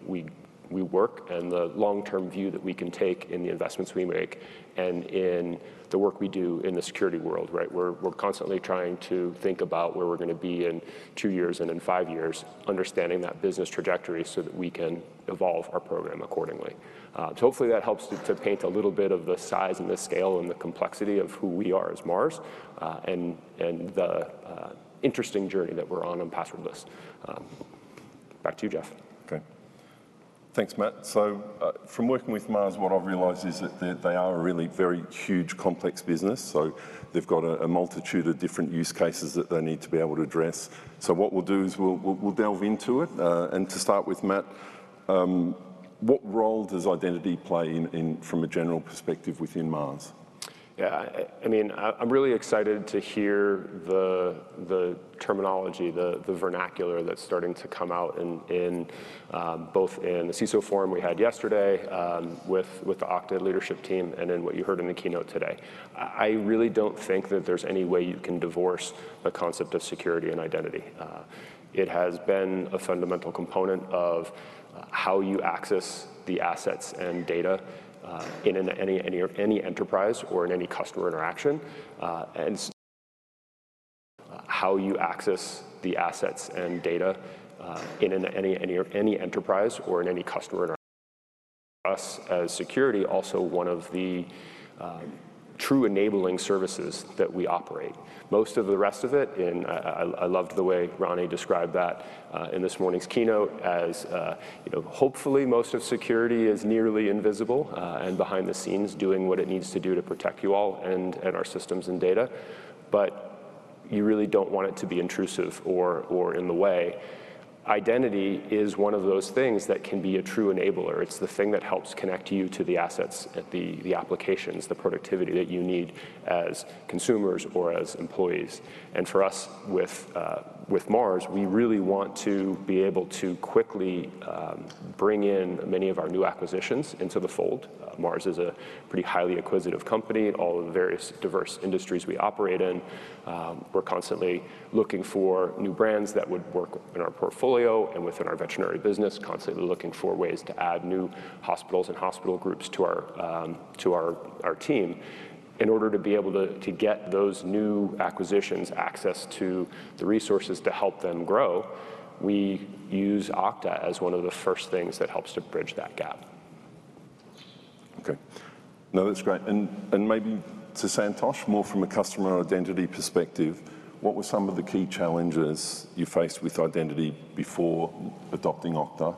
S13: work, and the long-term view that we can take in the investments we make, and in the work we do in the security world, right? We're constantly trying to think about where we're going to be in two years and in five years, understanding that business trajectory so that we can evolve our program accordingly. So hopefully, that helps to paint a little bit of the size and the scale and the complexity of who we are as Mars, and the interesting journey that we're on passwordless. Back to you, Jeff.
S12: Okay. Thanks, Matt. So from working with Mars, what I've realized is that they are a really very huge, complex business, so they've got a multitude of different use cases that they need to be able to address. So what we'll do is we'll delve into it. And to start with, Matt, what role does identity play in from a general perspective within Mars?
S13: Yeah, I mean, I'm really excited to hear the terminology, the vernacular that's starting to come out in both in the CISO forum we had yesterday, with the Okta leadership team and in what you heard in the keynote today. I really don't think that there's any way you can divorce the concept of security and identity. It has been a fundamental component of how you access the assets and data in any enterprise or in any customer interaction. And how you access the assets and data in any enterprise or in any customer interaction. Us, as security, also one of the true enabling services that we operate. Most of the rest of it, and I loved the way Rani described that, you know, hopefully, most of security is nearly invisible and behind the scenes, doing what it needs to do to protect you all and our systems and data. But you really don't want it to be intrusive or in the way. Identity is one of those things that can be a true enabler. It's the thing that helps connect you to the assets, at the applications, the productivity that you need as consumers or as employees. And for us, with Mars, we really want to be able to quickly bring in many of our new acquisitions into the fold. Mars is a pretty highly acquisitive company. All of the various diverse industries we operate in, we're constantly looking for new brands that would work in our portfolio and within our veterinary business, constantly looking for ways to add new hospitals and hospital groups to our team. In order to be able to get those new acquisitions access to the resources to help them grow, we use Okta as one of the first things that helps to bridge that gap.
S12: Okay. No, that's great. And maybe to Santhosh, more from a customer identity perspective, what were some of the key challenges you faced with identity before adopting Okta?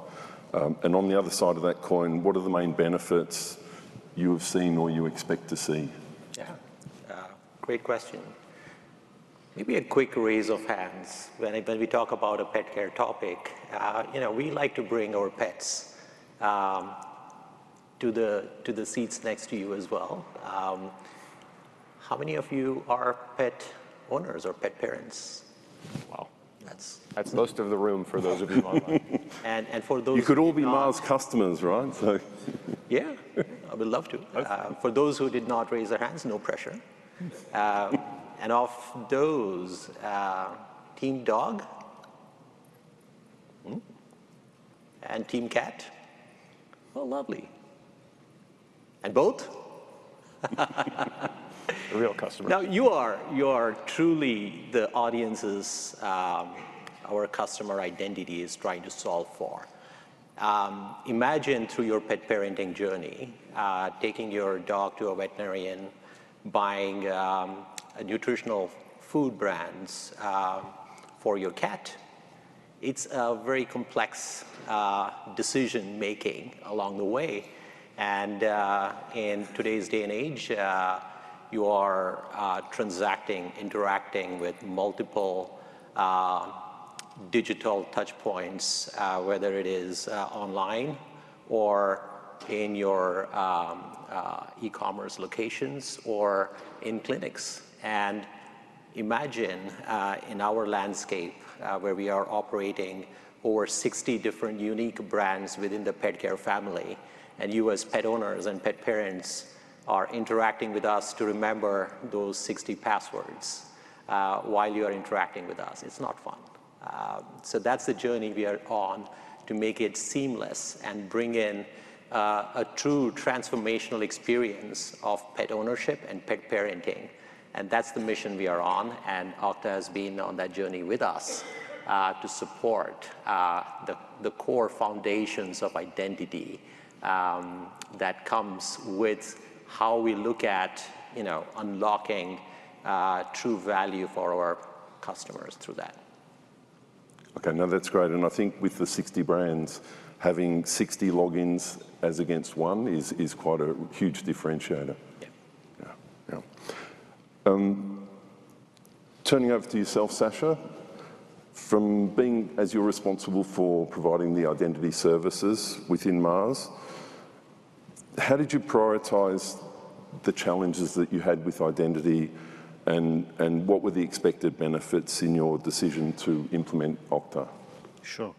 S12: And on the other side of that coin, what are the main benefits you have seen or you expect to see?
S14: Yeah, great question. Maybe a quick raise of hands when we talk about a pet care topic, you know, we like to bring our pets to the seats next to you as well. How many of you are pet owners or pet parents?
S13: Wow, that's most of the room, for those of you online.
S14: And for those of you-
S12: You could all be Mars customers, right? So...
S14: Yeah, I would love to.
S12: Okay.
S14: For those who did not raise their hands, no pressure. And of those, team dog? And team cat? Oh, lovely. And both?
S13: A real customer.
S14: Now, you are truly the audience. Our customer identity is trying to solve for. Imagine through your pet parenting journey, taking your dog to a veterinarian, buying a nutritional food brands for your cat. It's a very complex decision-making along the way, and in today's day and age, you are transacting, interacting with multiple digital touchpoints, whether it is online or in your e-commerce locations or in clinics. And imagine in our landscape, where we are operating over 60 different unique brands within the pet care family, and you as pet parents are interacting with us to remember those 60 passwords while you are interacting with us. It's not fun. So that's the journey we are on, to make it seamless and bring in a true transformational experience of pet ownership and pet parenting, and that's the mission we are on, and Okta has been on that journey with us, to support the core foundations of identity that comes with how we look at, you know, unlocking true value for our customers through that.
S12: Okay, no, that's great, and I think with the sixty brands, having sixty logins as against one is quite a huge differentiator.
S14: Yeah.
S12: Yeah. Yeah. Turning over to yourself, Sacha, as you're responsible for providing the identity services within Mars, how did you prioritize the challenges that you had with identity, and what were the expected benefits in your decision to implement Okta?
S15: Sure.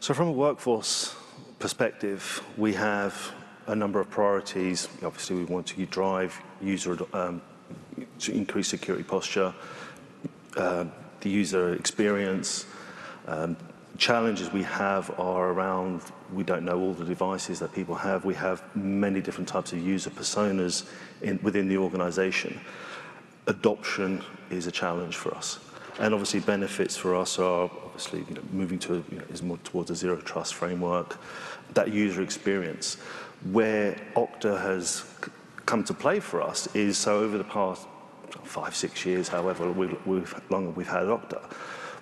S15: So from a workforce perspective, we have a number of priorities. Obviously, we want to drive user to increase security posture, the user experience. Challenges we have are around. We don't know all the devices that people have. We have many different types of user personas within the organization. Adoption is a challenge for us, and obviously, benefits for us are obviously, you know, moving to a, you know, more towards a Zero Trust framework, that user experience. Where Okta has come to play for us is, so over the past five, six years, however, we've long had Okta.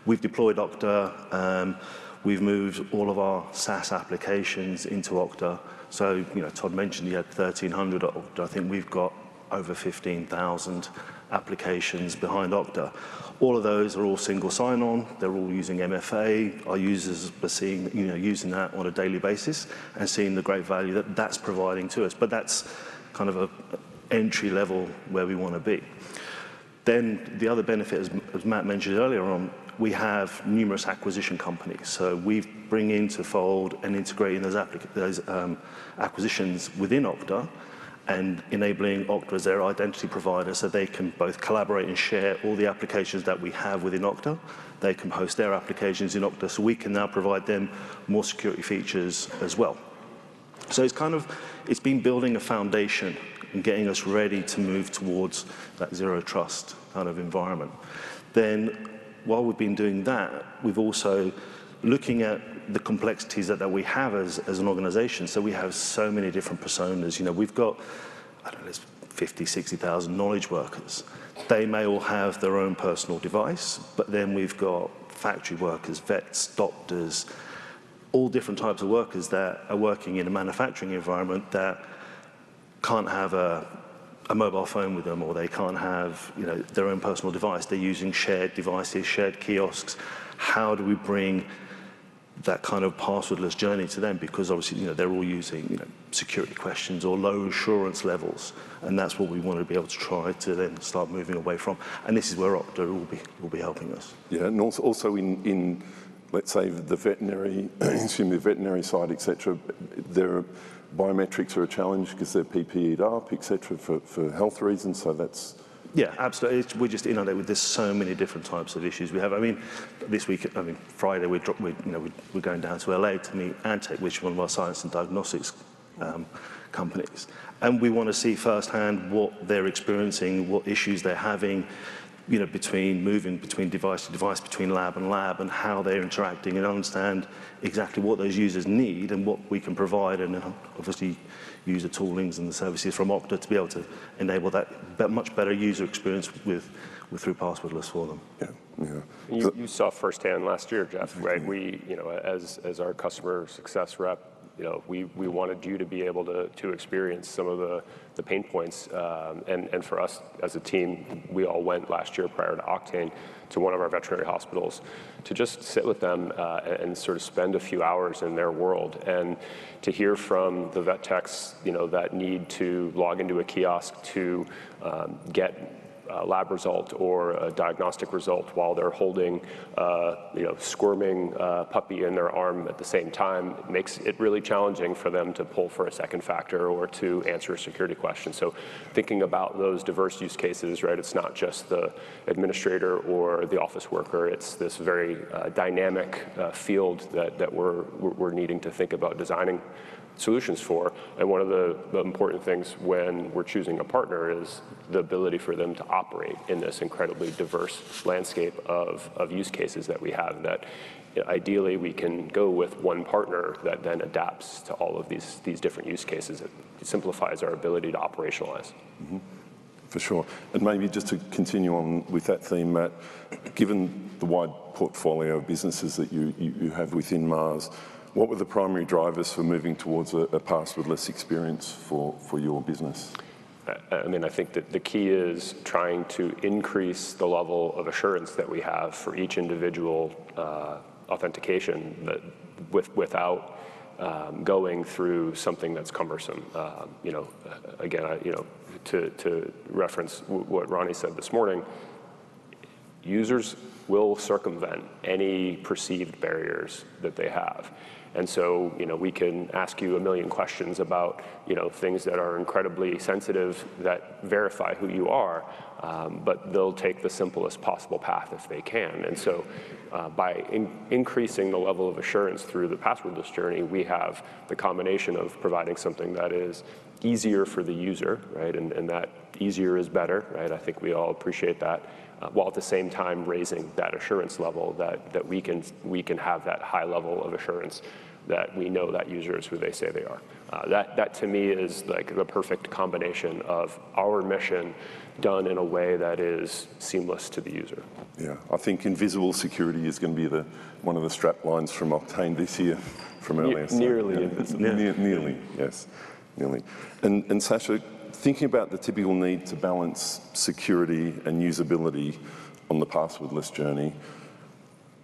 S15: We've deployed Okta. We've moved all of our SaaS applications into Okta. So, you know, Todd mentioned you had 1,300 Okta. I think we've got over 15,000 applications behind Okta. All of those are Single Sign-On. They're all using MFA. Our users are seeing, you know, using that on a daily basis and seeing the great value that that's providing to us, but that's kind of a entry-level where we want to be. Then, the other benefit, as Matt mentioned earlier on, we have numerous acquisition companies, so we bring into fold and integrate in those acquisitions within Okta, and enabling Okta as their identity provider, so they can both collaborate and share all the applications that we have within Okta. They can host their applications in Okta, so we can now provide them more security features as well. So it's kind of, it's been building a foundation and getting us ready to move towards that Zero Trust kind of environment. Then, while we've been doing that, we've also been looking at the complexities that we have as an organization, so we have so many different personas. You know, we've got, I don't know, there's 50, 60 thousand knowledge workers. They may all have their own personal device, but then we've got factory workers, vets, doctors, all different types of workers that are working in a manufacturing environment that can't have a mobile phone with them, or they can't have, you know, their own personal device. They're using shared devices, shared kiosks. How do we bring that kind of passwordless journey to them? Because obviously, you know, they're all using, you know, security questions or low assurance levels, and that's what we want to be able to try to then start moving away from, and this is where Okta will be helping us.
S12: Yeah, and also in, let's say, the veterinary side, et cetera, their biometrics are a challenge 'cause they're PPE'd up, et cetera, for health reasons. So that's-
S15: Yeah, absolutely. We just, you know, there's so many different types of issues we have. I mean, this week, I mean, Friday, we're going down to LA to meet Antech, which is one of our science and diagnostics companies, and we want to see firsthand what they're experiencing, what issues they're having, you know, between moving between device to device, between lab and lab, and how they're interacting, and understand exactly what those users need and what we can provide, and then obviously use the toolings and the services from Okta to be able to enable that much better user experience with through passwordless for them.
S12: Yeah. Yeah.
S13: You saw firsthand last year, Jeff, right? We, you know, as our customer success rep, you know, we wanted you to be able to experience some of the pain points. And for us, as a team, we all went last year, prior to Oktane, to one of our veterinary hospitals to just sit with them and sort of spend a few hours in their world. And to hear from the vet techs, you know, that need to log into a kiosk to get a lab result or a diagnostic result while they're holding, you know, a squirming puppy in their arm at the same time, makes it really challenging for them to pull for a second factor or to answer a security question. So thinking about those diverse use cases, right? It's not just the administrator or the office worker, it's this very dynamic field that we're needing to think about designing solutions for. And one of the important things when we're choosing a partner is the ability for them to operate in this incredibly diverse landscape of use cases that we have, that, ideally, we can go with one partner that then adapts to all of these different use cases. It simplifies our ability to operationalize.
S12: Mm-hmm. For sure. And maybe just to continue on with that theme, Matt, given the wide portfolio of businesses that you have within Mars, what were the primary drivers for moving towards a passwordless experience for your business?
S13: I mean, I think that the key is trying to increase the level of assurance that we have for each individual authentication, that without going through something that's cumbersome. You know, again, you know, to reference what Rani said this morning, users will circumvent any perceived barriers that they have. And so, you know, we can ask you a million questions about, you know, things that are incredibly sensitive that verify who you are, but they'll take the simplest possible path if they can. And so, by increasing the level of assurance through the passwordless journey, we have the combination of providing something that is easier for the user, right? And, and that easier is better, right? I think we all appreciate that. While at the same time raising that assurance level that we can have that high level of assurance that we know that user is who they say they are. That, to me, is, like, the perfect combination of our mission done in a way that is seamless to the user.
S12: Yeah. I think invisible security is going to be the, one of the strap lines from Oktane this year, from our-
S13: Nearly invisible.
S12: Nearly, yes. Nearly. And Sacha, thinking about the typical need to balance security and usability on the passwordless journey,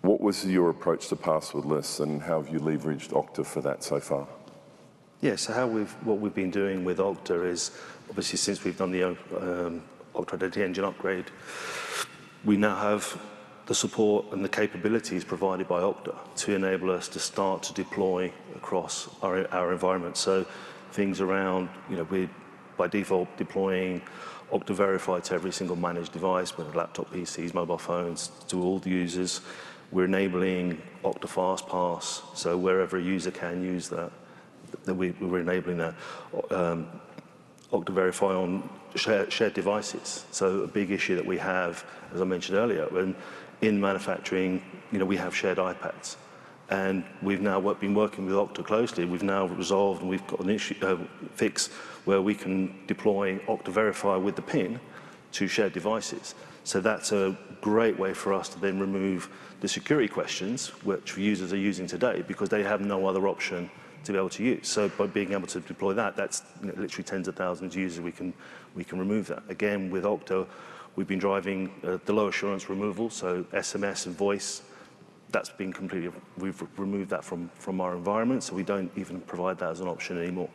S12: what was your approach to passwordless, and how have you leveraged Okta for that so far?
S15: Yeah. What we've been doing with Okta is, obviously, since we've done the Okta Identity Engine upgrade, we now have the support and the capabilities provided by Okta to enable us to start to deploy across our environment. So things around, you know, we're by default deploying Okta Verify to every single managed device, whether laptop, PCs, mobile phones, to all the users. We're enabling Okta FastPass, so wherever a user can use that, then we, we're enabling that. Okta Verify on shared devices. So a big issue that we have, as I mentioned earlier, when in manufacturing, you know, we have shared iPads, and we've now been working with Okta closely, and we've now resolved, and we've got an issue fix where we can deploy Okta Verify with the PIN to shared devices. That's a great way for us to then remove the security questions which users are using today, because they have no other option to be able to use. By being able to deploy that, that's literally tens of thousands of users we can remove that. Again, with Okta, we've been driving the low assurance removal, so SMS and voice. That's been completely removed from our environment, so we don't even provide that as an option anymore.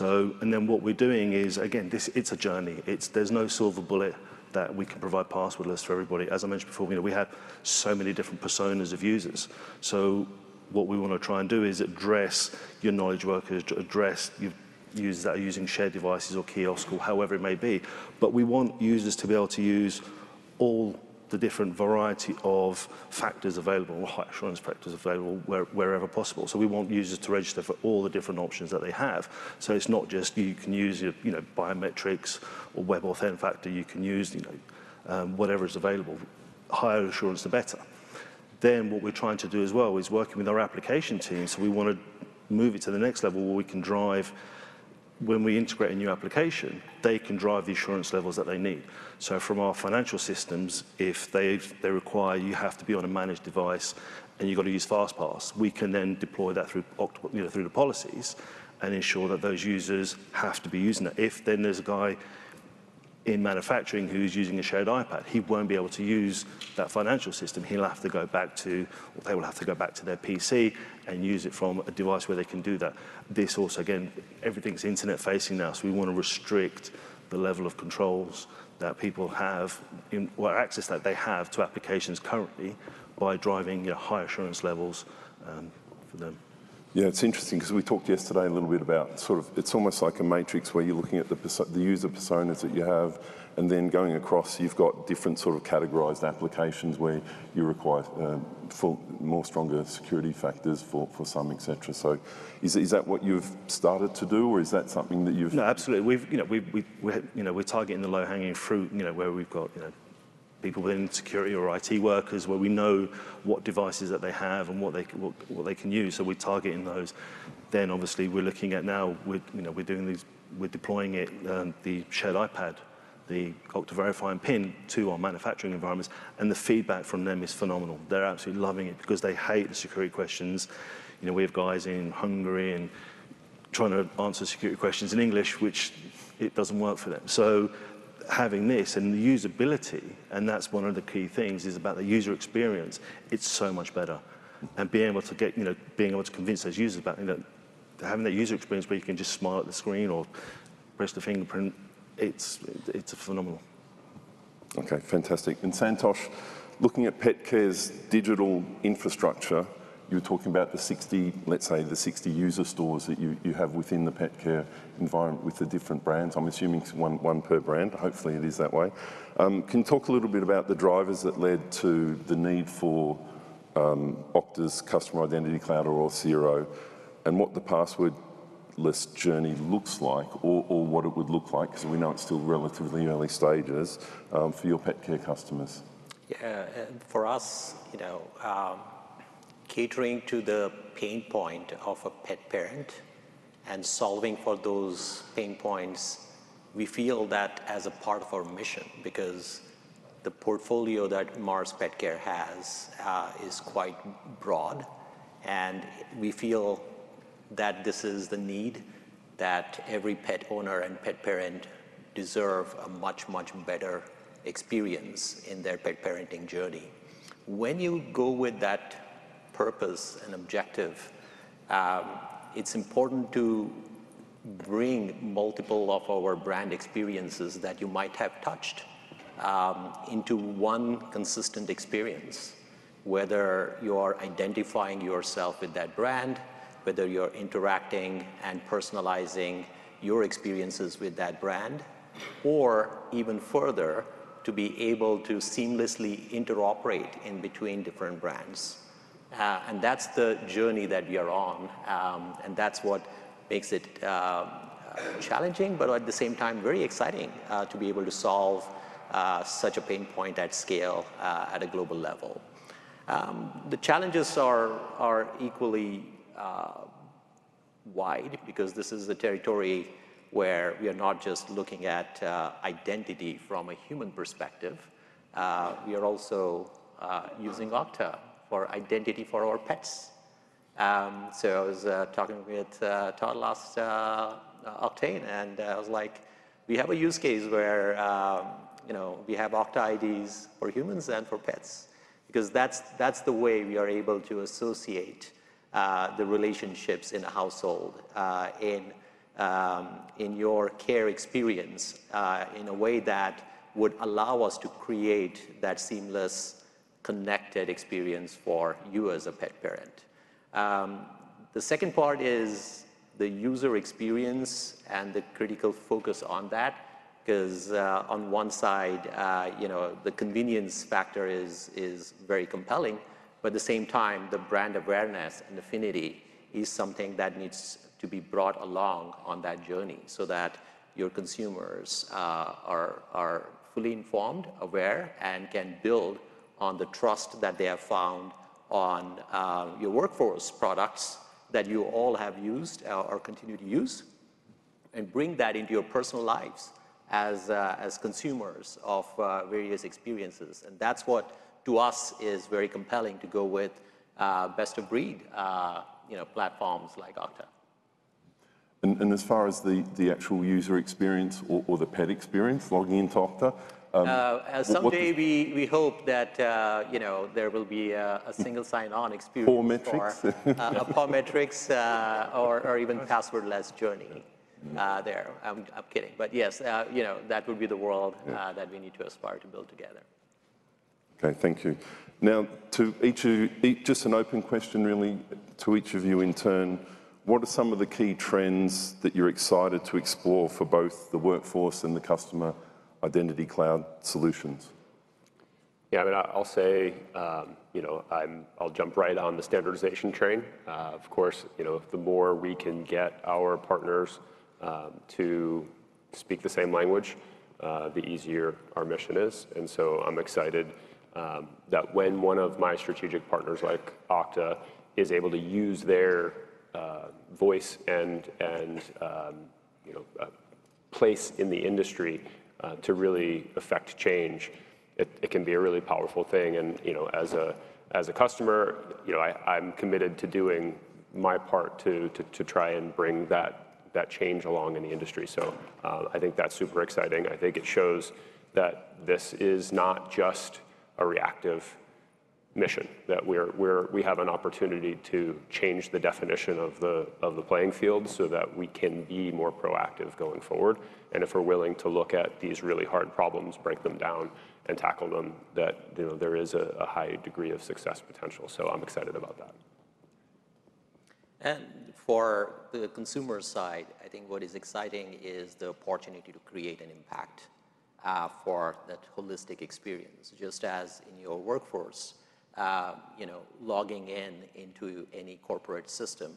S15: And then what we're doing is, again, it's a journey. There's no silver bullet that we can provide passwordless for everybody. As I mentioned before, you know, we have so many different personas of users, so what we want to try and do is address your knowledge workers, address your users that are using shared devices or kiosk or however it may be, but we want users to be able to use all the different variety of factors available, or high assurance factors available, wherever possible. So we want users to register for all the different options that they have. So it's not just you can use your, you know, biometrics or WebAuthn factor, you can use, you know, whatever is available. The higher assurance, the better. Then, what we're trying to do as well, is working with our application team, so we want to move it to the next level, where we can drive... When we integrate a new application, they can drive the assurance levels that they need. So from our financial systems, if they require you have to be on a managed device, and you've got to use FastPass, we can then deploy that through Okta, you know, through the policies, and ensure that those users have to be using it. If then there's a guy who's in manufacturing who's using a shared iPad, he won't be able to use that financial system. He'll have to go back to, or they will have to go back to their PC and use it from a device where they can do that. This also, again, everything's internet-facing now, so we want to restrict the level of controls that people have in, or access that they have to applications currently, by driving, yeah, high assurance levels, for them.
S12: Yeah, it's interesting 'cause we talked yesterday a little bit about sort of it's almost like a matrix, where you're looking at the user personas that you have, and then going across, you've got different sort of categorized applications where you require for more stronger security factors for some, et cetera. So is that what you've started to do, or is that something that you've-
S15: No, absolutely. We've, you know, we're targeting the low-hanging fruit, you know, where we've got, you know, people in security or IT workers, where we know what devices that they have and what they can use, so we're targeting those. Then, obviously, we're looking at now. We're doing these. We're deploying it, the shared iPad, the Okta Verify and PIN, to our manufacturing environments, and the feedback from them is phenomenal. They're absolutely loving it because they hate the security questions. You know, we have guys in Hungary and trying to answer security questions in English, which it doesn't work for them. So having this and the usability, and that's one of the key things, is about the user experience. It's so much better. Being able to get, you know, being able to convince those users about, you know, having that user experience where you can just smile at the screen or press the fingerprint, it's phenomenal.
S12: Okay, fantastic. And Santhosh, looking at Petcare's digital infrastructure, you were talking about the 60, let's say, the 60 user stores that you have within the Petcare environment with the different brands. I'm assuming it's one per brand. Hopefully, it is that way. Can you talk a little bit about the drivers that led to the need for Okta's Customer Identity Cloud or Auth0, and what the passwordless journey looks like or what it would look like? 'Cause we know it's still relatively early stages for your Petcare customers.
S14: Yeah. For us, you know, catering to the pain point of a pet parent and solving for those pain points, we feel that as a part of our mission, because the portfolio that Mars Petcare has is quite broad, and we feel that this is the need, that every pet owner and pet parent deserve a much, much better experience in their pet parenting journey. When you go with that purpose and objective, it's important to bring multiple of our brand experiences that you might have touched into one consistent experience, whether you are identifying yourself with that brand, whether you're interacting and personalizing your experiences with that brand, or even further, to be able to seamlessly interoperate in between different brands. And that's the journey that we are on, and that's what makes it challenging, but at the same time, very exciting, to be able to solve such a pain point at scale, at a global level. The challenges are equally wide because this is a territory where we are not just looking at identity from a human perspective, we are also using Okta for identity for our pets. So I was talking with Todd last Oktane, and I was like: We have a use case where, you know, we have Okta IDs for humans and for pets, because that's, that's the way we are able to associate the relationships in a household, in your care experience, in a way that would allow us to create that seamless, connected experience for you as a pet parent. The second part is the user experience and the critical focus on that, 'cause, on one side, you know, the convenience factor is very compelling, but at the same time, the brand awareness and affinity is something that needs to be brought along on that journey, so that your consumers are fully informed, aware, and can build on the trust that they have found on your workforce products that you all have used or continue to use, and bring that into your personal lives as consumers of various experiences. And that's what, to us, is very compelling to go with best-of-breed, you know, platforms like Okta.
S12: As far as the actual user experience or the pet experience logging into Okta, what-
S14: Someday we hope that, you know, there will be a single sign-on experience for-
S12: Pawmetrics?...
S14: biometrics or even passwordless journey there. I'm kidding, but yes, you know, that would be the world-
S12: Yeah...
S14: that we need to aspire to build together.
S12: Okay, thank you. Now, to each of you, just an open question really to each of you in turn, what are some of the key trends that you're excited to explore for both the workforce and the Customer Identity Cloud solutions?
S15: Yeah, I mean, I'll say, you know, I'll jump right on the standardization train. Of course, you know, the more we can get our partners to speak the same language, the easier our mission is. And so I'm excited that when one of my strategic partners, like Okta, is able to use their voice and you know place in the industry to really affect change, it can be a really powerful thing. And, you know, as a customer, you know, I'm committed to doing my part to try and bring that change along in the industry. So, I think that's super exciting. I think it shows that this is not just a reactive-... mission, that we have an opportunity to change the definition of the playing field so that we can be more proactive going forward. And if we're willing to look at these really hard problems, break them down, and tackle them, that, you know, there is a high degree of success potential. So I'm excited about that.
S14: For the consumer side, I think what is exciting is the opportunity to create an impact for that holistic experience. Just as in your workforce, you know, logging in into any corporate system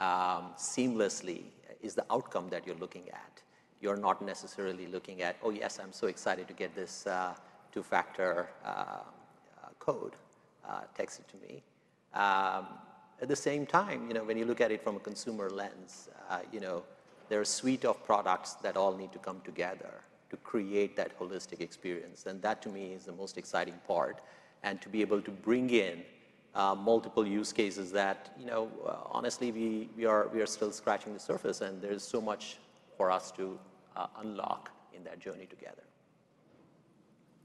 S14: seamlessly is the outcome that you're looking at. You're not necessarily looking at, "Oh, yes, I'm so excited to get this two-factor code texted to me." At the same time, you know, when you look at it from a consumer lens, you know, there are a suite of products that all need to come together to create that holistic experience, and that, to me, is the most exciting part. To be able to bring in multiple use cases that, you know, honestly, we are still scratching the surface, and there's so much for us to unlock in that journey together.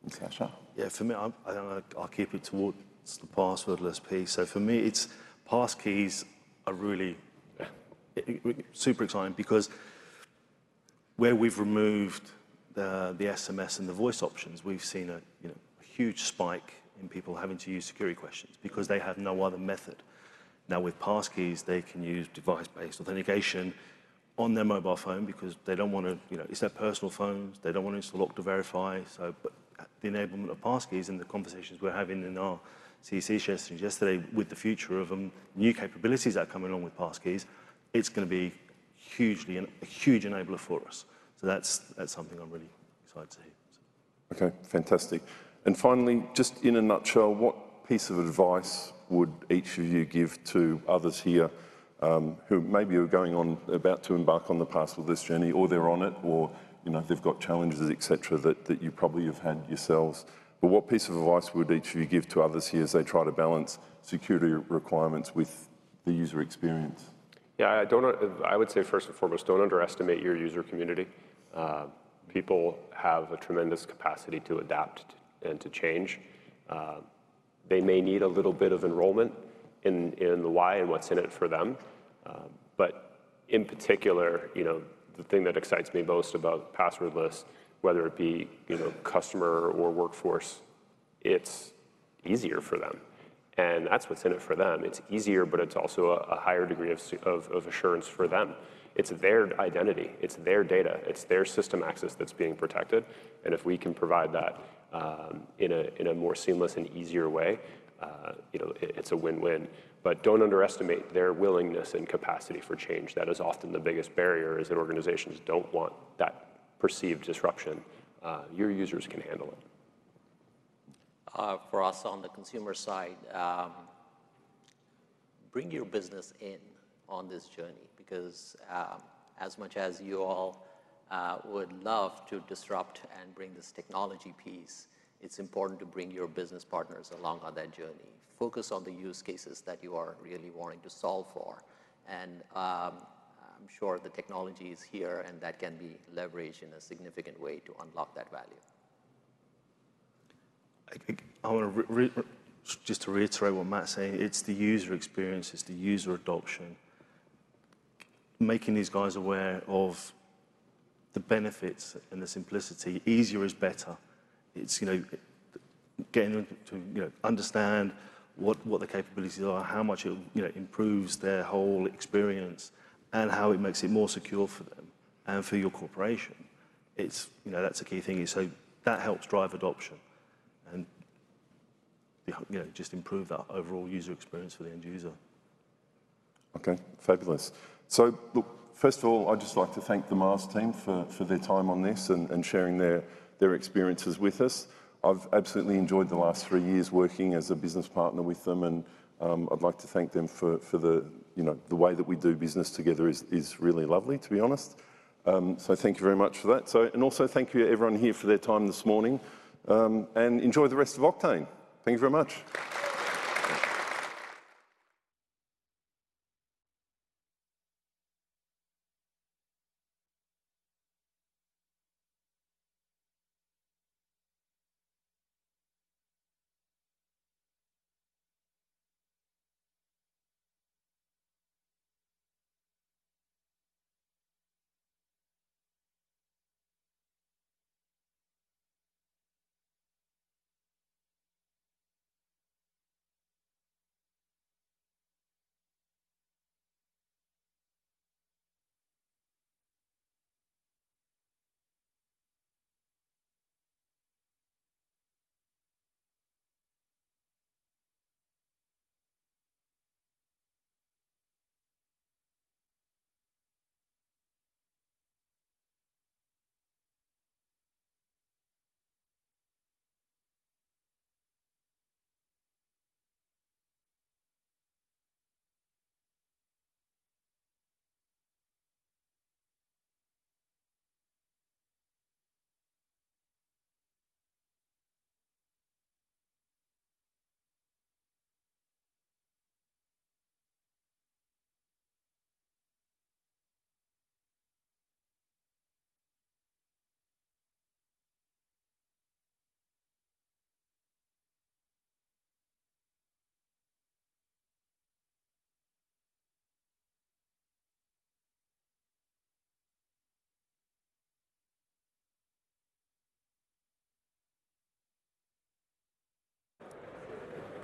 S12: And Sacha?
S15: Yeah, for me, I don't know, I'll keep it towards the passwordless piece. So for me, it's passkeys are really-
S12: Yeah...
S15: super exciting because where we've removed the SMS and the voice options, we've seen, you know, a huge spike in people having to use security questions because they have no other method. Now, with passkeys, they can use device-based authentication on their mobile phone because they don't want to... You know, it's their personal phones, they don't want it to lock to verify. So, but the enablement of passkeys and the conversations we're having in our CEC sessions yesterday with the future of them, new capabilities that are coming along with passkeys, it's going to be hugely, a huge enabler for us. So that's something I'm really excited to hear, so.
S12: Okay, fantastic. And finally, just in a nutshell, what piece of advice would each of you give to others here, who maybe are going on, about to embark on the passwordless journey, or they're on it, or, you know, they've got challenges, et cetera, that you probably have had yourselves? But what piece of advice would each of you give to others here as they try to balance security requirements with the user experience?
S13: Yeah, I don't. I would say, first and foremost, don't underestimate your user community. People have a tremendous capacity to adapt and to change. They may need a little bit of enrollment in the why and what's in it for them. But in particular, you know, the thing that excites me most about passwordless, whether it be, you know, customer or workforce, it's easier for them, and that's what's in it for them. It's easier, but it's also a higher degree of assurance for them. It's their identity, it's their data, it's their system access that's being protected, and if we can provide that in a more seamless and easier way, you know, it's a win-win. But don't underestimate their willingness and capacity for change. That is often the biggest barrier, is that organizations don't want that perceived disruption. Your users can handle it.
S14: For us on the consumer side, bring your business in on this journey because, as much as you all would love to disrupt and bring this technology piece, it's important to bring your business partners along on that journey. Focus on the use cases that you are really wanting to solve for, and, I'm sure the technology is here, and that can be leveraged in a significant way to unlock that value.
S15: I think I want to just reiterate what Matt's saying, it's the user experience, it's the user adoption. Making these guys aware of the benefits and the simplicity, easier is better. It's, you know, getting them to, you know, understand what the capabilities are, how much it, you know, improves their whole experience and how it makes it more secure for them and for your corporation. It's, you know, that's the key thingy, so that helps drive adoption, and, you know, just improve that overall user experience for the end user.
S12: Okay, fabulous. Look, first of all, I'd just like to thank the Mars team for their time on this and sharing their experiences with us. I've absolutely enjoyed the last three years working as a business partner with them, and I'd like to thank them for, you know, the way that we do business together is really lovely, to be honest. Thank you very much for that. Also thank you to everyone here for their time this morning, and enjoy the rest of Oktane. Thank you very much. ...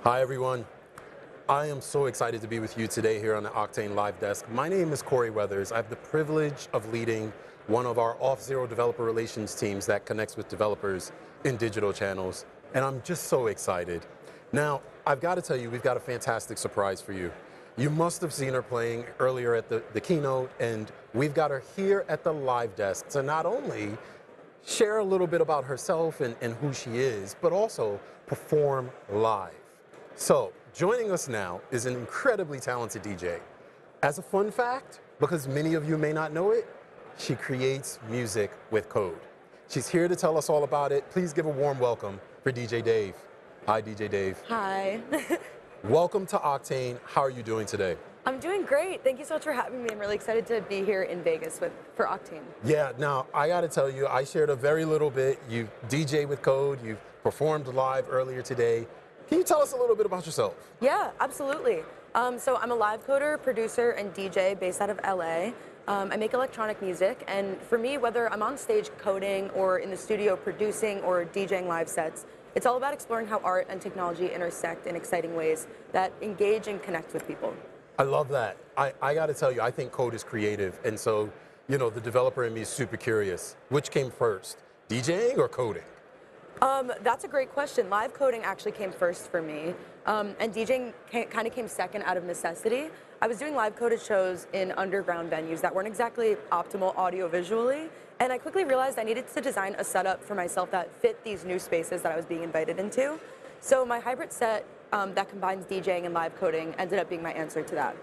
S16: Hi, everyone. I am so excited to be with you today here on the Oktane Live Desk. My name is Corey Weathers. I have the privilege of leading one of our Auth0 developer relations teams that connects with developers in digital channels, and I'm just so excited. Now, I've got to tell you, we've got a fantastic surprise for you. You must have seen her playing earlier at the keynote, and we've got her here at the Live Desk to not only share a little bit about herself and who she is, but also perform live. So joining us now is an incredibly talented DJ. As a fun fact, because many of you may not know it, she creates music with code. She's here to tell us all about it. Please give a warm welcome for DJ Dave. Hi, DJ Dave.
S17: Hi.
S16: Welcome to Oktane. How are you doing today?
S17: I'm doing great. Thank you so much for having me. I'm really excited to be here in Vegas for Oktane.
S16: Yeah. Now, I gotta tell you, I shared a very little bit. You DJ with code. You've performed live earlier today. Can you tell us a little bit about yourself?
S17: Yeah, absolutely. So I'm a live coder, producer, and DJ based out of LA. I make electronic music, and for me, whether I'm on stage coding or in the studio producing or DJing live sets, it's all about exploring how art and technology intersect in exciting ways that engage and connect with people.
S16: I love that. I gotta tell you, I think code is creative, and so, you know, the developer in me is super curious, which came first, DJing or coding?
S17: That's a great question. Live coding actually came first for me, and DJing kind of came second out of necessity. I was doing live-coded shows in underground venues that weren't exactly optimal audiovisually, and I quickly realized I needed to design a setup for myself that fit these new spaces that I was being invited into. So my hybrid set, that combines DJing and live coding ended up being my answer to that.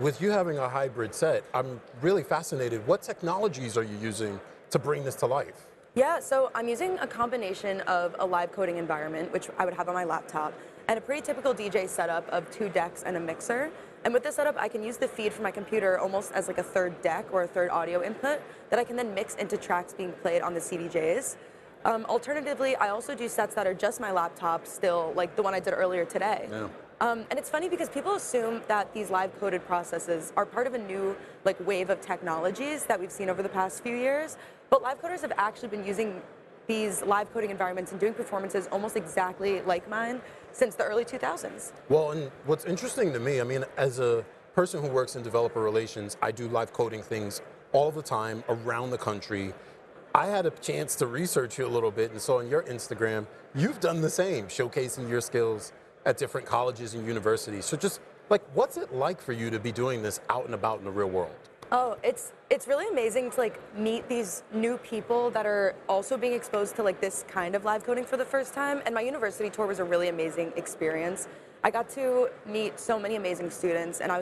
S16: With you having a hybrid set, I'm really fascinated. What technologies are you using to bring this to life?
S17: Yeah, so I'm using a combination of a live coding environment, which I would have on my laptop, and a pretty typical DJ setup of two decks and a mixer. And with this setup, I can use the feed from my computer almost as, like, a third deck or a third audio input that I can then mix into tracks being played on the CDJs. Alternatively, I also do sets that are just my laptop still, like the one I did earlier today.
S16: Yeah.
S17: And it's funny because people assume that these live-coded processes are part of a new, like, wave of technologies that we've seen over the past few years. But live coders have actually been using these live coding environments and doing performances almost exactly like mine since the early 2000s.
S16: Well, and what's interesting to me, I mean, as a person who works in developer relations, I do live coding things all the time around the country. I had a chance to research you a little bit and saw on your Instagram you've done the same, showcasing your skills at different colleges and universities. So just, like, what's it like for you to be doing this out and about in the real world?
S17: Oh, it's really amazing to, like, meet these new people that are also being exposed to, like, this kind of live coding for the first time, and my university tour was a really amazing experience. I got to meet so many amazing students, and it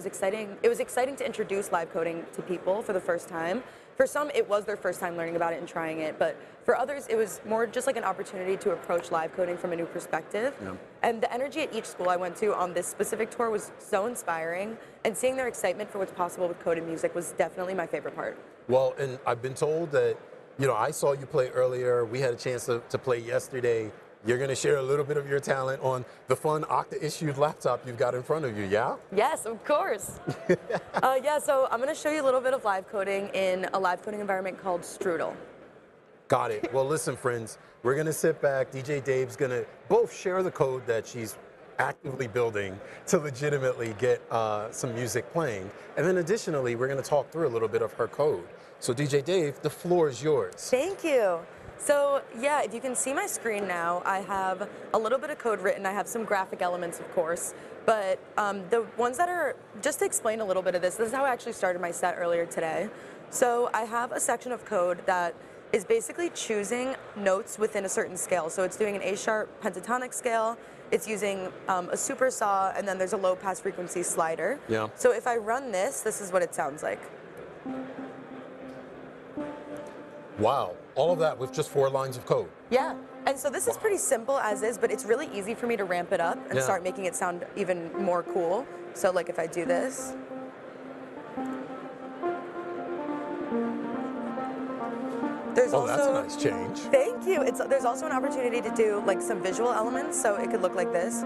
S17: was exciting to introduce live coding to people for the first time. For some, it was their first time learning about it and trying it, but for others, it was more just, like, an opportunity to approach live coding from a new perspective.
S16: Yeah.
S17: The energy at each school I went to on this specific tour was so inspiring, and seeing their excitement for what's possible with coded music was definitely my favorite part.
S16: I've been told that... You know, I saw you play earlier. We had a chance to play yesterday. You're gonna share a little bit of your talent on the fun Okta-issued laptop you've got in front of you, yeah?
S17: Yes, of course. Yeah, so I'm gonna show you a little bit of live coding in a live coding environment called Strudel.
S16: Got it. Well, listen, friends, we're gonna sit back. DJ Dave's gonna both share the code that she's actively building to legitimately get some music playing, and then additionally, we're gonna talk through a little bit of her code. So DJ Dave, the floor is yours.
S17: Thank you. So yeah, if you can see my screen now, I have a little bit of code written. I have some graphic elements, of course, but the ones that are... Just to explain a little bit of this, this is how I actually started my set earlier today. So I have a section of code that is basically choosing notes within a certain scale. So it's doing an A sharp pentatonic scale. It's using a supersaw, and then there's a low-pass frequency slider.
S16: Yeah.
S17: If I run this, this is what it sounds like.
S16: Wow, all of that with just four lines of code? Yeah. Wow.
S17: This is pretty simple as is, but it's really easy for me to ramp it up.
S16: Yeah...
S17: and start making it sound even more cool, so, like, if I do this. There's also-
S16: Oh, that's a nice change.
S17: Thank you. There's also an opportunity to do, like, some visual elements, so it could look like this.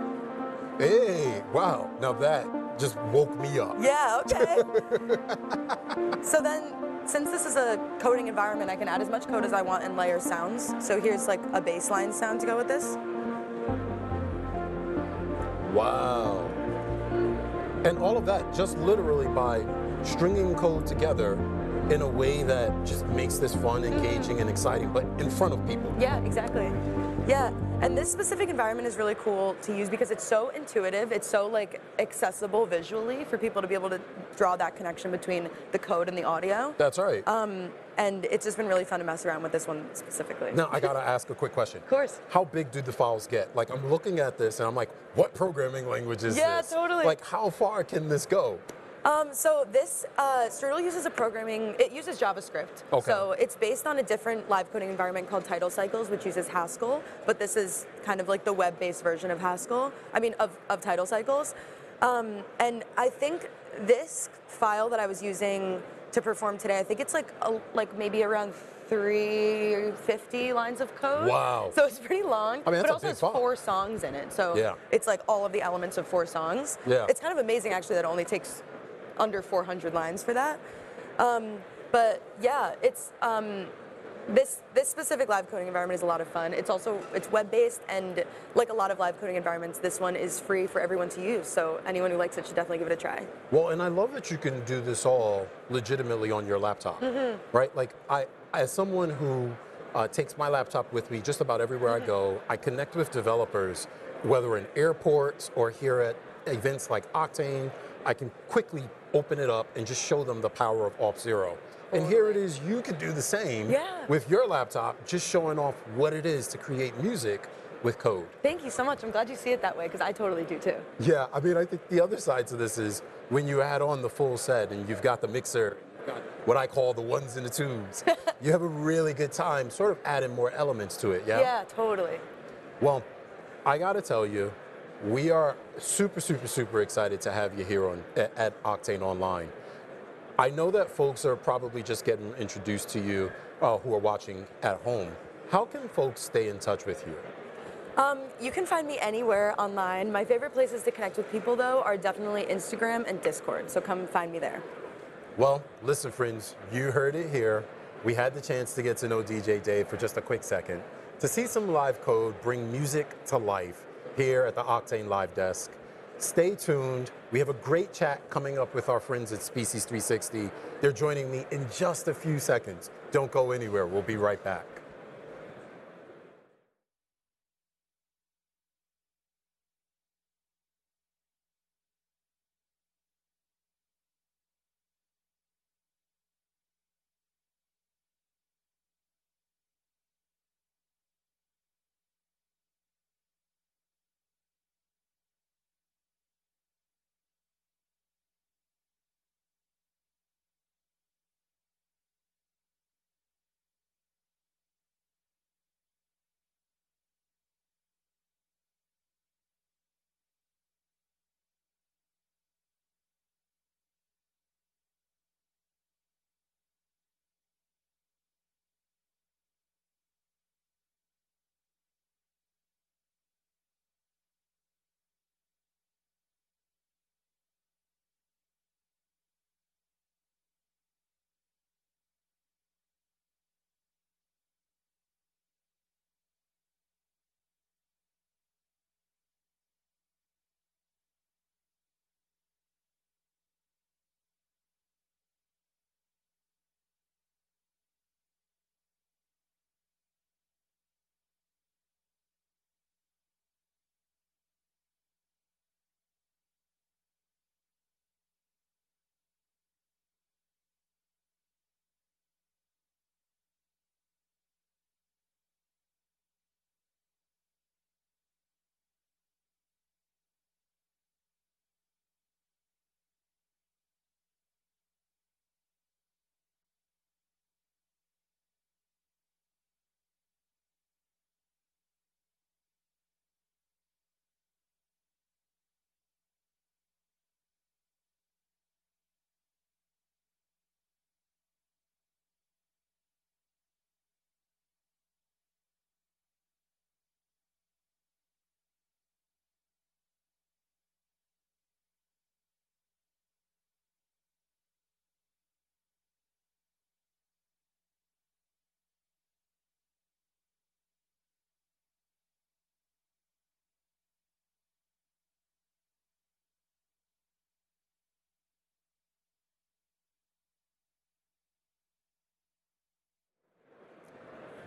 S16: Hey, wow, now that just woke me up.
S17: Yeah. Okay, so then, since this is a coding environment, I can add as much code as I want and layer sounds, so here's, like, a baseline sound to go with this.
S16: Wow, and all of that just literally by stringing code together in a way that just makes this fun-... engaging, and exciting, but in front of people.
S17: Yeah, exactly. Yeah, and this specific environment is really cool to use because it's so intuitive. It's so, like, accessible visually for people to be able to draw that connection between the code and the audio.
S16: That's right.
S17: And it's just been really fun to mess around with this one specifically.
S16: Now, I gotta ask a quick question.
S17: Of course.
S16: How big do the files get? Like, I'm looking at this, and I'm like, "What programming language is this?
S17: Yeah, totally.
S16: Like, how far can this go?
S17: So this Strudel uses JavaScript.
S16: Okay.
S17: It's based on a different live coding environment called TidalCycles, which uses Haskell, but this is kind of like the web-based version of Haskell, I mean, of TidalCycles. I think this file that I was using to perform today, I think it's like maybe around three or 50 lines of code.
S16: Wow!
S17: It's pretty long-
S16: I mean, that's pretty fine....
S17: but it also has four songs in it, so-
S16: Yeah...
S17: it's, like, all of the elements of four songs.
S16: Yeah.
S17: It's kind of amazing, actually, that it only takes under 400 lines for that. But yeah, it's this specific live coding environment is a lot of fun. It's also web-based, and like a lot of live coding environments, this one is free for everyone to use, so anyone who likes it should definitely give it a try.
S16: I love that you can do this all legitimately on your laptop. Right? Like, I, as someone who takes my laptop with me just about everywhere I go.... I connect with developers, whether in airports or here at events like Oktane. I can quickly open it up and just show them the power of Auth0.
S17: Totally.
S16: Here it is, you can do the same-
S17: Yeah...
S16: with your laptop, just showing off what it is to create music with code.
S17: Thank you so much. I'm glad you see it that way, 'cause I totally do, too.
S16: Yeah. I mean, I think the other side to this is when you add on the full set and you've got the mixer, what I call the ones and the twos, you have a really good time sort of adding more elements to it, yeah?
S17: Yeah, totally.
S16: I gotta tell you, we are super, super, super excited to have you here at Oktane online. I know that folks are probably just getting introduced to you, who are watching at home. How can folks stay in touch with you?
S17: You can find me anywhere online. My favorite places to connect with people, though, are definitely Instagram and Discord, so come find me there.
S16: Well, listen, friends, you heard it here. We had the chance to get to know DJ Dave for just a quick second, to see some live code bring music to life here at the Octane Live Desk. Stay tuned. We have a great chat coming up with our friends at Species360. They're joining me in just a few seconds. Don't go anywhere, we'll be right back.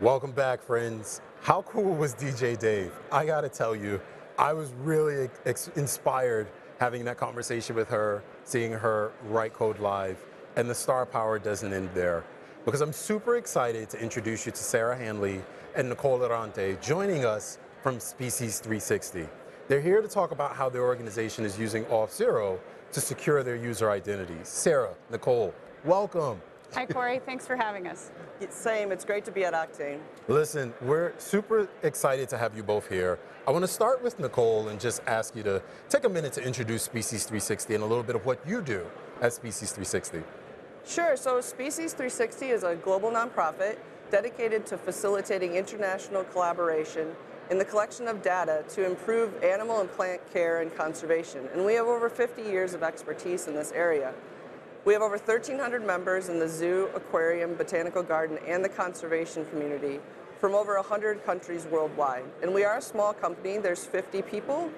S16: Welcome back, friends. How cool was DJ Dave? I gotta tell you, I was really excited having that conversation with her, seeing her write code live, and the star power doesn't end there. Because I'm super excited to introduce you to Sara Hanley and Nicole Durante, joining us from Species360. They're here to talk about how their organization is using Auth0 to secure their user identities. Sara, Nicole, welcome!
S18: Hi, Corey. Thanks for having us.
S19: Same. It's great to be at Oktane.
S16: Listen, we're super excited to have you both here. I wanna start with Nicole and just ask you to take a minute to introduce Species360 and a little bit of what you do at Species360.
S19: Sure. So Species360 is a global nonprofit dedicated to facilitating international collaboration in the collection of data to improve animal and plant care and conservation, and we have over fifty years of expertise in this area. We have over 1,300 members in the zoo, aquarium, botanical garden, and the conservation community from over a hundred countries worldwide. We are a small company. There's fifty people,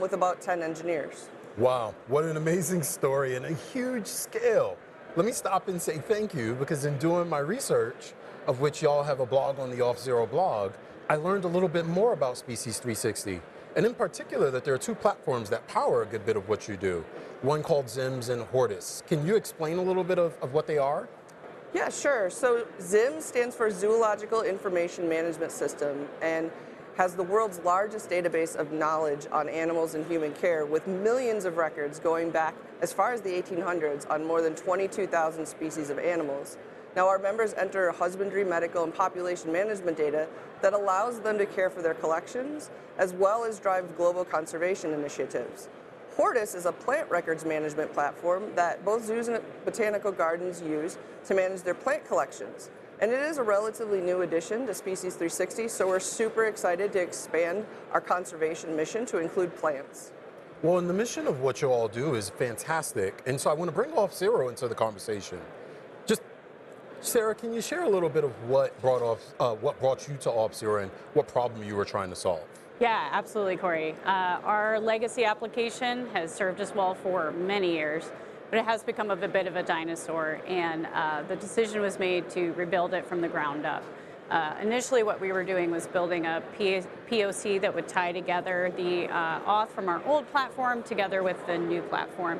S19: with about ten engineers.
S16: Wow, what an amazing story and a huge scale! Let me stop and say thank you, because in doing my research, of which y'all have a blog on the Auth0 blog, I learned a little bit more about Species360, and in particular, that there are two platforms that power a good bit of what you do, one called ZIMS and Hortis. Can you explain a little bit of, of what they are?
S19: Yeah, sure. So ZIMS stands for Zoological Information Management System and has the world's largest database of knowledge on animals in human care, with millions of records going back as far as the 1800s on more than 22,000 species of animals. Now, our members enter husbandry, medical, and population management data that allows them to care for their collections, as well as drive global conservation initiatives. Hortis is a plant records management platform that both zoos and botanical gardens use to manage their plant collections, and it is a relatively new addition to Species360, so we're super excited to expand our conservation mission to include plants.
S16: The mission of what you all do is fantastic, and so I want to bring Auth0 into the conversation. Sara, can you share a little bit of what brought you to Auth0, and what problem you were trying to solve?
S18: Yeah, absolutely, Corey. Our legacy application has served us well for many years, but it has become a bit of a dinosaur and, the decision was made to rebuild it from the ground up. Initially, what we were doing was building a POC that would tie together the, auth from our old platform together with the new platform.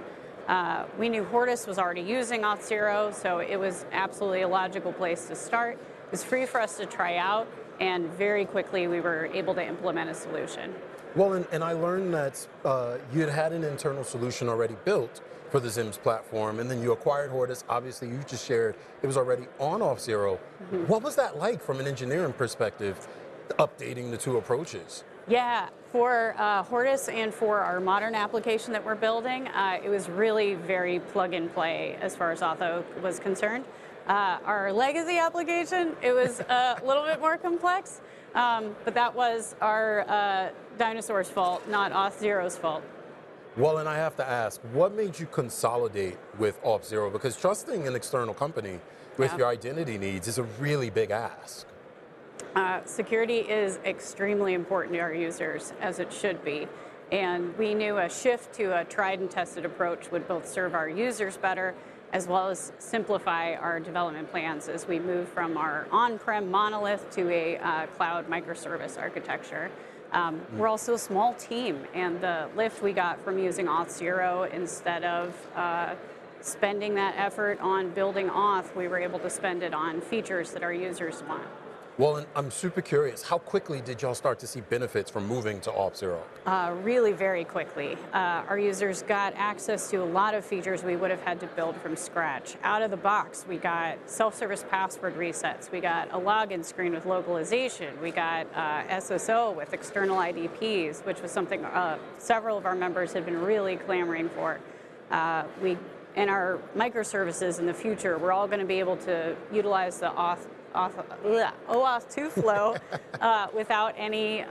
S18: We knew Hortis was already using Auth0, so it was absolutely a logical place to start. It was free for us to try out, and very quickly, we were able to implement a solution.
S16: Well, and I learned that you had had an internal solution already built for the ZIMS platform, and then you acquired Hortis. Obviously, you've just shared it was already on Auth0. What was that like from an engineering perspective, updating the two approaches?
S18: Yeah. For Hortis and for our modern application that we're building, it was really very plug-and-play as far as Auth0 was concerned. Our legacy application, it was a little bit more complex, but that was our dinosaur's fault, not Auth0's fault.
S16: Well, and I have to ask, what made you consolidate with Auth0? Because trusting an external company-
S18: Yeah...
S16: with your identity needs is a really big ask.
S18: Security is extremely important to our users, as it should be, and we knew a shift to a tried-and-tested approach would both serve our users better, as well as simplify our development plans as we move from our on-prem monolith to a cloud microservice architecture.... we're also a small team, and the lift we got from using Auth0 instead of, spending that effort on building auth, we were able to spend it on features that our users want.
S16: Well, and I'm super curious, how quickly did y'all start to see benefits from moving to Auth0?
S18: Really very quickly. Our users got access to a lot of features we would have had to build from scratch. Out of the box, we got self-service password resets. We got a login screen with localization. We got SSO with external IdPs, which was something several of our members had been really clamoring for. We, in our microservices in the future, we're all gonna be able to utilize the OAuth 2.0 flow without any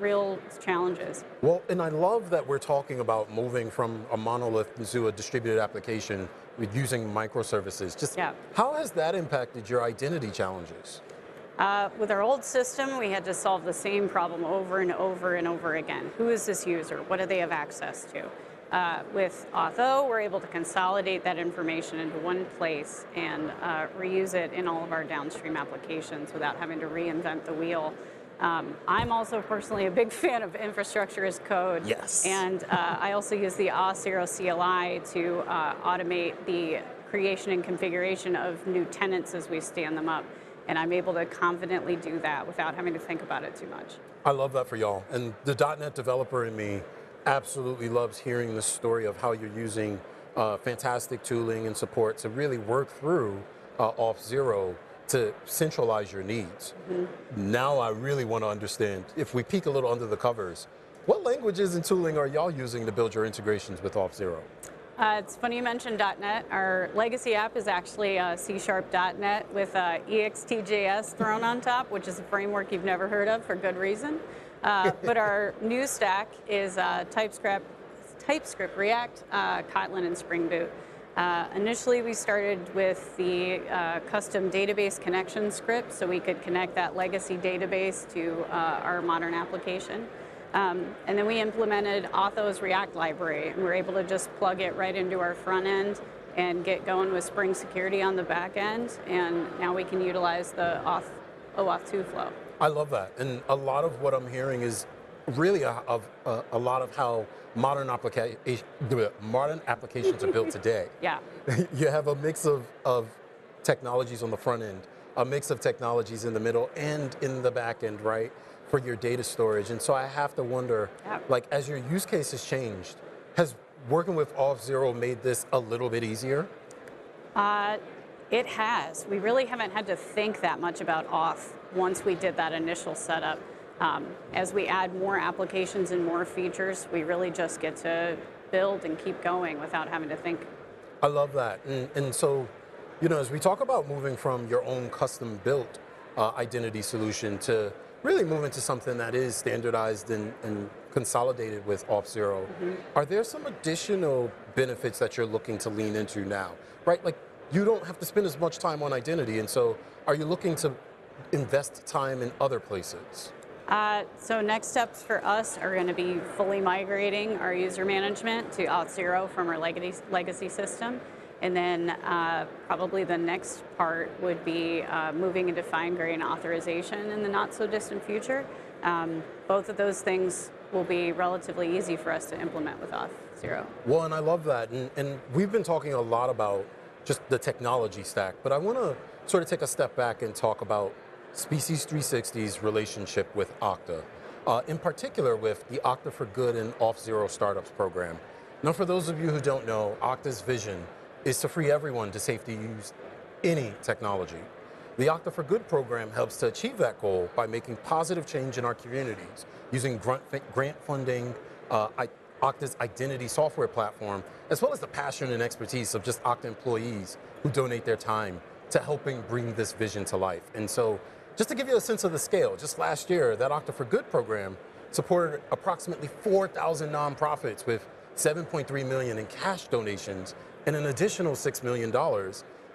S18: real challenges.
S16: I love that we're talking about moving from a monolith to a distributed application with using microservices. Just-
S18: Yeah...
S16: how has that impacted your identity challenges?
S18: With our old system, we had to solve the same problem over and over and over again. Who is this user? What do they have access to? With Auth0, we're able to consolidate that information into one place and reuse it in all of our downstream applications without having to reinvent the wheel. I'm also personally a big fan of infrastructure as code.
S16: Yes.
S18: I also use the Auth0 CLI to automate the creation and configuration of new tenants as we stand them up, and I'm able to confidently do that without having to think about it too much.
S16: I love that for y'all, and the .NET developer in me absolutely loves hearing the story of how you're using fantastic tooling and support to really work through Auth0 to centralize your needs. Now, I really want to understand, if we peek a little under the covers, what languages and tooling are y'all using to build your integrations with Auth0?
S18: It's funny you mentioned .NET. Our legacy app is actually C#.NET with Ext JS thrown on top, which is a framework you've never heard of, for good reason, but our new stack is TypeScript, TypeScript, React, Kotlin, and Spring Boot. Initially, we started with the custom database connection script, so we could connect that legacy database to our modern application, and then we implemented Auth0's React library, and we were able to just plug it right into our front end and get going with Spring Security on the back end, and now we can utilize the OAuth 2.0 flow.
S16: I love that, and a lot of what I'm hearing is really of a lot of how modern applications are built today.
S18: Yeah.
S16: You have a mix of technologies on the front end, a mix of technologies in the middle, and in the back end, right, for your data storage, and so I have to wonder.
S18: Yeah...
S16: like, as your use case has changed, has working with Auth0 made this a little bit easier?
S18: It has. We really haven't had to think that much about auth once we did that initial setup. As we add more applications and more features, we really just get to build and keep going without having to think.
S16: I love that. And so, you know, as we talk about moving from your own custom-built identity solution to really moving to something that is standardized and consolidated with Auth0-... are there some additional benefits that you're looking to lean into now, right? Like, you don't have to spend as much time on identity, and so are you looking to invest time in other places?
S18: So next steps for us are gonna be fully migrating our user management to Auth0 from our legacy system, and then probably the next part would be moving into fine-grained authorization in the not-so-distant future. Both of those things will be relatively easy for us to implement with Auth0.
S16: I love that, and we've been talking a lot about just the technology stack, but I wanna sort of take a step back and talk about Species360's relationship with Okta, in particular, with the Okta for Good and Auth0 Startups program. Now, for those of you who don't know, Okta's vision is to free everyone to safely use any technology. The Okta for Good program helps to achieve that goal by making positive change in our communities using grant funding, Okta's identity software platform, as well as the passion and expertise of just Okta employees who donate their time to helping bring this vision to life. And so just to give you a sense of the scale, just last year, that Okta for Good program supported approximately 4,000 nonprofits with $7.3 million in cash donations and an additional $6 million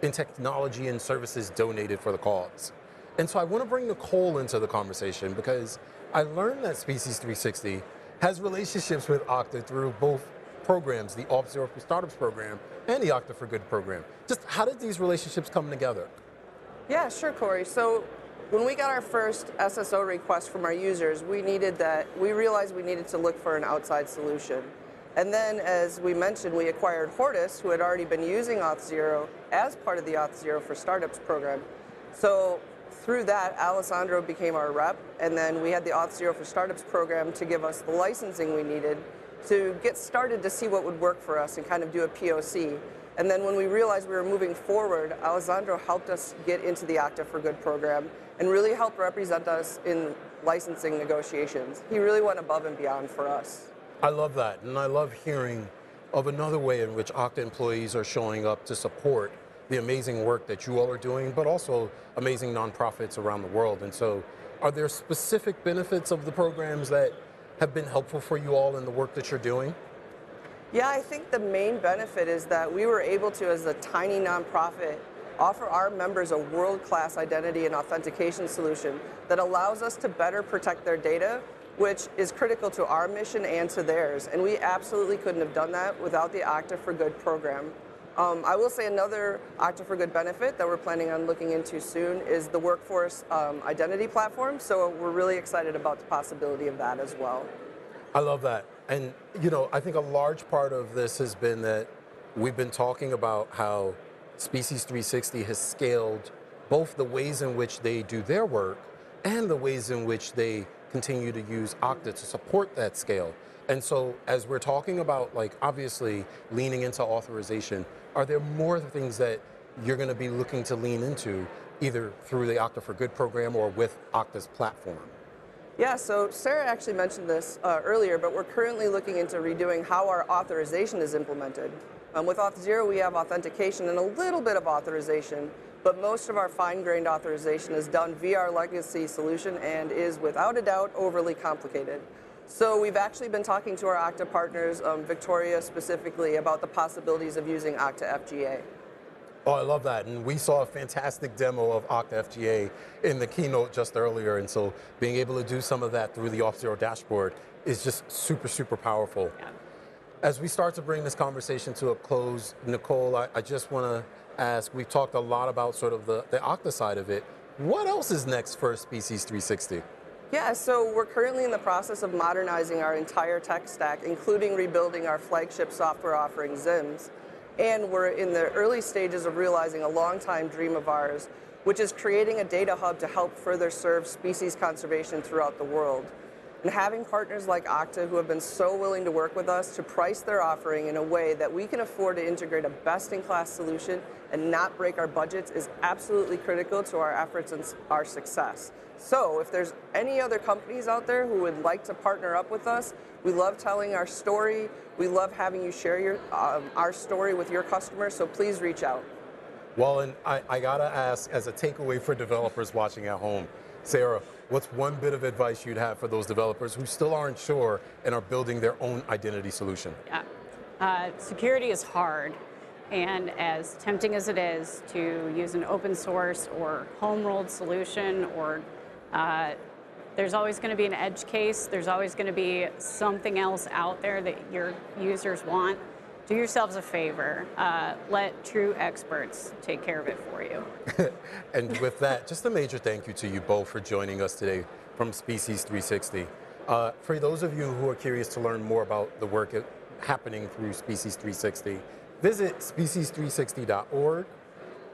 S16: in technology and services donated for the cause. And so I want to bring Nicole into the conversation because I learned that Species360 has relationships with Okta through both programs, the Auth0 for Startups program and the Okta for Good program. Just how did these relationships come together?...
S19: Yeah, sure, Corey. So when we got our first SSO request from our users, we needed that. We realized we needed to look for an outside solution. And then, as we mentioned, we acquired Hortis, who had already been using Auth0 as part of the Auth0 for Startups program. So through that, Alessandro became our rep, and then we had the Auth0 for Startups program to give us the licensing we needed to get started to see what would work for us and kind of do a POC. And then when we realized we were moving forward, Alessandro helped us get into the Okta for Good program and really helped represent us in licensing negotiations. He really went above and beyond for us.
S16: I love that, and I love hearing of another way in which Okta employees are showing up to support the amazing work that you all are doing, but also amazing nonprofits around the world, and so are there specific benefits of the programs that have been helpful for you all in the work that you're doing?
S19: Yeah, I think the main benefit is that we were able to, as a tiny nonprofit, offer our members a world-class identity and authentication solution that allows us to better protect their data, which is critical to our mission and to theirs, and we absolutely couldn't have done that without the Okta for Good program. I will say another Okta for Good benefit that we're planning on looking into soon is the Workforce Identity Platform. So we're really excited about the possibility of that as well.
S16: I love that. And, you know, I think a large part of this has been that we've been talking about how Species360 has scaled both the ways in which they do their work and the ways in which they continue to use Okta to support that scale. And so as we're talking about, like, obviously leaning into authorization, are there more things that you're gonna be looking to lean into, either through the Okta for Good program or with Okta's platform?
S19: Yeah. So Sarah actually mentioned this earlier, but we're currently looking into redoing how our authorization is implemented. With Auth0, we have authentication and a little bit of authorization, but most of our fine-grained authorization is done via our legacy solution and is, without a doubt, overly complicated. So we've actually been talking to our Okta partners, Victoria specifically, about the possibilities of using Okta FGA.
S16: Oh, I love that, and we saw a fantastic demo of Okta FGA in the keynote just earlier, and so being able to do some of that through the Auth0 dashboard is just super, super powerful.
S19: Yeah.
S16: As we start to bring this conversation to a close, Nicole, I just wanna ask, we've talked a lot about sort of the Okta side of it. What else is next for Species360?
S19: Yeah, so we're currently in the process of modernizing our entire tech stack, including rebuilding our flagship software offering, ZIMS. And we're in the early stages of realizing a longtime dream of ours, which is creating a data hub to help further serve species conservation throughout the world. And having partners like Okta, who have been so willing to work with us, to price their offering in a way that we can afford to integrate a best-in-class solution and not break our budgets, is absolutely critical to our efforts and our success. So if there's any other companies out there who would like to partner up with us, we love telling our story. We love having you share your, our story with your customers, so please reach out.
S16: I gotta ask, as a takeaway for developers watching at home, Sarah, what's one bit of advice you'd have for those developers who still aren't sure and are building their own identity solution?
S18: Yeah. Security is hard, and as tempting as it is to use an open source or home-rolled solution or... There's always gonna be an edge case. There's always gonna be something else out there that your users want. Do yourselves a favor. Let true experts take care of it for you.
S16: With that, just a major thank you to you both for joining us today from Species360. For those of you who are curious to learn more about the work happening through Species360, visit species360.org.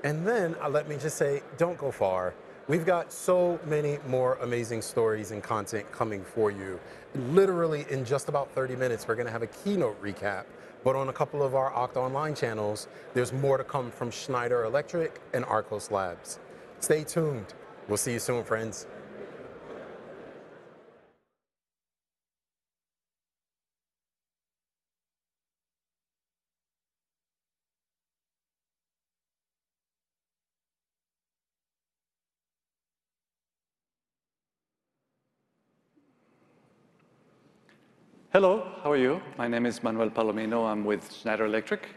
S16: Then, let me just say, don't go far. We've got so many more amazing stories and content coming for you. Literally, in just about 30 minutes, we're gonna have a keynote recap, but on a couple of our Okta online channels, there's more to come from Schneider Electric and Arkose Labs. Stay tuned. We'll see you soon, friends.
S20: Hello, how are you? My name is Manuel Palomino. I'm with Schneider Electric,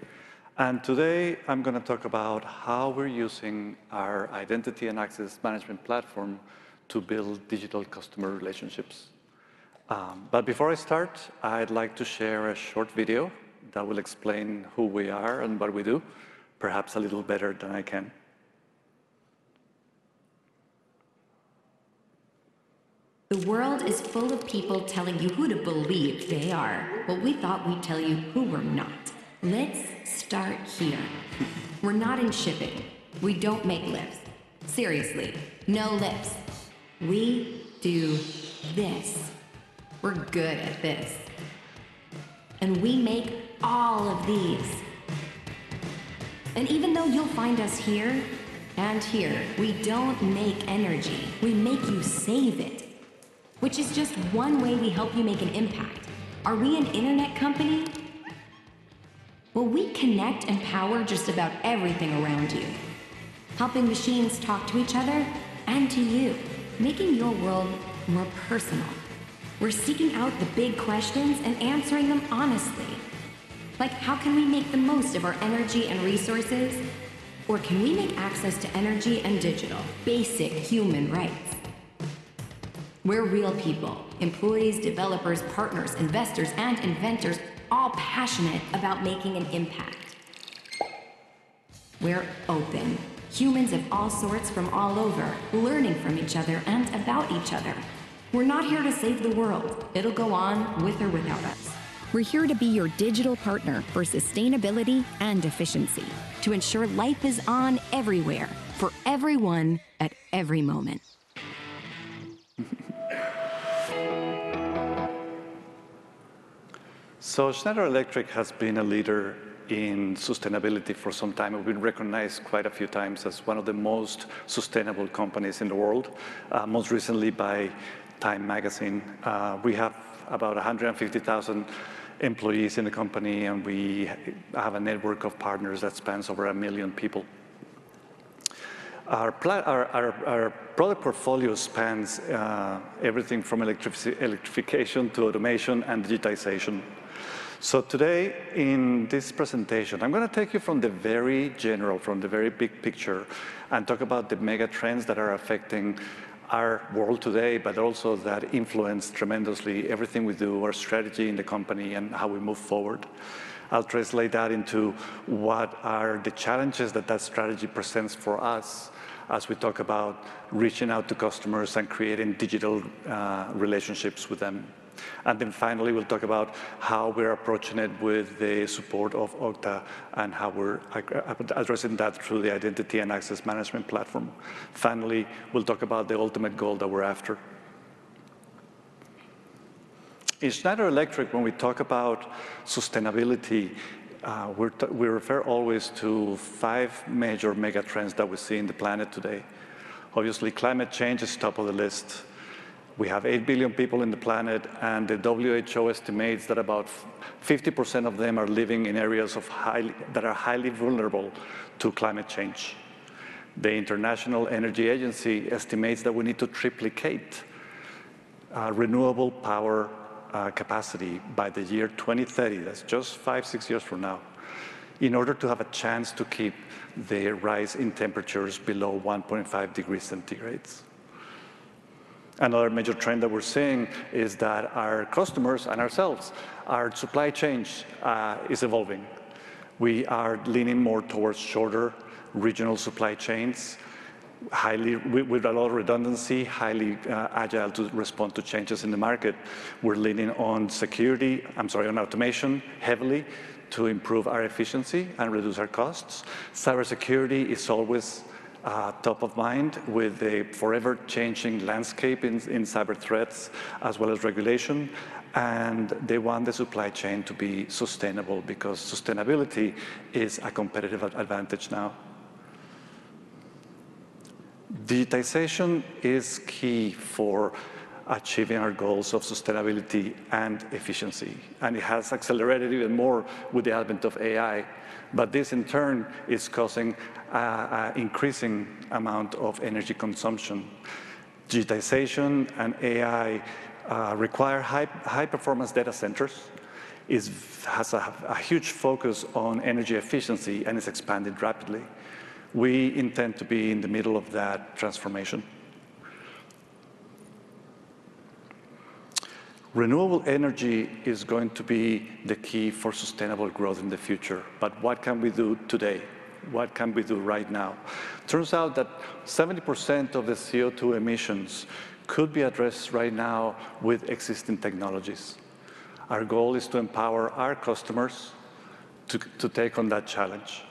S20: and today I'm gonna talk about how we're using our identity and access management platform to build digital customer relationships, but before I start, I'd like to share a short video that will explain who we are and what we do, perhaps a little better than I can.
S2: The world is full of people telling you who to believe they are, but we thought we'd tell you who we're not. Let's start here. We're not in shipping. We don't make lips. Seriously, no lips. We do this. We're good at this, and we make all of these. And even though you'll find us here and here, we don't make energy. We make you save it, which is just one way we help you make an impact. Are we an internet company? Well, we connect and power just about everything around you, helping machines talk to each other and to you, making your world more personal. We're seeking out the big questions and answering them honestly, like, "How can we make the most of our energy and resources?" or, "Can we make access to energy and digital basic human rights?"... We're real people, employees, developers, partners, investors, and inventors, all passionate about making an impact. We're open, humans of all sorts from all over, learning from each other and about each other. We're not here to save the world. It'll go on with or without us. We're here to be your digital partner for sustainability and efficiency, to ensure life is on everywhere, for everyone, at every moment.
S20: Schneider Electric has been a leader in sustainability for some time. We've been recognized quite a few times as one of the most sustainable companies in the world, most recently by Time magazine. We have about 150,000 employees in the company, and we have a network of partners that spans over 1 million people. Our product portfolio spans everything from electrification to automation and digitization. Today, in this presentation, I'm gonna take you from the very general, from the very big picture, and talk about the mega trends that are affecting our world today, but also that influence tremendously everything we do, our strategy in the company, and how we move forward. I'll translate that into what are the challenges that that strategy presents for us, as we talk about reaching out to customers and creating digital relationships with them. Then finally, we'll talk about how we're approaching it with the support of Okta, and how we're addressing that through the identity and access management platform. Finally, we'll talk about the ultimate goal that we're after. In Schneider Electric, when we talk about sustainability, we refer always to five major mega trends that we see in the planet today. Obviously, climate change is top of the list. We have eight billion people in the planet, and the WHO estimates that about 50% of them are living in areas of high that are highly vulnerable to climate change. The International Energy Agency estimates that we need to triplicate renewable power capacity by the year 2030, that's just five, six years from now, in order to have a chance to keep the rise in temperatures below 1.5 degrees Celsius. Another major trend that we're seeing is that our customers, and ourselves, our supply chains is evolving. We are leaning more towards shorter, regional supply chains, highly with a lot of redundancy, highly agile to respond to changes in the market. We're leaning on security, I'm sorry, on automation, heavily, to improve our efficiency and reduce our costs. Cybersecurity is always top of mind, with the forever-changing landscape in cyber threats, as well as regulation, and they want the supply chain to be sustainable, because sustainability is a competitive advantage now. Digitization is key for achieving our goals of sustainability and efficiency, and it has accelerated even more with the advent of AI. But this, in turn, is causing a increasing amount of energy consumption. Digitization and AI require high-performance data centers. It has a huge focus on energy efficiency, and it's expanding rapidly. We intend to be in the middle of that transformation. Renewable energy is going to be the key for sustainable growth in the future, but what can we do today? What can we do right now? Turns out that 70% of the CO2 emissions could be addressed right now with existing technologies. Our goal is to empower our customers to take on that challenge.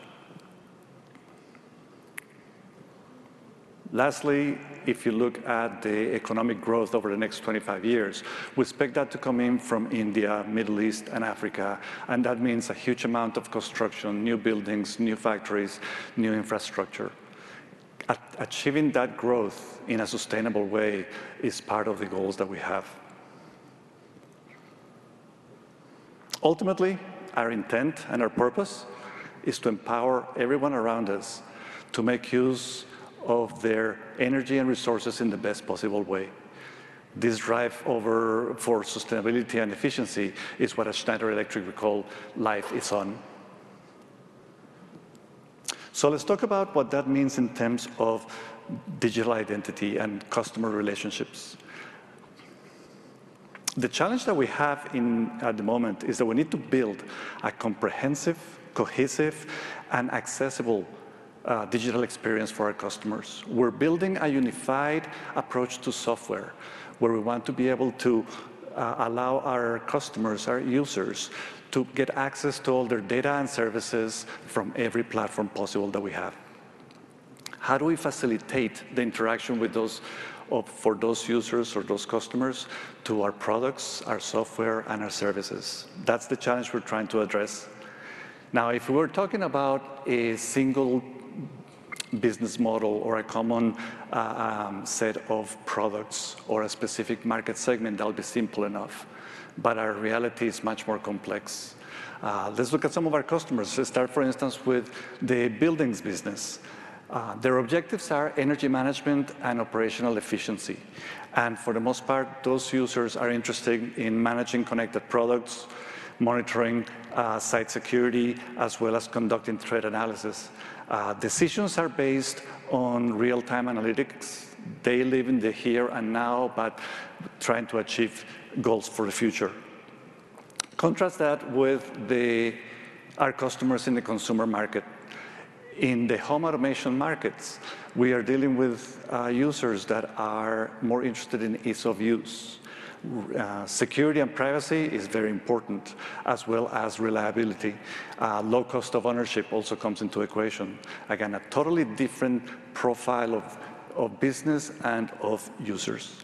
S20: Lastly, if you look at the economic growth over the next twenty-five years, we expect that to come in from India, Middle East, and Africa, and that means a huge amount of construction, new buildings, new factories, new infrastructure. Achieving that growth in a sustainable way is part of the goals that we have. Ultimately, our intent and our purpose is to empower everyone around us to make use of their energy and resources in the best possible way. This drive over for sustainability and efficiency is what, at Schneider Electric, we call "Life Is On." So let's talk about what that means in terms of digital identity and customer relationships. The challenge that we have in, at the moment, is that we need to build a comprehensive, cohesive, and accessible digital experience for our customers. We're building a unified approach to software, where we want to be able to allow our customers, our users, to get access to all their data and services from every platform possible that we have. How do we facilitate the interaction with those for those users or those customers to our products, our software, and our services? That's the challenge we're trying to address. Now, if we were talking about a single business model or a common set of products or a specific market segment, that would be simple enough. But our reality is much more complex. Let's look at some of our customers. Let's start, for instance, with the buildings business. Their objectives are energy management and operational efficiency, and for the most part, those users are interested in managing connected products, monitoring site security, as well as conducting threat analysis. Decisions are based on real-time analytics. They live in the here and now, but trying to achieve goals for the future. Contrast that with our customers in the consumer market. In the home automation markets, we are dealing with users that are more interested in ease of use. Security and privacy is very important, as well as reliability. Low cost of ownership also comes into the equation. Again, a totally different profile of business and of users.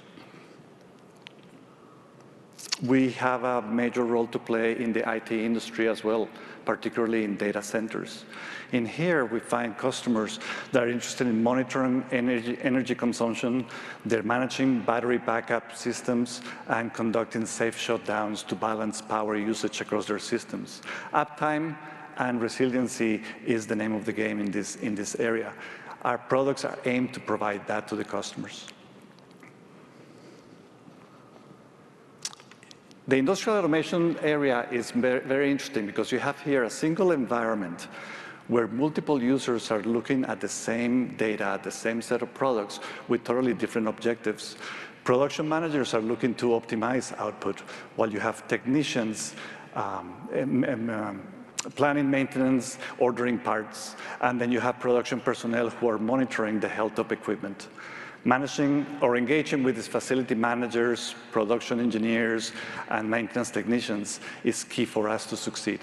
S20: We have a major role to play in the IT industry as well, particularly in data centers. In here, we find customers that are interested in monitoring energy consumption. They're managing battery backup systems, and conducting safe shutdowns to balance power usage across their systems. Uptime and resiliency is the name of the game in this area. Our products are aimed to provide that to the customers. The industrial automation area is very interesting, because you have here a single environment where multiple users are looking at the same data, the same set of products, with totally different objectives. Production managers are looking to optimize output, while you have technicians planning maintenance, ordering parts, and then you have production personnel who are monitoring the health of equipment. Managing or engaging with these facility managers, production engineers, and maintenance technicians is key for us to succeed.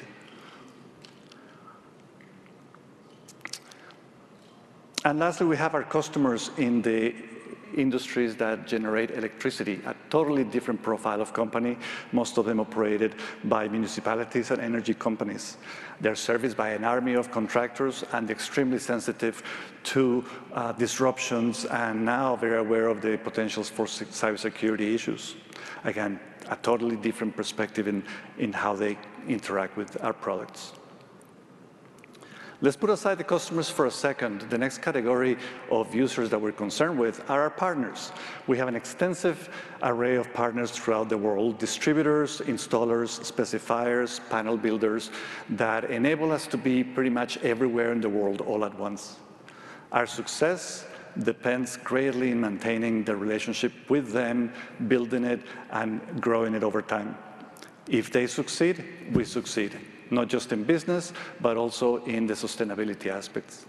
S20: Lastly, we have our customers in the industries that generate electricity, a totally different profile of company, most of them operated by municipalities and energy companies. They're serviced by an army of contractors, and extremely sensitive to disruptions, and now very aware of the potentials for cybersecurity issues. Again, a totally different perspective in how they interact with our products. Let's put aside the customers for a second. The next category of users that we're concerned with are our partners. We have an extensive array of partners throughout the world, distributors, installers, specifiers, panel builders, that enable us to be pretty much everywhere in the world all at once. Our success depends greatly in maintaining the relationship with them, building it, and growing it over time. If they succeed, we succeed, not just in business, but also in the sustainability aspects.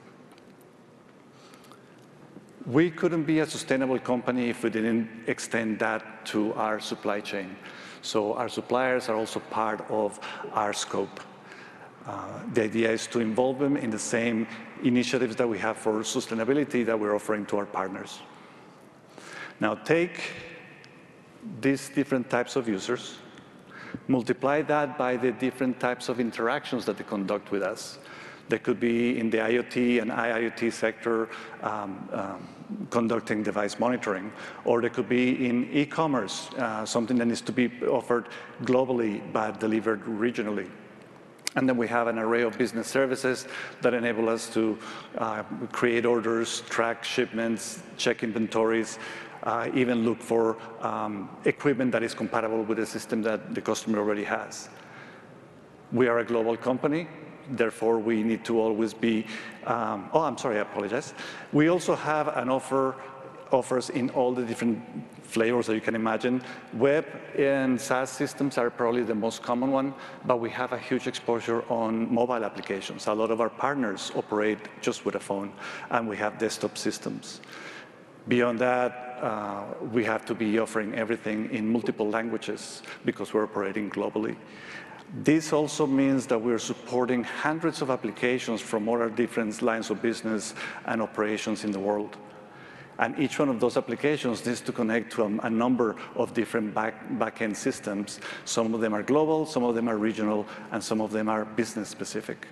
S20: We couldn't be a sustainable company if we didn't extend that to our supply chain, so our suppliers are also part of our scope. The idea is to involve them in the same initiatives that we have for sustainability that we're offering to our partners. Now, take these different types of users, multiply that by the different types of interactions that they conduct with us. They could be in the IoT and IIoT sector, conducting device monitoring, or they could be in e-commerce, something that needs to be offered globally but delivered regionally. Then we have an array of business services that enable us to create orders, track shipments, check inventories, even look for equipment that is compatible with the system that the customer already has. We are a global company, therefore, we need to always be. Oh, I'm sorry, I apologize. We also have offers in all the different flavors that you can imagine. Web and SaaS systems are probably the most common one, but we have a huge exposure on mobile applications. A lot of our partners operate just with a phone, and we have desktop systems. Beyond that, we have to be offering everything in multiple languages, because we're operating globally. This also means that we're supporting hundreds of applications from all our different lines of business and operations in the world, and each one of those applications needs to connect to a number of different back-end systems. Some of them are global, some of them are regional, and some of them are business-specific.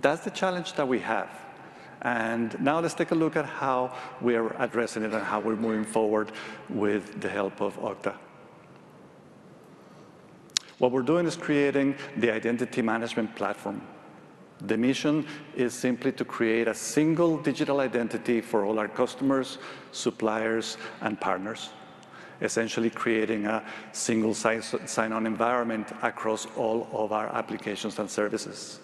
S20: That's the challenge that we have, and now let's take a look at how we are addressing it, and how we're moving forward with the help of Okta. What we're doing is creating the identity management platform. The mission is simply to create a single digital identity for all our customers, suppliers, and partners, essentially creating a single sign-on environment across all of our applications and services.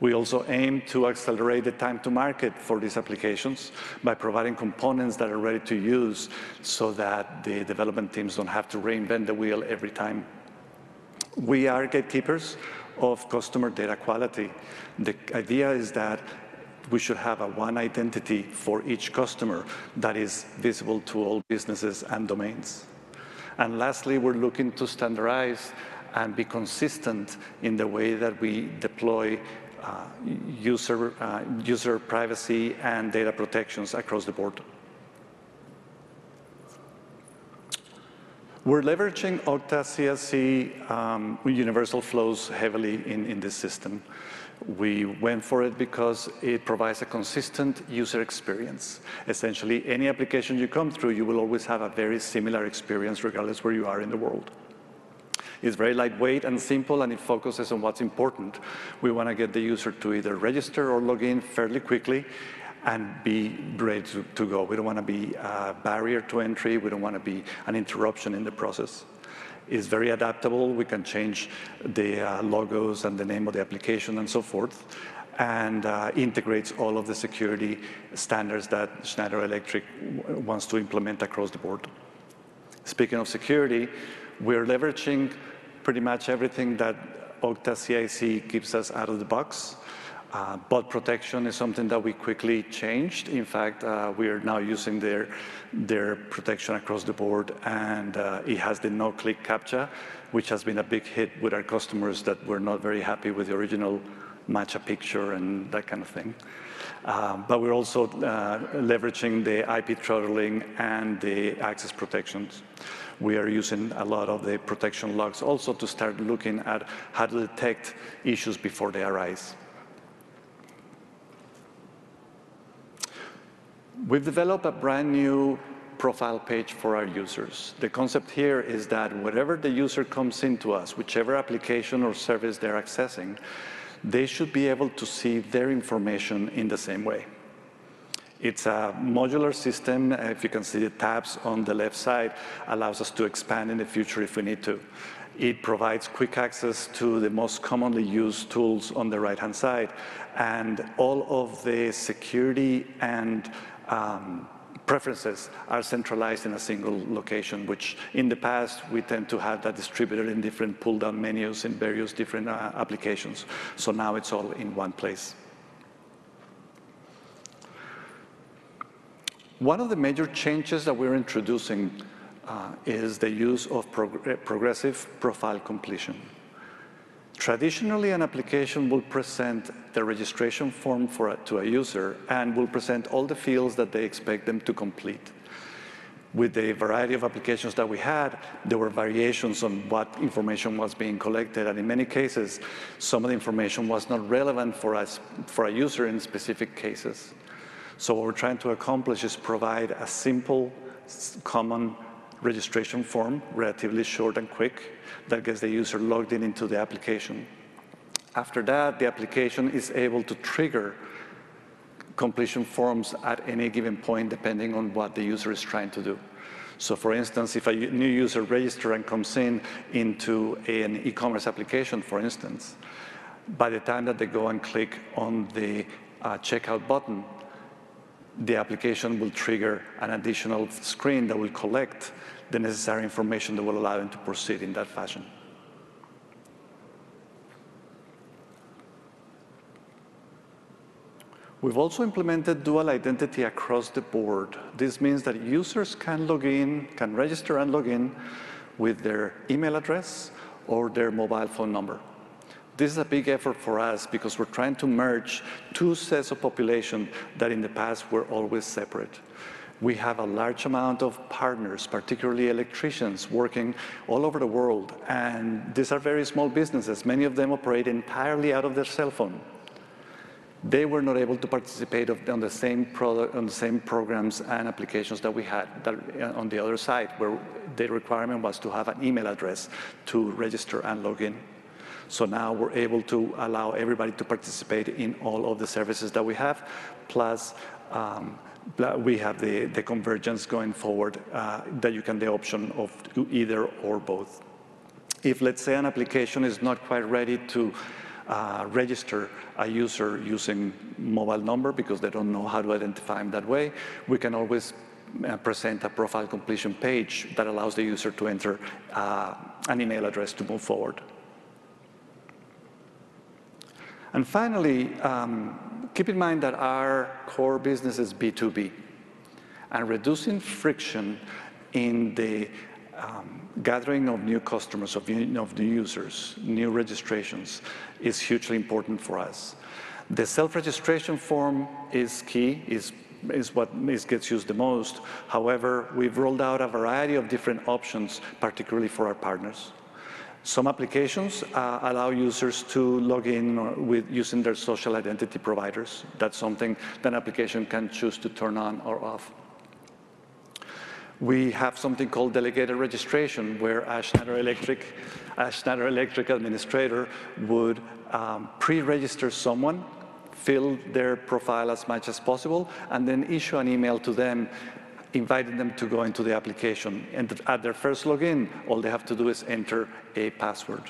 S20: We also aim to accelerate the time to market for these applications by providing components that are ready to use, so that the development teams don't have to reinvent the wheel every time. We are gatekeepers of customer data quality. The idea is that we should have a one identity for each customer that is visible to all businesses and domains. And lastly, we're looking to standardize and be consistent in the way that we deploy user privacy and data protections across the board. We're leveraging Okta's CIC with universal flows heavily in this system. We went for it because it provides a consistent user experience. Essentially, any application you come through, you will always have a very similar experience, regardless where you are in the world. It's very lightweight and simple, and it focuses on what's important. We want to get the user to either register or log in fairly quickly, and be ready to, to go. We don't want to be a barrier to entry. We don't want to be an interruption in the process. It's very adaptable. We can change the logos and the name of the application, and so forth, and integrates all of the security standards that Schneider Electric wants to implement across the board. Speaking of security, we're leveraging pretty much everything that Okta CIC gives us out of the box, bot protection is something that we quickly changed. In fact, we are now using their protection across the board, and it has the no-click CAPTCHA, which has been a big hit with our customers that were not very happy with the original match a picture and that kind of thing, but we're also leveraging the IP throttling and the access protections. We are using a lot of the protection logs also to start looking at how to detect issues before they arise. We've developed a brand-new profile page for our users. The concept here is that whenever the user comes into us, whichever application or service they're accessing, they should be able to see their information in the same way. It's a modular system, if you can see the tabs on the left side, allows us to expand in the future if we need to. It provides quick access to the most commonly used tools on the right-hand side, and all of the security and preferences are centralized in a single location, which in the past, we tend to have that distributed in different pull-down menus in various different applications. So now it's all in one place. One of the major changes that we're introducing is the use of progressive profile completion. Traditionally, an application will present the registration form to a user and will present all the fields that they expect them to complete. With the variety of applications that we had, there were variations on what information was being collected, and in many cases, some of the information was not relevant for us, for a user in specific cases. So what we're trying to accomplish is provide a simple, common registration form, relatively short and quick, that gets the user logged in into the application. After that, the application is able to trigger completion forms at any given point, depending on what the user is trying to do. So, for instance, if a new user register and comes in into a, an e-commerce application, for instance, by the time that they go and click on the checkout button, the application will trigger an additional screen that will collect the necessary information that will allow them to proceed in that fashion. We've also implemented dual identity across the board. This means that users can log in, can register and log in with their email address or their mobile phone number. This is a big effort for us because we're trying to merge two sets of population that in the past were always separate. We have a large amount of partners, particularly electricians, working all over the world, and these are very small businesses. Many of them operate entirely out of their cell phone. They were not able to participate of, on the same product, on the same programs and applications that we had, that, on the other side, where the requirement was to have an email address to register and log in. So now we're able to allow everybody to participate in all of the services that we have, plus, we have the convergence going forward, that you can the option of do either or both. If, let's say, an application is not quite ready to register a user using mobile number because they don't know how to identify him that way, we can always present a profile completion page that allows the user to enter an email address to move forward. And finally, keep in mind that our core business is B2B, and reducing friction in the gathering of new customers, of new users, new registrations, is hugely important for us. The self-registration form is key, is what gets used the most. However, we've rolled out a variety of different options, particularly for our partners. Some applications allow users to log in with using their social identity providers. That's something that application can choose to turn on or off. We have something called delegated registration, where a Schneider Electric administrator would pre-register someone, fill their profile as much as possible, and then issue an email to them, inviting them to go into the application, and at their first login, all they have to do is enter a password.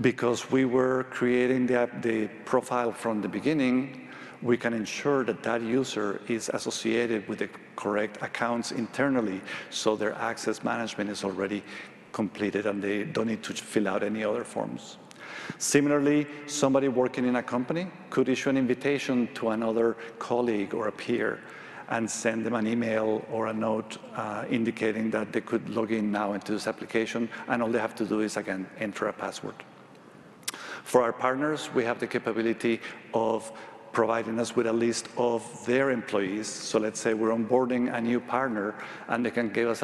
S20: Because we were creating the app, the profile from the beginning, we can ensure that that user is associated with the correct accounts internally, so their access management is already completed, and they don't need to fill out any other forms. Similarly, somebody working in a company could issue an invitation to another colleague or a peer and send them an email or a note, indicating that they could log in now into this application, and all they have to do is, again, enter a password. For our partners, we have the capability of providing us with a list of their employees. So let's say we're onboarding a new partner, and they can give us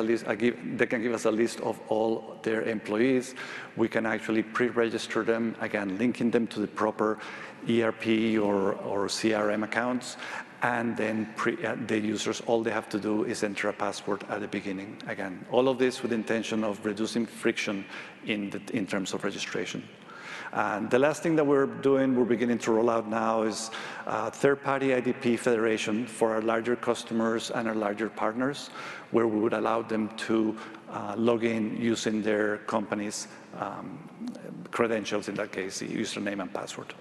S20: a list of all their employees. We can actually pre-register them, again, linking them to the proper ERP or CRM accounts, and then the users, all they have to do is enter a password at the beginning. Again, all of this with the intention of reducing friction in terms of registration. And the last thing that we're doing, we're beginning to roll out now, is third-party IdP federation for our larger customers and our larger partners, where we would allow them to log in using their company's credentials, in that case, the username and password.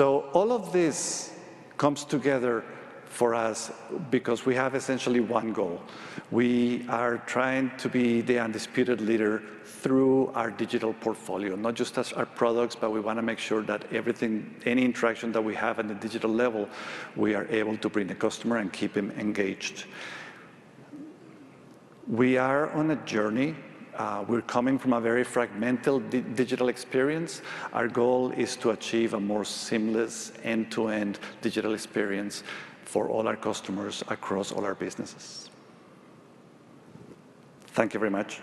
S20: All of this comes together for us because we have essentially one goal. We are trying to be the undisputed leader through our digital portfolio, not just as our products, but we wanna make sure that everything, any interaction that we have in the digital level, we are able to bring the customer and keep him engaged. We are on a journey. We're coming from a very fragmented digital experience. Our goal is to achieve a more seamless, end-to-end digital experience for all our customers across all our businesses. Thank you very much.